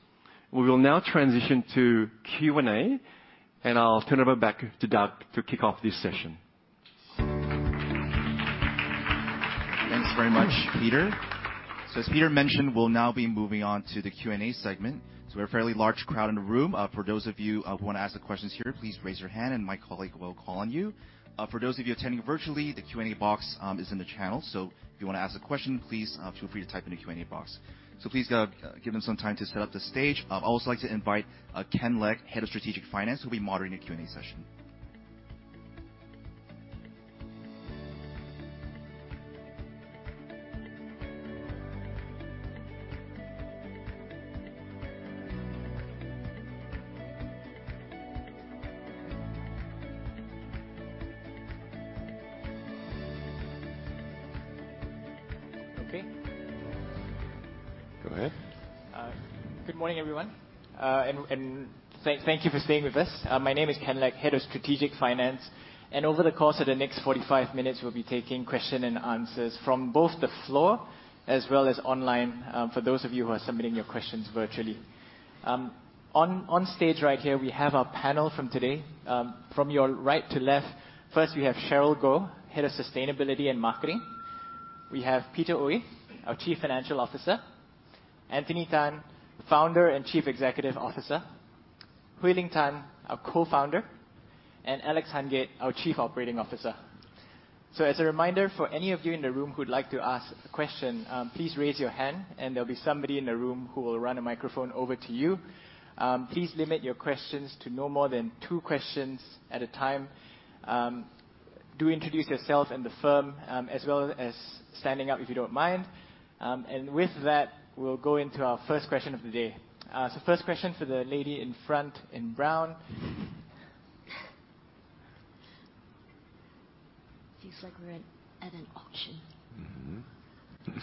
We will now transition to Q&A, and I'll turn over back to Doug to kick off this session. Thanks very much, Peter. As Peter mentioned, we'll now be moving on to the Q&A segment. We're a fairly large crowd in the room. For those of you who wanna ask the questions here, please raise your hand and my colleague will call on you. For those of you attending virtually, the Q&A box is in the channel. If you wanna ask a question, please feel free to type in the Q&A box. Please go, give them some time to set up the stage. I'd also like to invite Ken Lek, Head of Strategic Finance, who'll be moderating the Q&A session. Okay. Go ahead. Good morning, everyone. Thank you for staying with us. My name is Ken Lek, Head of Strategic Finance. Over the course of the next 45 minutes, we'll be taking question-and-answers from both the floor as well as online, for those of you who are submitting your questions virtually. On stage right here, we have our panel from today. From your right to left, first we have Cheryl Goh, Head of Sustainability and Marketing. We have Peter Oey, our Chief Financial Officer. Anthony Tan, Founder and Chief Executive Officer. Hooi Ling Tan, our Co-founder, and Alex Hungate, our Chief Operating Officer. As a reminder, for any of you in the room who'd like to ask a question, please raise your hand and there'll be somebody in the room who will run a microphone over to you. Please limit your questions to no more than two questions at a time. Do introduce yourself and the firm, as well as standing up, if you don't mind. With that, we'll go into our first question of the day. First question for the lady in front in brown. Feels like we're at an auction. Mm-hmm.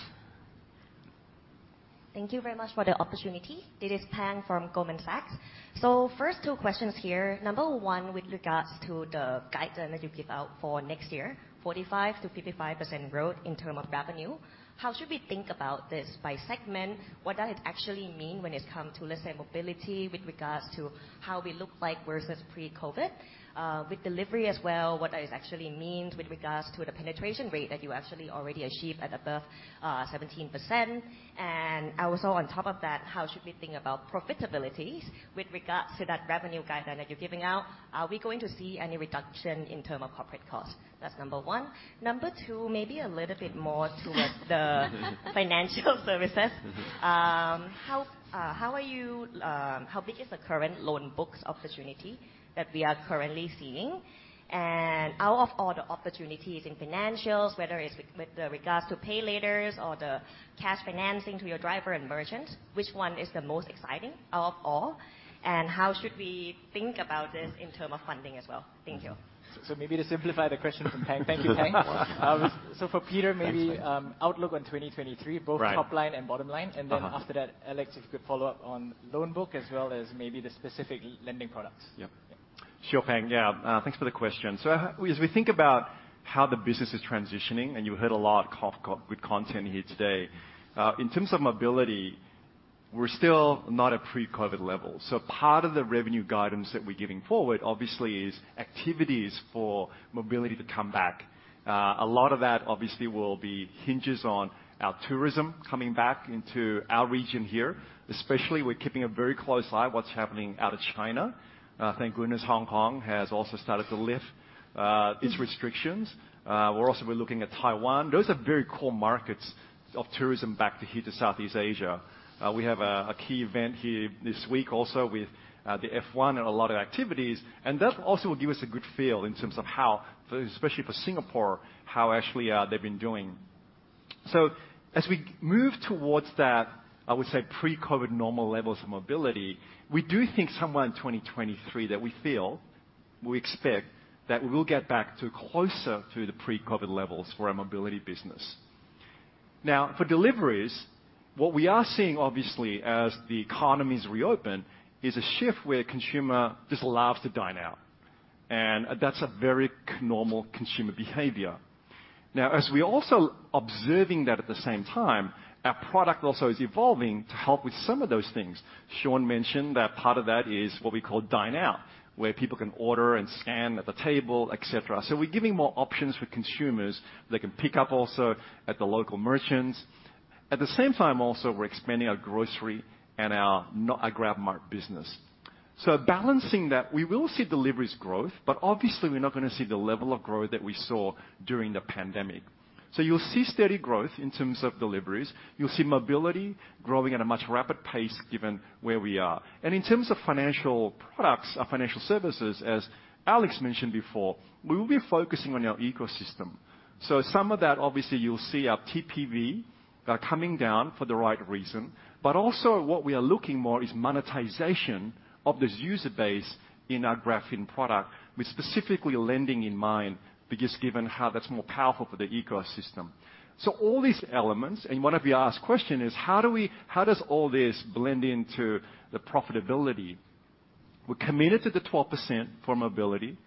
Thank you very much for the opportunity. This is Pang from Goldman Sachs. First two questions here. Number one, with regards to the guidance that you give out for next year, 45%-55% growth in terms of revenue. How should we think about this by segment? What does it actually mean when it's come to, let's say, mobility with regards to how we look like versus pre-COVID? With delivery as well, what does it actually mean with regards to the penetration rate that you actually already achieved at above 17%? And also on top of that, how should we think about profitability with regards to that revenue guidance that you're giving out? Are we going to see any reduction in terms of corporate costs? That's number one. Number two, maybe a little bit more towards the financial services. How big is the current loan books opportunity that we are currently seeing? Out of all the opportunities in financials, whether it's with regards to PayLater or the cash financing to your drivers and merchants, which one is the most exciting out of all? How should we think about this in terms of funding as well? Thank you. Maybe to simplify the question from Pang. Thank you, Pang. For Peter, maybe, outlook on 2023. Right. Both top line and bottom line. Uh-huh. After that, Alex, if you could follow up on loan book as well as maybe the specific lending products. Yep. Pang, thanks for the question. As we think about how the business is transitioning, and you heard a lot of good content here today, in terms of mobility, we're still not at pre-COVID levels. Part of the revenue guidance that we're giving forward obviously is expectations for mobility to come back. A lot of that obviously will hinge on our tourism coming back into our region here. Especially, we're keeping a very close eye on what's happening out of China. Thank goodness Hong Kong has also started to lift its restrictions. We're also looking at Taiwan. Those are very core markets of tourism back here to Southeast Asia. We have a key event here this week also with the F1 and a lot of activities, and that also will give us a good feel in terms of how, especially for Singapore, actually, they've been doing. As we move towards that, I would say pre-COVID normal levels of mobility, we do think somewhere in 2023 that we expect we'll get back closer to the pre-COVID levels for our mobility business. Now, for deliveries, what we are seeing obviously as the economies reopen, is a shift where consumer just loves to dine out. That's a very normal consumer behavior. Now, as we're also observing that at the same time, our product also is evolving to help with some of those things. Sean mentioned that part of that is what we call Dine Out, where people can order and scan at the table, et cetera. We're giving more options for consumers. They can pick up also at the local merchants. At the same time also, we're expanding our grocery and our GrabMart business. Balancing that, we will see deliveries growth, but obviously we're not gonna see the level of growth that we saw during the pandemic. You'll see steady growth in terms of deliveries. You'll see mobility growing at a much rapid pace given where we are. In terms of financial products, our financial services, as Alex mentioned before, we'll be focusing on our ecosystem. Some of that, obviously you'll see our TPV coming down for the right reason. Also what we are looking at more is monetization of this user base in our GrabFin product with specifically lending in mind, because given how that's more powerful for the ecosystem. All these elements, and one of the questions you asked is, "How does all this blend into the profitability?" We're committed to the 12% for mobility.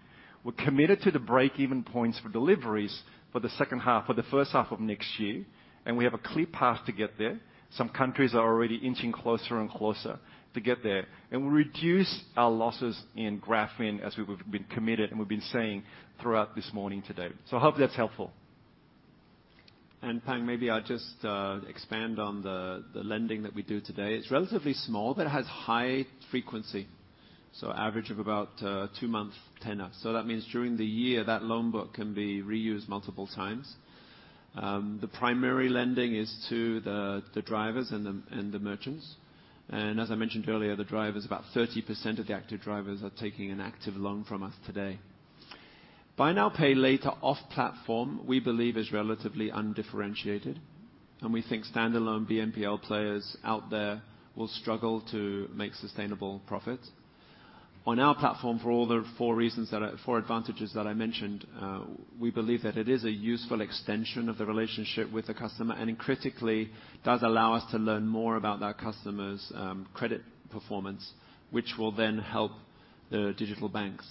We're committed to the break-even points for deliveries for the second half or the first half of next year, and we have a clear path to get there. Some countries are already inching closer and closer to get there. We'll reduce our losses in GrabFin as we've been committed and we've been saying throughout this morning today. I hope that's helpful. Pang, maybe I'll just expand on the lending that we do today. It's relatively small, but it has high frequency. Average of about two months tenor. That means during the year, that loan book can be reused multiple times. The primary lending is to the drivers and the merchants. As I mentioned earlier, the drivers, about 30% of the active drivers are taking an active loan from us today. Buy now, pay later off platform, we believe is relatively undifferentiated, and we think standalone BNPL players out there will struggle to make sustainable profits. On our platform, for all the four advantages that I mentioned, we believe that it is a useful extension of the relationship with the customer and it critically does allow us to learn more about that customer's credit performance, which will then help the digital banks.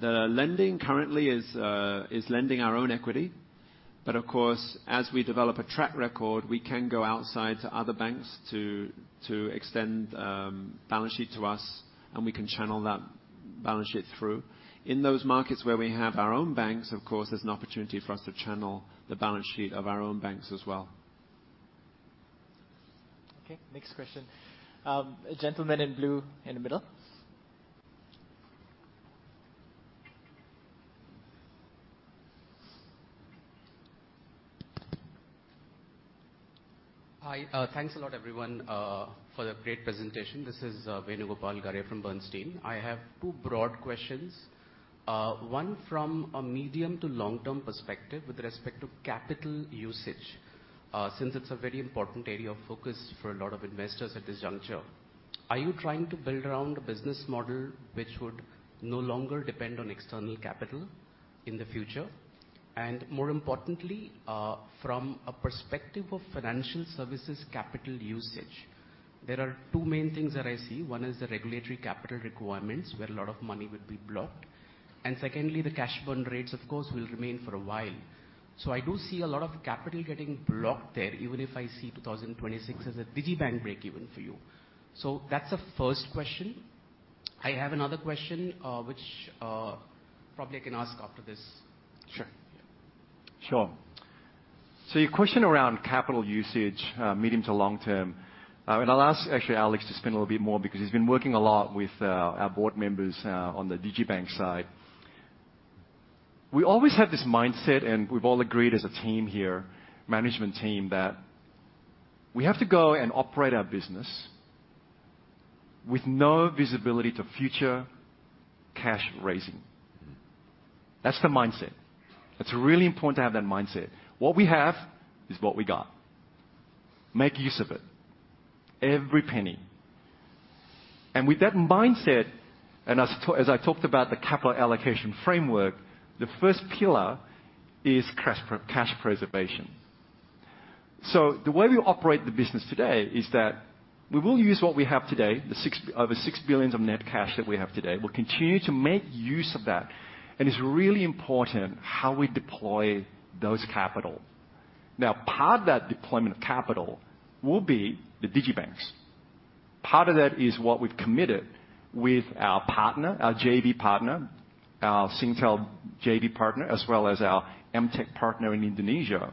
The lending currently is lending our own equity. Of course, as we develop a track record, we can go outside to other banks to extend balance sheet to us, and we can channel that balance sheet through. In those markets where we have our own banks, of course, there's an opportunity for us to channel the balance sheet of our own banks as well. Okay, next question. Gentleman in blue in the middle. Hi, thanks a lot everyone, for the great presentation. This is Venugopal Garre from Bernstein. I have two broad questions. One from a medium to long-term perspective with respect to capital usage. Since it's a very important area of focus for a lot of investors at this juncture. Are you trying to build around a business model which would no longer depend on external capital in the future? More importantly, from a perspective of financial services capital usage, there are two main things that I see. One is the regulatory capital requirements, where a lot of money would be blocked. Secondly, the cash burn rates, of course, will remain for a while. I do see a lot of capital getting blocked there, even if I see 2026 as a digital bank break even for you. That's the first question. I have another question, which probably I can ask after this. Your question around capital usage, medium to long term, and I'll ask actually Alex to spend a little bit more because he's been working a lot with our board members on the digibank side. We always have this mindset, and we've all agreed as a team here, management team, that we have to go and operate our business with no visibility to future cash raising. Mm-hmm. That's the mindset. It's really important to have that mindset. What we have is what we got. Make use of it, every penny. With that mindset, as to, as I talked about the capital allocation framework, the first pillar is cash preservation. The way we operate the business today is that we will use what we have today, the over $6 billion of net cash that we have today. We'll continue to make use of that, and it's really important how we deploy those capital. Now, part of that deployment of capital will be the digibanks. Part of that is what we've committed with our partner, our JV partner, our Singtel JV partner, as well as our Emtek partner in Indonesia.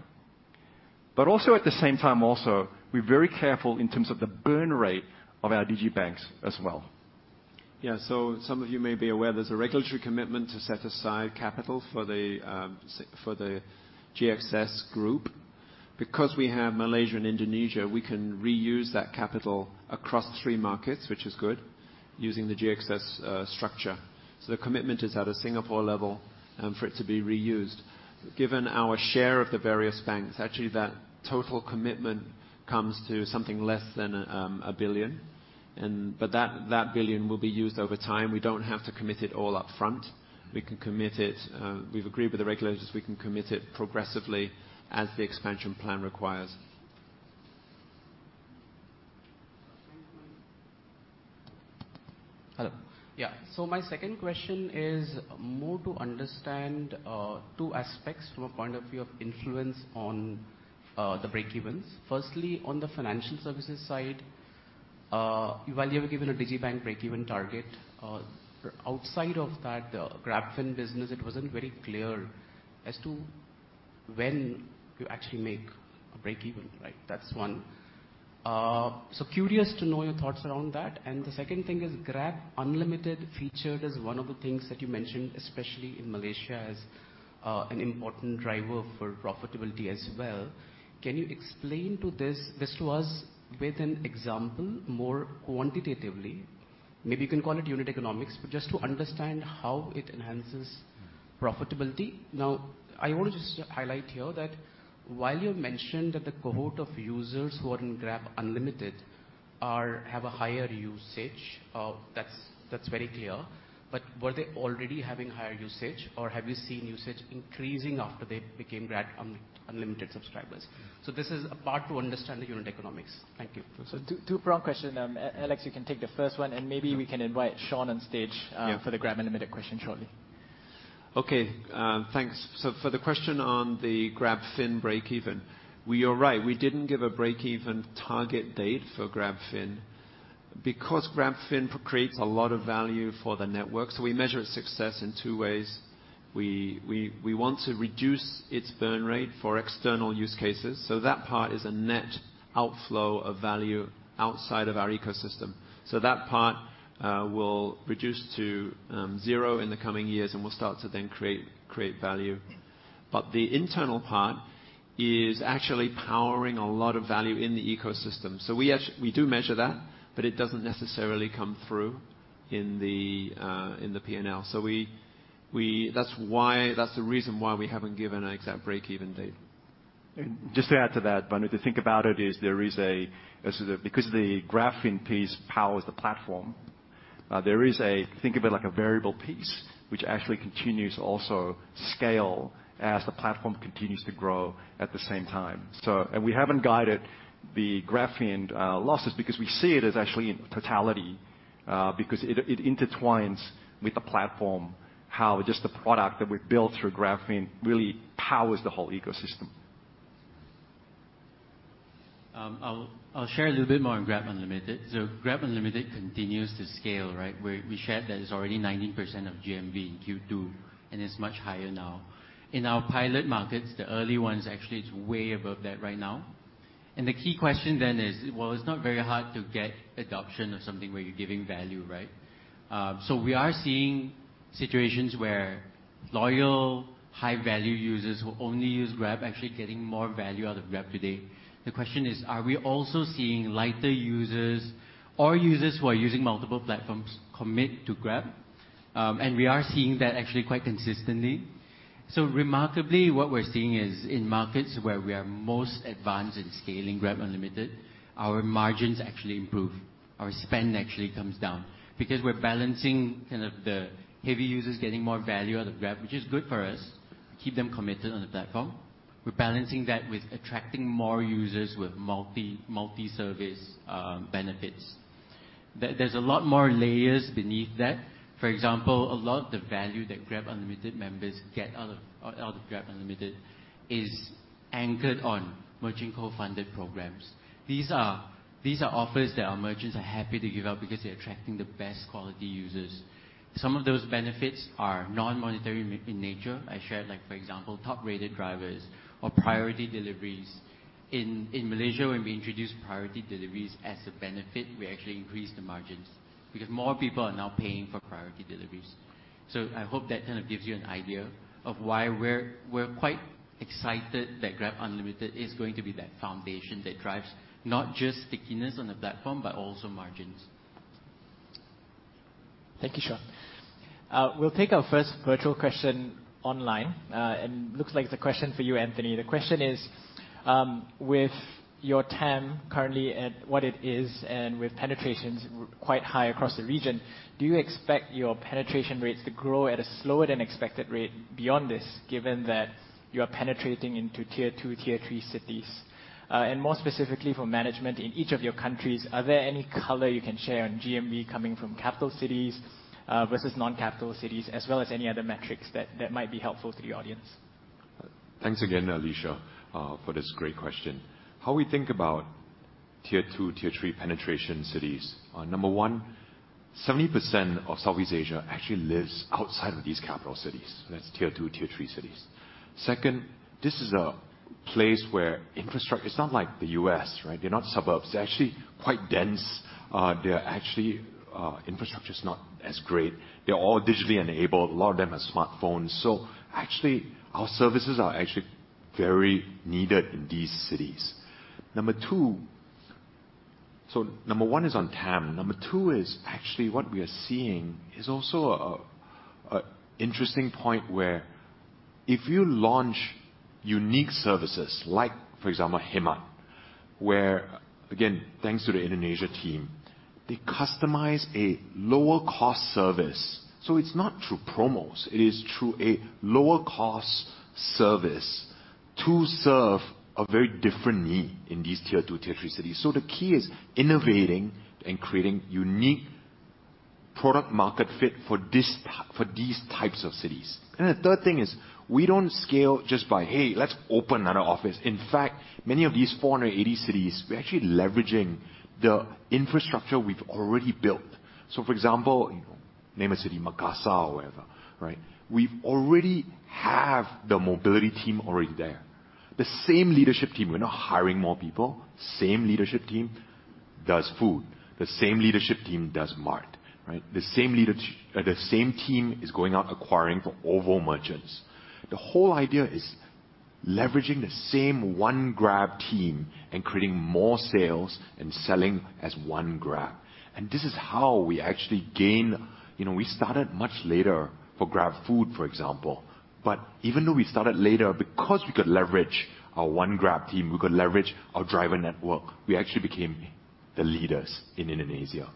Also at the same time, we're very careful in terms of the burn rate of our digibanks as well. Some of you may be aware there's a regulatory commitment to set aside capital for the GXS group. Because we have Malaysia and Indonesia, we can reuse that capital across three markets, which is good, using the GXS structure. The commitment is at a Singapore level for it to be reused. Given our share of the various banks, actually, that total commitment comes to something less than a billion. But that billion will be used over time. We don't have to commit it all up front. We can commit it. We've agreed with the regulators, we can commit it progressively as the expansion plan requires. Hello. Yeah. My second question is more to understand two aspects from a point of view of influence on the breakevens. Firstly, on the financial services side, while you have given a digital bank breakeven target, outside of that, the GrabFin business, it wasn't very clear as to when you actually make a breakeven, right? That's one. Curious to know your thoughts around that. And the second thing is Grab Unlimited featured as one of the things that you mentioned, especially in Malaysia, as an important driver for profitability as well. Can you explain this with an example, more quantitatively? Maybe you can call it unit economics, but just to understand how it enhances profitability. Now, I want to just highlight here that while you mentioned that the cohort of users who are in GrabUnlimited have a higher usage, that's very clear, but were they already having higher usage or have you seen usage increasing after they became GrabUnlimited subscribers? This is a part to understand the unit economics. Thank you. Two-prong question. Alex, you can take the first one, and maybe we can invite Sean on stage for the GrabUnlimited question shortly. Okay. Thanks. For the question on the GrabFin breakeven, well, you're right, we didn't give a breakeven target date for GrabFin. Because GrabFin creates a lot of value for the network, so we measure success in two ways. We want to reduce its burn rate for external use cases. That part is a net outflow of value outside of our ecosystem. That part will reduce to zero in the coming years, and we'll start to then create value. The internal part is actually powering a lot of value in the ecosystem. We do measure that, but it doesn't necessarily come through in the P&L. That's why, that's the reason why we haven't given an exact breakeven date. Just to add to that, Venu, to think about it, there is a sort of, because the GrabFin piece powers the platform, there is a, think of it like a variable piece, which actually continues to also scale as the platform continues to grow at the same time. We haven't guided the GrabFin losses because we see it as actually in totality, because it intertwines with the platform, how just the product that we've built through GrabFin really powers the whole ecosystem. I'll share a little bit more on GrabUnlimited. GrabUnlimited continues to scale, right? We shared that it's already 90% of GMV in Q2, and it's much higher now. In our pilot markets, the early ones, actually, it's way above that right now. The key question then is, well, it's not very hard to get adoption of something where you're giving value, right? We are seeing situations where loyal, high-value users who only use Grab actually getting more value out of Grab today. The question is, are we also seeing lighter users or users who are using multiple platforms commit to Grab? We are seeing that actually quite consistently. Remarkably, what we're seeing is in markets where we are most advanced in scaling GrabUnlimited, our margins actually improve. Our spend actually comes down because we're balancing kind of the heavy users getting more value out of Grab, which is good for us, keep them committed on the platform. We're balancing that with attracting more users with multi-service benefits. There's a lot more layers beneath that. For example, a lot of the value that Grab Unlimited members get out of Grab Unlimited is anchored on merchant co-funded programs. These are offers that our merchants are happy to give out because they're attracting the best quality users. Some of those benefits are non-monetary in nature. I shared like, for example, top-rated drivers or priority deliveries. In Malaysia, when we introduced priority deliveries as a benefit, we actually increased the margins because more people are now paying for priority deliveries. I hope that kind of gives you an idea of why we're quite excited that Grab Unlimited is going to be that foundation that drives not just stickiness on the platform, but also margins. Thank you, Sean. We'll take our first virtual question online. Looks like it's a question for you, Anthony. The question is, with your TAM currently at what it is, and with penetrations quite high across the region, do you expect your penetration rates to grow at a slower than expected rate beyond this, given that you are penetrating into tier-two, tier-three cities? More specifically for management in each of your countries, are there any color you can share on GMV coming from capital cities versus non-capital cities, as well as any other metrics that might be helpful to the audience? Thanks again, Alicia, for this great question. How we think about tier-two, tier-three penetration cities. Number one, 70% of Southeast Asia actually lives outside of these capital cities. That's tier-two, tier-three cities. Second, this is a place where it's not like the U.S., right? They're not suburbs. They're actually quite dense. They're actually infrastructure's not as great. They're all digitally enabled, a lot of them have smartphones. So actually, our services are actually very needed in these cities. Number two. So number one is on TAM. Number two is actually what we are seeing is also an interesting point where if you launch unique services, like for example, GrabMart, where, again, thanks to the Indonesia team, they customize a lower cost service. It's not through promos, it is through a lower cost service to serve a very different need in these tier-two, tier-three cities. The key is innovating and creating unique product market fit for these types of cities. The third thing is we don't scale just by, "Hey, let's open another office." In fact, many of these 480 cities, we're actually leveraging the infrastructure we've already built. For example, name a city, Makassar or whatever, right? We already have the mobility team already there. The same leadership team. We're not hiring more people. Same leadership team does food. The same leadership team does mart, right? The same team is going out acquiring for OVO merchants. The whole idea is leveraging the same one Grab team and creating more sales and selling as one Grab. This is how we actually gain. You know, we started much later for GrabFood, for example. Even though we started later, because we could leverage our own Grab team, we could leverage our driver network, we actually became the leaders in Indonesia.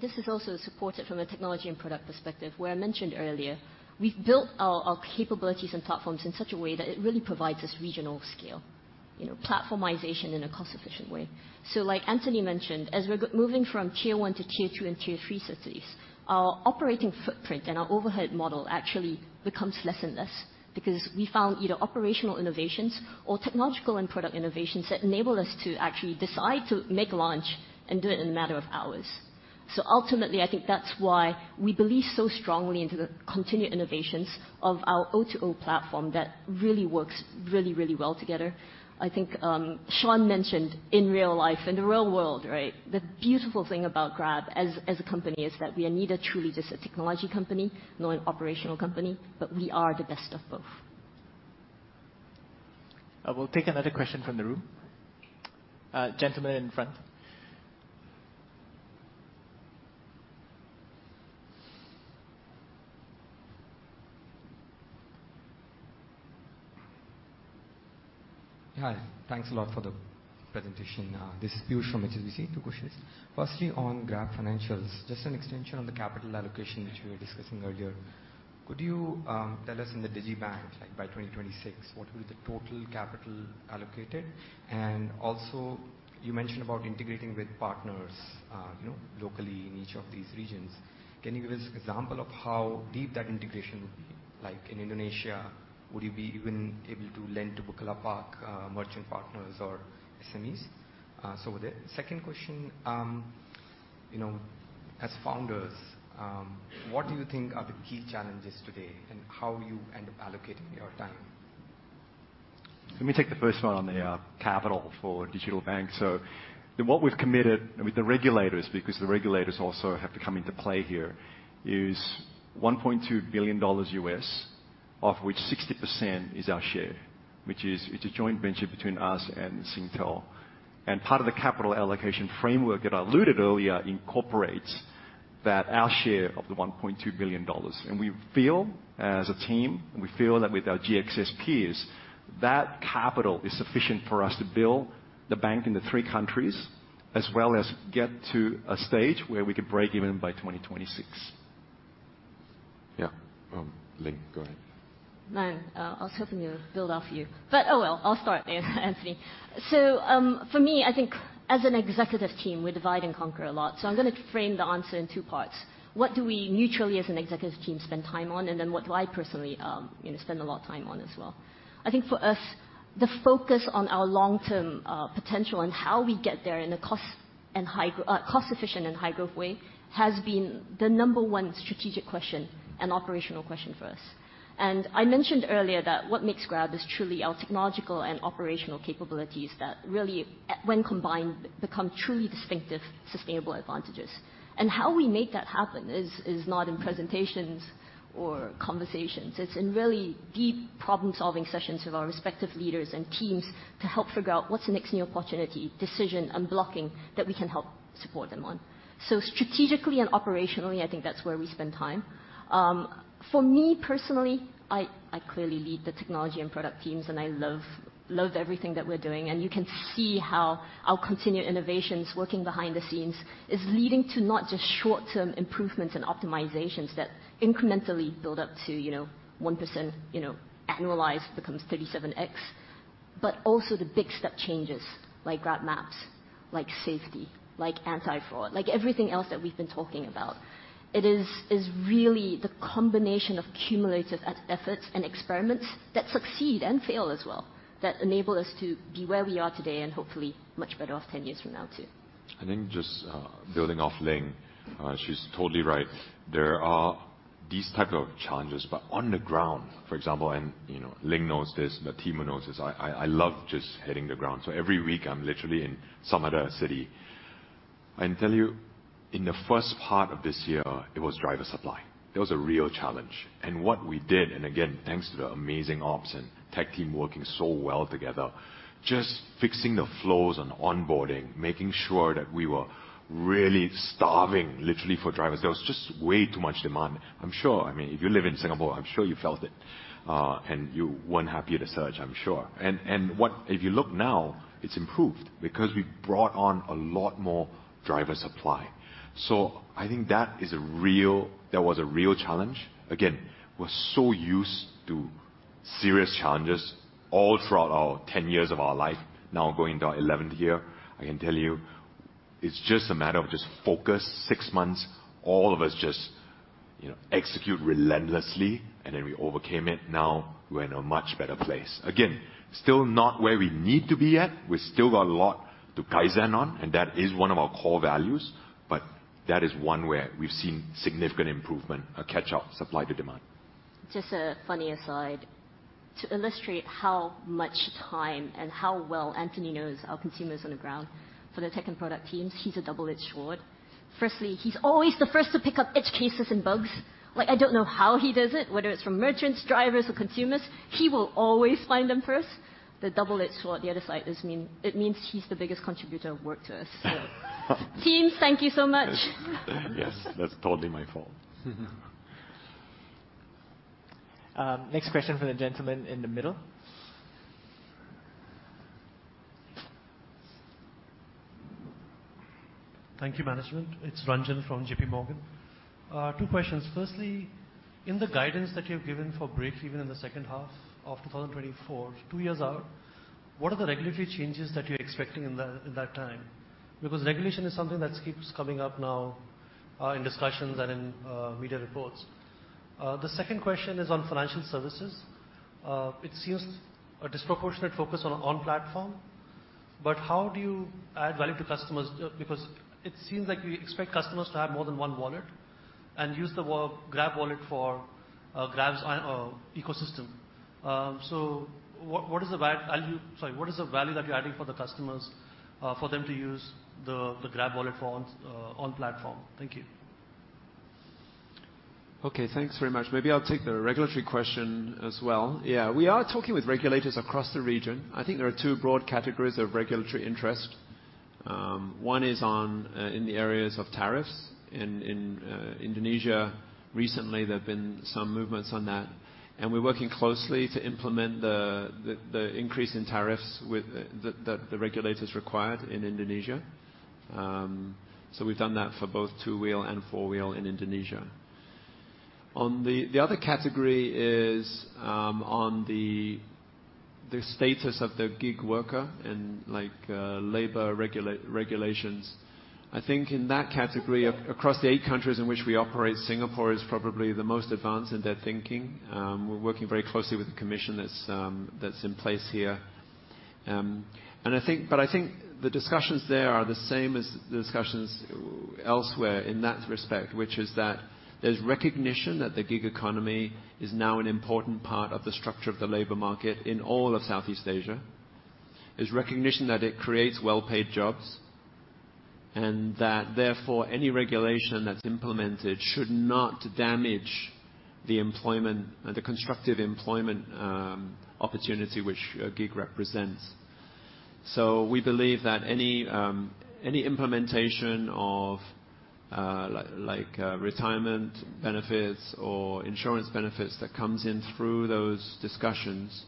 This is also supported from a technology and product perspective, where I mentioned earlier, we've built our capabilities and platforms in such a way that it really provides this regional scale. You know, platformization in a cost-efficient way. So like Anthony mentioned, as we're moving from tier-one to tier-two and tier-three cities, our operating footprint and our overhead model actually becomes less and less. Because we found either operational innovations or technological and product innovations that enable us to actually decide to make launch and do it in a matter of hours. So ultimately, I think that's why we believe so strongly into the continued innovations of our O2O platform that really works well together. I think, Sean mentioned in real life, in the real world, right? The beautiful thing about Grab as a company is that we are neither truly just a technology company nor an operational company, but we are the best of both. We'll take another question from the room. Gentleman in front. Hi, thanks a lot for the presentation. This is Piyush from HSBC. Two questions. Firstly, on Grab financials, just an extension on the capital allocation which we were discussing earlier. Could you tell us in the digital bank, like by 2026, what will the total capital allocated? And also you mentioned about integrating with partners, you know, locally in each of these regions. Can you give us example of how deep that integration would be? Like in Indonesia, would you be even able to lend to Bukalapak merchant partners or SMEs? With the second question, you know, as founders, what do you think are the key challenges today and how you end up allocating your time? Let me take the first one on the capital for digital bank. What we've committed with the regulators, because the regulators also have to come into play here, is $1.2 billion, of which 60% is our share, which is, it's a joint venture between us and Singtel. Part of the capital allocation framework that I alluded earlier incorporates that our share of the $1.2 billion. We feel as a team, and we feel that with our GXS peers, that capital is sufficient for us to build the bank in the three countries, as well as get to a stage where we could break even by 2026. Yeah. Ling, go ahead. No, I was hoping to build off you, but oh, well, I'll start then, Anthony. For me, I think as an executive team, we divide and conquer a lot. I'm gonna frame the answer in two parts. What do we mutually as an executive team spend time on? And then what do I personally, you know, spend a lot of time on as well? I think for us, the focus on our long-term potential and how we get there in a cost efficient and high growth way has been the number one strategic question and operational question for us. I mentioned earlier that what makes Grab is truly our technological and operational capabilities that really, when combined, become truly distinctive, sustainable advantages. How we make that happen is not in presentations or conversations. It's in really deep problem-solving sessions with our respective leaders and teams to help figure out what's the next new opportunity, decision, unblocking that we can help support them on. Strategically and operationally, I think that's where we spend time. For me personally, I clearly lead the technology and product teams, and I love everything that we're doing. You can see how our continued innovations working behind the scenes is leading to not just short-term improvements and optimizations that incrementally build up to, you know, 1%, you know, annualized becomes 37x, but also the big step changes like GrabMaps, like safety, like anti-fraud, like everything else that we've been talking about. It is really the combination of cumulative efforts and experiments that succeed and fail as well, that enable us to be where we are today and hopefully much better off 10 years from now too. I think just building off Ling, she's totally right. There are these type of challenges. On the ground, for example, and, you know, Ling knows this, Natima knows this, I love just hitting the ground. Every week I'm literally in some other city. I can tell you, in the first part of this year it was driver supply. That was a real challenge. What we did, and again, thanks to the amazing ops and tech team working so well together, just fixing the flows and onboarding, making sure that we were really starving literally for drivers. There was just way too much demand. I'm sure, I mean, if you live in Singapore, I'm sure you felt it, and you weren't happy with the surge, I'm sure. If you look now, it's improved because we've brought on a lot more driver supply. I think that was a real challenge. Again, we're so used to serious challenges all throughout our 10 years of our life, now going to our 11th year. I can tell you, it's just a matter of just focus, six months, all of us just, you know, execute relentlessly, and then we overcame it. Now we're in a much better place. Again, still not where we need to be at. We've still got a lot to kaizen on, and that is one of our core values. That is one where we've seen significant improvement, a catch-up, supply to demand. Just a funny aside. To illustrate how much time and how well Anthony knows our consumers on the ground for the tech and product teams, he's a double-edged sword. Firstly, he's always the first to pick up edge cases and bugs. Like, I don't know how he does it, whether it's from merchants, drivers or consumers, he will always find them first. The double-edged sword, the other side means he's the biggest contributor of work to us. Teams, thank you so much. Yes, that's totally my fault. Next question from the gentleman in the middle. Thank you, management. It's Ranjan from J.P. Morgan. Two questions. Firstly, in the guidance that you've given for breakeven in the second half of 2024, two years out, what are the regulatory changes that you're expecting in that time? Because regulation is something that keeps coming up now in discussions and in media reports. The second question is on financial services. It seems a disproportionate focus on on-platform, but how do you add value to customers? Because it seems like we expect customers to have more than one wallet and use the Grab wallet for Grab's ecosystem. What is the value that you're adding for the customers for them to use the Grab wallet for on-platform? Thank you. Okay, thanks very much. Maybe I'll take the regulatory question as well. Yeah. We are talking with regulators across the region. I think there are two broad categories of regulatory interest. One is in the areas of tariffs. In Indonesia recently there have been some movements on that, and we're working closely to implement the increase in tariffs that the regulators required in Indonesia. So we've done that for both two-wheel and four-wheel in Indonesia. The other category is on the status of the gig worker and like labor regulations. I think in that category across the eight countries in which we operate, Singapore is probably the most advanced in their thinking. We're working very closely with the commission that's in place here. I think the discussions there are the same as the discussions elsewhere in that respect, which is that there's recognition that the gig economy is now an important part of the structure of the labor market in all of Southeast Asia. There's recognition that it creates well-paid jobs, and that therefore any regulation that's implemented should not damage the employment, the constructive employment opportunity which a gig represents. We believe that any implementation of retirement benefits or insurance benefits that comes in through those discussions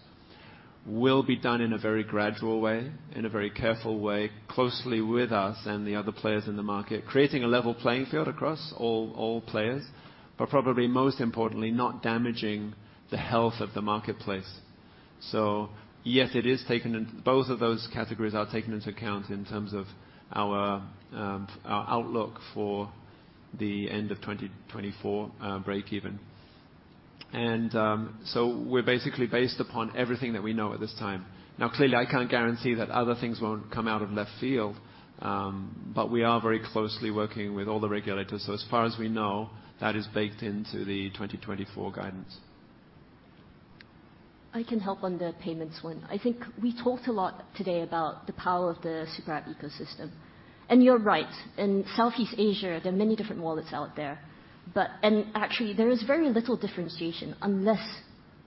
will be done in a very gradual way, in a very careful way, closely with us and the other players in the market, creating a level playing field across all players, but probably most importantly, not damaging the health of the marketplace. Yes, both of those categories are taken into account in terms of our outlook for the end of 2024, break even. We're basically based upon everything that we know at this time. Now, clearly, I can't guarantee that other things won't come out of left field, but we are very closely working with all the regulators. As far as we know, that is baked into the 2024 guidance. I can help on the payments one. I think we talked a lot today about the power of the super app ecosystem. You're right, in Southeast Asia, there are many different wallets out there. Actually, there is very little differentiation unless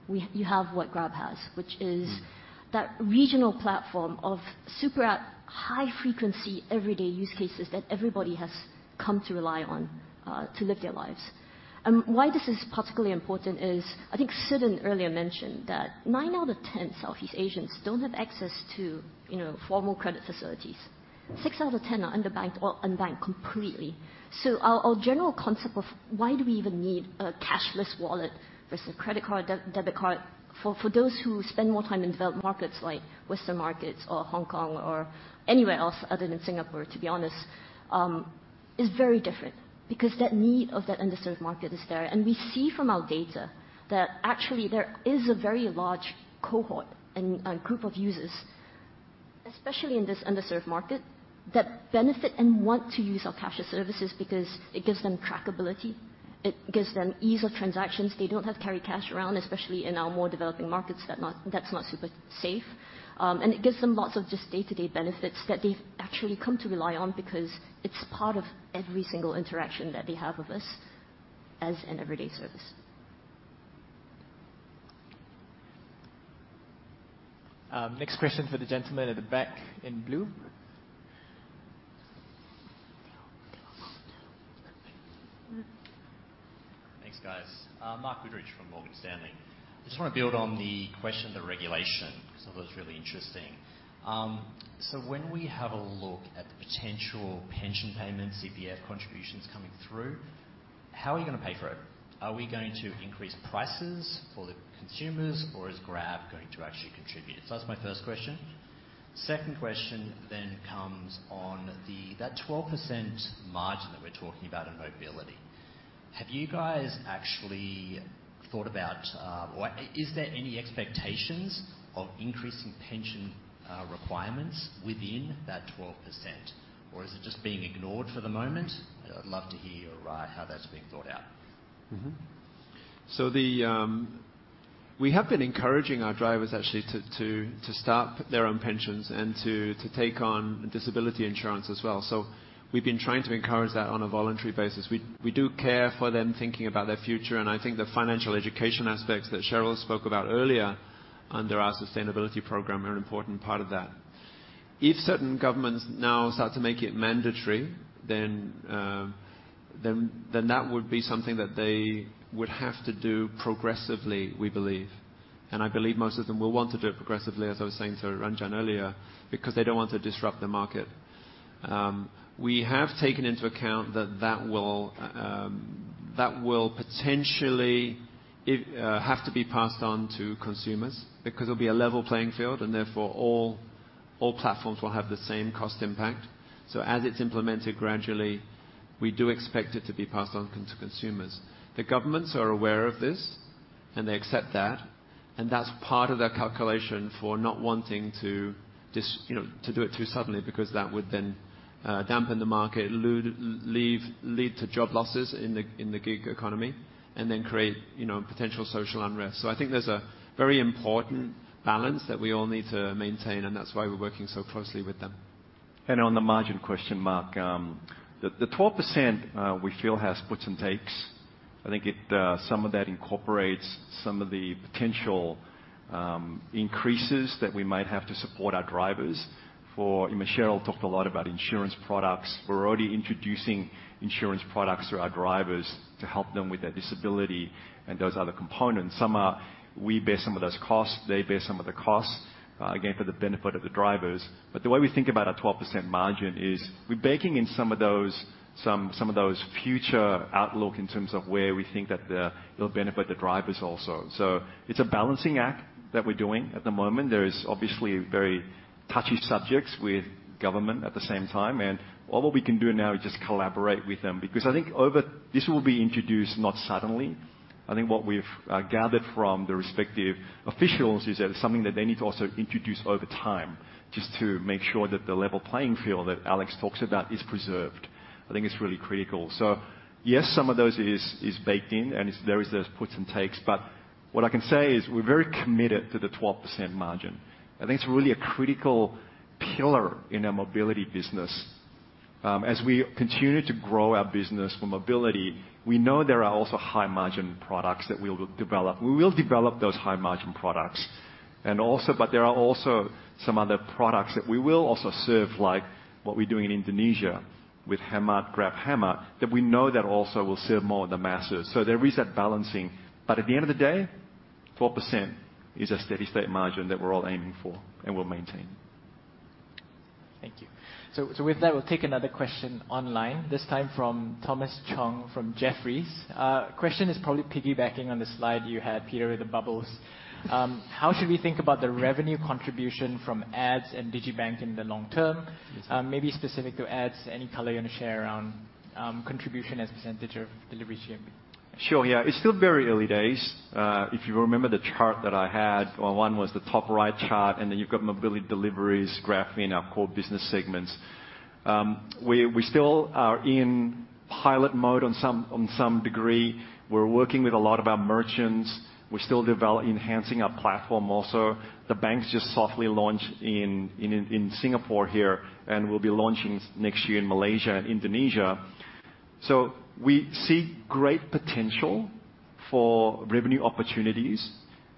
you have what Grab has, which is. That regional platform of Super App high frequency everyday use cases that everybody has come to rely on, to live their lives. Why this is particularly important is, I think Suthen earlier mentioned that nine out of ten Southeast Asians don't have access to, you know, formal credit facilities. Six out of ten are underbanked or unbanked completely. Our general concept of why do we even need a cashless wallet versus credit card, debit card for those who spend more time in developed markets like Western markets or Hong Kong or anywhere else other than Singapore, to be honest, is very different. Because that need of that underserved market is there. We see from our data that actually there is a very large cohort and group of users, especially in this underserved market, that benefit and want to use our cashless services because it gives them trackability, it gives them ease of transactions. They don't have to carry cash around, especially in our more developing markets that's not super safe. It gives them lots of just day-to-day benefits that they've actually come to rely on because it's part of every single interaction that they have with us as an everyday service. Next question for the gentleman at the back in blue. Thanks, guys. I'm Mark Goodridge from Morgan Stanley. I just wanna build on the question, the regulation, 'cause I thought it was really interesting. When we have a look at the potential pension payments, CPF contributions coming through, how are you gonna pay for it? Are we going to increase prices for the consumers, or is Grab going to actually contribute? That's my first question. Second question comes on that 12% margin that we're talking about in mobility. Have you guys actually thought about, what is there any expectations of increasing pension, requirements within that 12%? Or is it just being ignored for the moment? I'd love to hear how that's being thought out. Mm-hmm. We have been encouraging our drivers actually to start their own pensions and to take on disability insurance as well. We've been trying to encourage that on a voluntary basis. We do care for them thinking about their future, and I think the financial education aspects that Cheryl spoke about earlier under our sustainability program are an important part of that. If certain governments now start to make it mandatory, then that would be something that they would have to do progressively, we believe. I believe most of them will want to do it progressively, as I was saying to Ranjan earlier, because they don't want to disrupt the market. We have taken into account that that will potentially have to be passed on to consumers because there'll be a level playing field and therefore all platforms will have the same cost impact. As it's implemented gradually, we do expect it to be passed on to consumers. The governments are aware of this, and they accept that, and that's part of their calculation for not wanting to just, you know, to do it too suddenly, because that would then dampen the market, lead to job losses in the gig economy, and then create, you know, potential social unrest. I think there's a very important balance that we all need to maintain, and that's why we're working so closely with them. On the margin question, Mark, the 12%, we feel has puts and takes. I think some of that incorporates some of the potential increases that we might have to support our drivers for. I mean, Cheryl talked a lot about insurance products. We're already introducing insurance products to our drivers to help them with their disability and those other components. Some are. We bear some of those costs, they bear some of the costs, again, for the benefit of the drivers. The way we think about our 12% margin is we're baking in some of those, some of those future outlook in terms of where we think that it'll benefit the drivers also. It's a balancing act that we're doing at the moment. There are obviously very touchy subjects with government at the same time, and all that we can do now is just collaborate with them, because I think this will be introduced not suddenly. I think what we've gathered from the respective officials is that it's something that they need to also introduce over time just to make sure that the level playing field that Alex talks about is preserved. I think it's really critical. Yes, some of those is baked in and there is those puts and takes, but what I can say is we're very committed to the 12% margin. I think it's really a critical pillar in our mobility business. As we continue to grow our business for mobility, we know there are also high margin products that we'll develop. We will develop those high margin products. There are also some other products that we will also serve, like what we're doing in Indonesia with GrabCar Hemat, that we know that also will serve more of the masses. There is that balancing. At the end of the day, 12% is a steady state margin that we're all aiming for and will maintain. Thank you. With that, we'll take another question online, this time from Thomas Chong from Jefferies. The question is probably piggybacking on the slide you had, Peter, with the bubbles. How should we think about the revenue contribution from ads and digital bank in the long term? Yes, sir. Maybe specific to ads, any color you wanna share around contribution as a percentage of delivery GMV? Sure, yeah. It's still very early days. If you remember the chart that I had, well, one was the top right chart, and then you've got mobility deliveries graphed in our core business segments. We still are in. Pilot mode on some degree. We're working with a lot of our merchants. We're still enhancing our platform also. The digibanks just soft launched in Singapore here, and will be launching next year in Malaysia and Indonesia. We see great potential for revenue opportunities.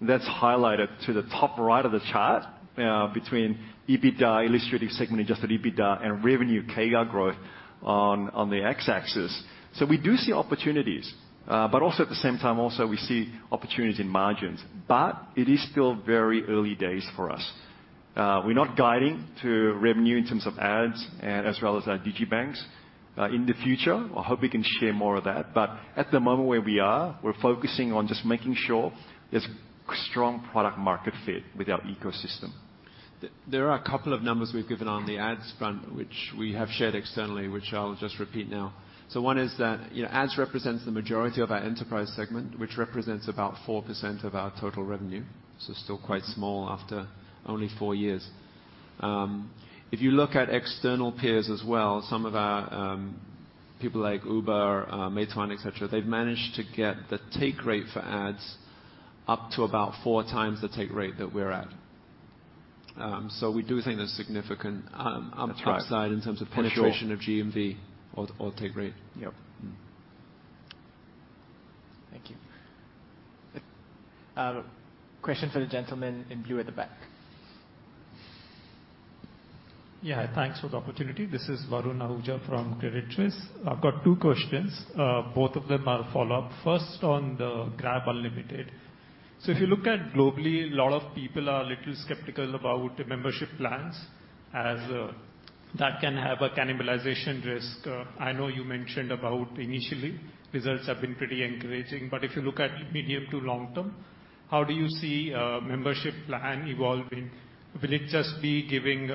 That's highlighted to the top right of the chart, between EBITDA, financial services segment-adjusted EBITDA and revenue CAGR growth on the x-axis. We do see opportunities, but also at the same time we see opportunities in margins. It is still very early days for us. We're not guiding to revenue in terms of ads and as well as our digibanks. In the future, I hope we can share more of that. at the moment where we are, we're focusing on just making sure there's strong product market fit with our ecosystem. There are a couple of numbers we've given on the ads front, which we have shared externally, which I'll just repeat now. One is that, you know, ads represents the majority of our enterprise segment, which represents about 4% of our total revenue. Still quite small after only four years. If you look at external peers as well, some of our peers like Uber, Meituan, et cetera, they've managed to get the take rate for ads up to about 4x the take rate that we're at. We do think there's significant up. That's right. Upside in terms of. For sure. Penetration of GMV or take rate. Yep. Mm-hmm. Thank you. Question for the gentleman in blue at the back. Yeah. Thanks for the opportunity. This is Varun Ahuja from Credit Suisse. I've got two questions. Both of them are follow-up. First, on the Grab Unlimited. So if you look at globally, a lot of people are a little skeptical about the membership plans as that can have a cannibalization risk. I know you mentioned about initially results have been pretty encouraging, but if you look at medium to long term, how do you see membership plan evolving? Will it just be giving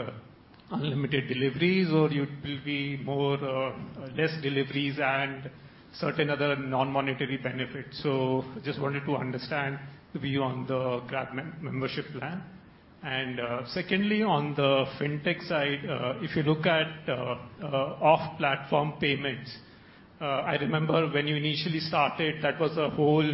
unlimited deliveries or it will be more less deliveries and certain other non-monetary benefits? So just wanted to understand the view on the Grab membership plan. Secondly, on the fintech side, if you look at off-platform payments, I remember when you initially started, that was a whole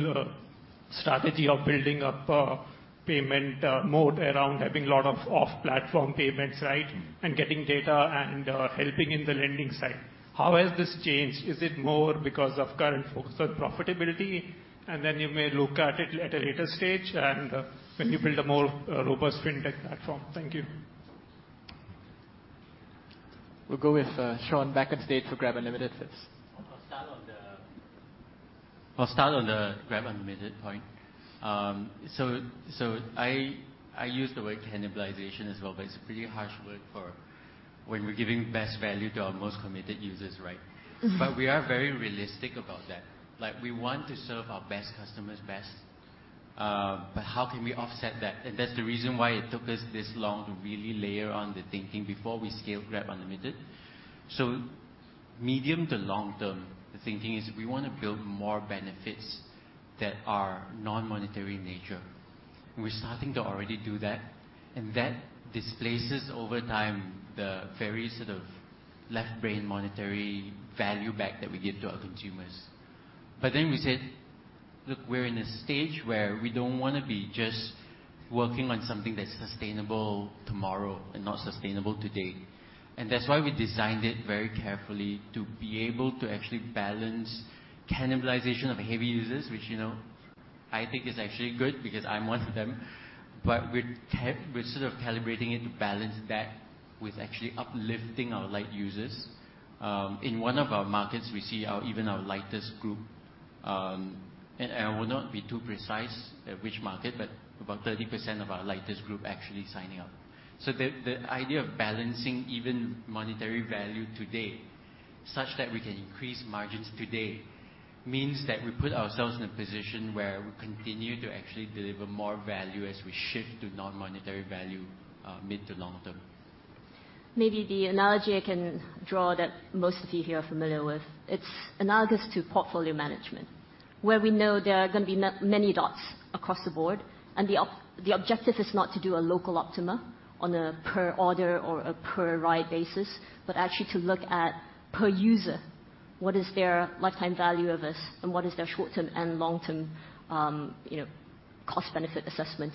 strategy of building up a payment mode around having a lot of off-platform payments, right? Mm-hmm. Getting data and helping in the lending side. How has this changed? Is it more because of current focus on profitability, and then you may look at it at a later stage and when you build a more robust fintech platform? Thank you. We'll go with Sean back upstate for Grab Unlimited first. I'll start on the Grab Unlimited point. So I use the word cannibalization as well, but it's a pretty harsh word for when we're giving best value to our most committed users, right? Mm-hmm. We are very realistic about that. Like, we want to serve our best customers best, but how can we offset that? That's the reason why it took us this long to really layer on the thinking before we scaled Grab Unlimited. Medium to long term, the thinking is we wanna build more benefits that are non-monetary in nature. We're starting to already do that, and that displaces over time the very sort of left brain monetary value back that we give to our consumers. We said, "Look, we're in a stage where we don't wanna be just working on something that's sustainable tomorrow and not sustainable today." That's why we designed it very carefully to be able to actually balance cannibalization of heavy users, which, you know, I think is actually good because I'm one of them. We're sort of calibrating it to balance that with actually uplifting our light users. In one of our markets, we see our even our lightest group, and I would not be too precise at which market, but about 30% of our lightest group actually signing up. The idea of balancing even monetary value today such that we can increase margins today means that we put ourselves in a position where we continue to actually deliver more value as we shift to non-monetary value, mid to long term. Maybe the analogy I can draw that most of you here are familiar with, it's analogous to portfolio management, where we know there are gonna be many dots across the board and the objective is not to do a local optima on a per order or a per ride basis, but actually to look at per user, what is their lifetime value of us, and what is their short-term and long-term, you know, cost benefit assessment,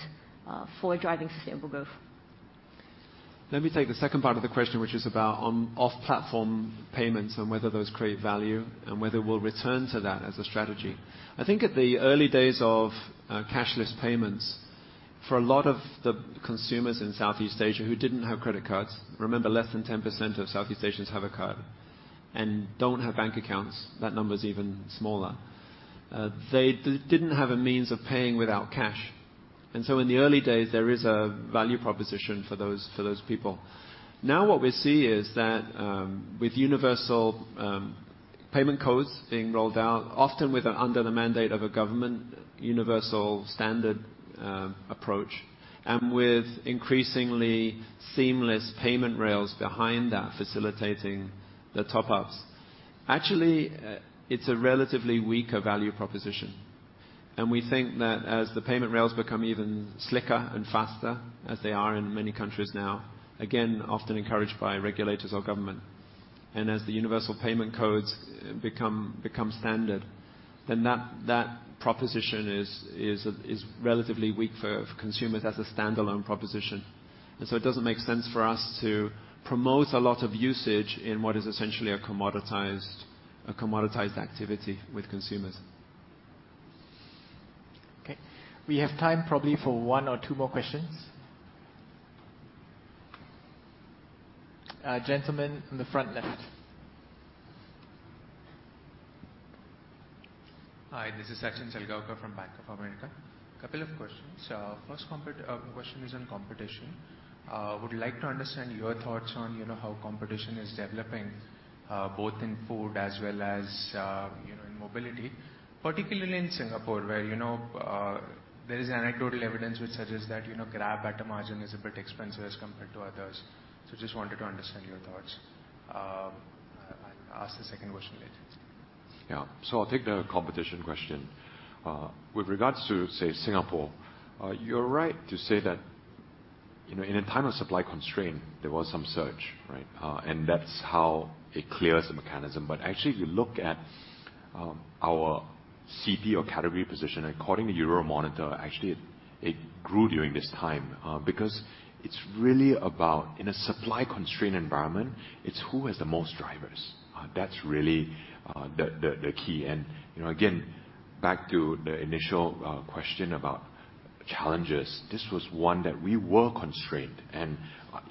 for driving sustainable growth. Let me take the second part of the question, which is about on off-platform payments and whether those create value and whether we'll return to that as a strategy. I think at the early days of cashless payments, for a lot of the consumers in Southeast Asia who didn't have credit cards, remember less than 10% of Southeast Asians have a card and don't have bank accounts. That number is even smaller. They didn't have a means of paying without cash. In the early days, there is a value proposition for those people. Now what we see is that, with universal payment codes being rolled out, often under the mandate of a government universal standard approach, and with increasingly seamless payment rails behind that facilitating the top ups, it's a relatively weaker value proposition. We think that as the payment rails become even slicker and faster, as they are in many countries now, again, often encouraged by regulators or government, and as the universal payment codes become standard, then that proposition is relatively weak for consumers as a standalone proposition. It doesn't make sense for us to promote a lot of usage in what is essentially a commoditized activity with consumers. Okay. We have time probably for one or two more questions. Gentleman in the front left. Hi, this is Sachin Salgaonkar from Bank of America. Couple of questions. First question is on competition. Would like to understand your thoughts on, you know, how competition is developing, both in food as well as, you know, in mobility. Particularly in Singapore, where, you know, there is anecdotal evidence which suggests that, you know, Grab at a margin is a bit expensive as compared to others. Just wanted to understand your thoughts. I'll ask the second question later. Yeah. I'll take the competition question. With regards to, say, Singapore, you're right to say that, you know, in a time of supply constraint, there was some surge, right? That's how it clears the mechanism. Actually, if you look at our CP or category position, according to Euromonitor, actually it grew during this time, because it's really about in a supply-constrained environment, it's who has the most drivers. That's really the key. You know, again, back to the initial question about challenges, this was one that we were constrained and,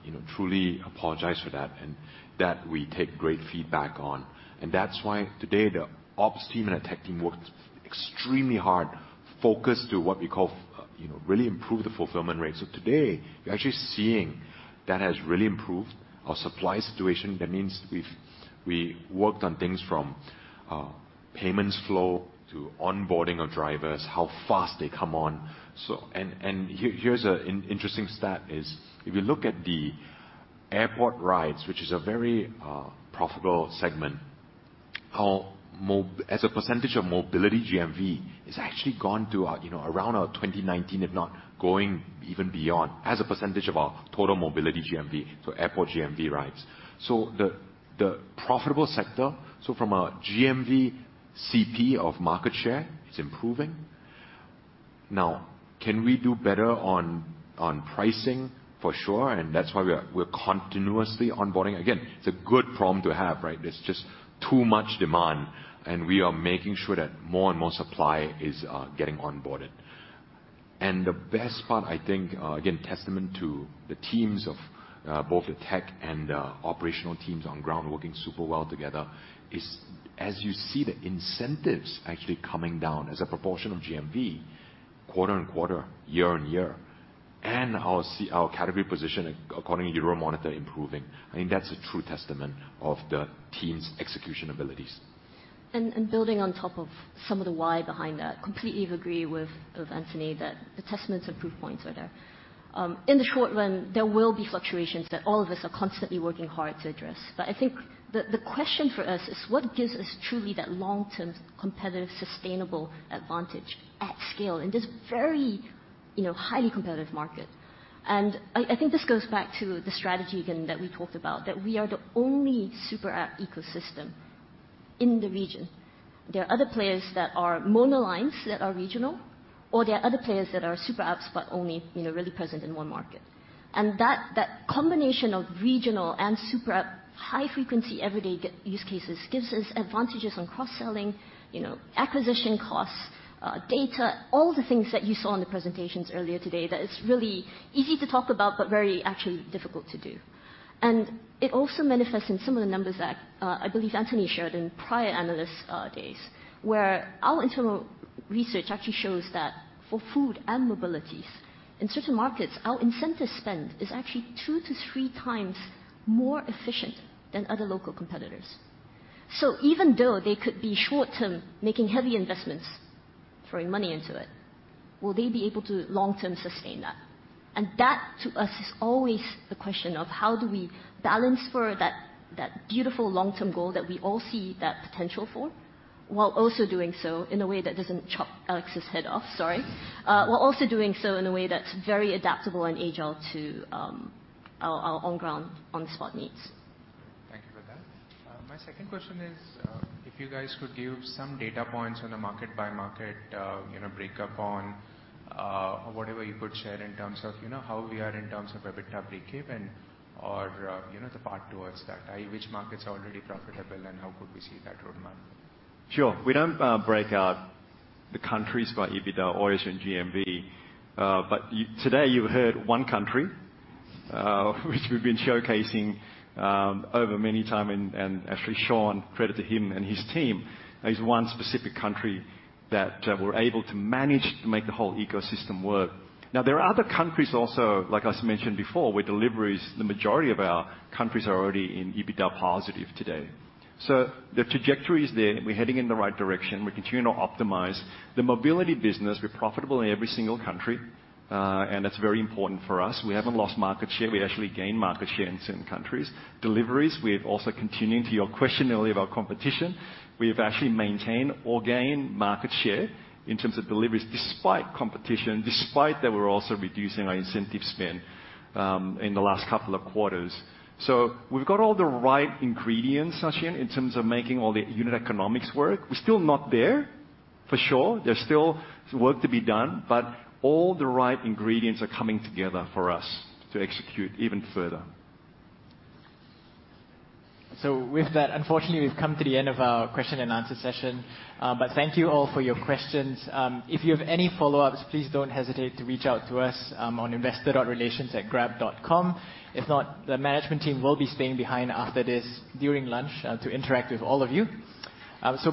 you know, truly apologize for that and that we take great feedback on. That's why today the ops team and the tech team worked extremely hard, focused to what we call, you know, really improve the fulfillment rate. Today we're actually seeing that has really improved our supply situation. That means we've worked on things from payments flow to onboarding of drivers, how fast they come on. Here, here's an interesting stat is if you look at the airport rides, which is a very profitable segment, how much as a percentage of mobility GMV, it's actually gone to around our 2019, if not going even beyond, as a percentage of our total mobility GMV, so airport rides GMV. The profitable sector, so from a GMV CP of market share, it's improving. Now, can we do better on pricing? For sure, and that's why we're continuously onboarding. Again, it's a good problem to have, right? There's just too much demand, and we are making sure that more and more supply is getting onboarded. The best part, I think, again, testament to the teams of both the tech and the operational teams on ground working super well together is as you see the incentives actually coming down as a proportion of GMV quarter-over-quarter, year-over-year, and our category position according to Euromonitor improving. I think that's a true testament of the team's execution abilities. Building on top of some of the why behind that, completely agree with Anthony that the testaments and proof points are there. In the short run, there will be fluctuations that all of us are constantly working hard to address. I think the question for us is what gives us truly that long-term competitive, sustainable advantage at scale in this very, you know, highly competitive market. I think this goes back to the strategy again that we talked about, that we are the only super app ecosystem in the region. There are other players that are monolines that are regional, or there are other players that are super apps, but only, you know, really present in one market. That combination of regional and super app high frequency everyday use cases gives us advantages on cross-selling, you know, acquisition costs, data, all the things that you saw in the presentations earlier today that it's really easy to talk about, but very actually difficult to do. It also manifests in some of the numbers that I believe Anthony shared in prior analyst days. Where our internal research actually shows that for food and mobility, in certain markets, our incentive spend is actually 2x-3x more efficient than other local competitors. Even though they could be short-term making heavy investments, throwing money into it, will they be able to long-term sustain that? That to us is always the question of how do we balance for that beautiful long-term goal that we all see that potential for, while also doing so in a way that doesn't chop Alex's head off, sorry. While also doing so in a way that's very adaptable and agile to our on ground, on the spot needs. Thank you for that. My second question is, if you guys could give some data points on a market by market, you know, breakup on, whatever you could share in terms of, you know, how we are in terms of EBITDA breakeven or, you know, the path towards that. Which markets are already profitable, and how could we see that roadmap? Sure. We don't break out the countries by EBITDA always in GMV. But today you heard one country, which we've been showcasing over many time and actually Sean, credit to him and his team, is one specific country that we're able to manage to make the whole ecosystem work. Now, there are other countries also, like as mentioned before, where deliveries, the majority of our countries are already in EBITDA positive today. The trajectory is there. We're heading in the right direction. We're continuing to optimize the mobility business. We're profitable in every single country, and that's very important for us. We haven't lost market share. We actually gained market share in certain countries. Deliveries, we have also continuing to your question earlier about competition. We have actually maintained or gained market share in terms of deliveries despite competition, despite that we're also reducing our incentive spend, in the last couple of quarters. We've got all the right ingredients, Sachin, in terms of making all the unit economics work. We're still not there for sure. There's still work to be done, but all the right ingredients are coming together for us to execute even further. With that, unfortunately we've come to the end of our question-and-answer session. Thank you all for your questions. If you have any follow-ups, please don't hesitate to reach out to us on investor.relations@grab.com. If not, the management team will be staying behind after this during lunch to interact with all of you.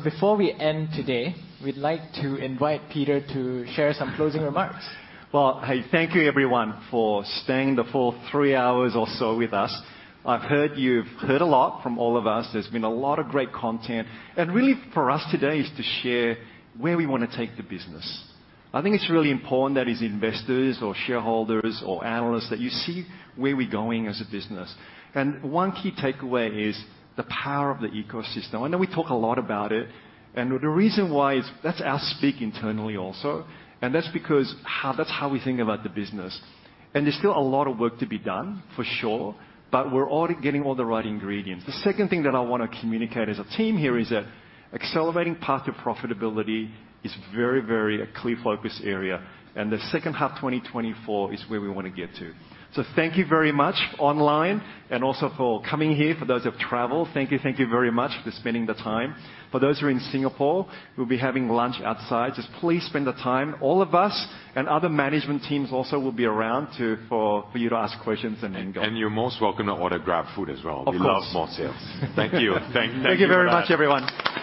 Before we end today, we'd like to invite Peter to share some closing remarks. Well, I thank you, everyone, for staying the full three hours or so with us. I've heard you've heard a lot from all of us. There's been a lot of great content, and really for us today is to share where we wanna take the business. I think it's really important that as investors or shareholders or analysts that you see where we're going as a business. One key takeaway is the power of the ecosystem. I know we talk a lot about it, and the reason why is that's how we speak internally also, and that's how we think about the business. There's still a lot of work to be done for sure, but we're already getting all the right ingredients. The second thing that I wanna communicate as a team here is that accelerating path to profitability is very, very clear focus area and the second half 2024 is where we wanna get to. Thank you very much online and also for coming here for those who have traveled, thank you, thank you very much for spending the time. For those who are in Singapore, we'll be having lunch outside. Just please spend the time. All of us and other management teams also will be around to for you to ask questions and go. You're most welcome to order GrabFood as well. Of course. We love more sales. Thank you. Thank you for that. Thank you very much everyone.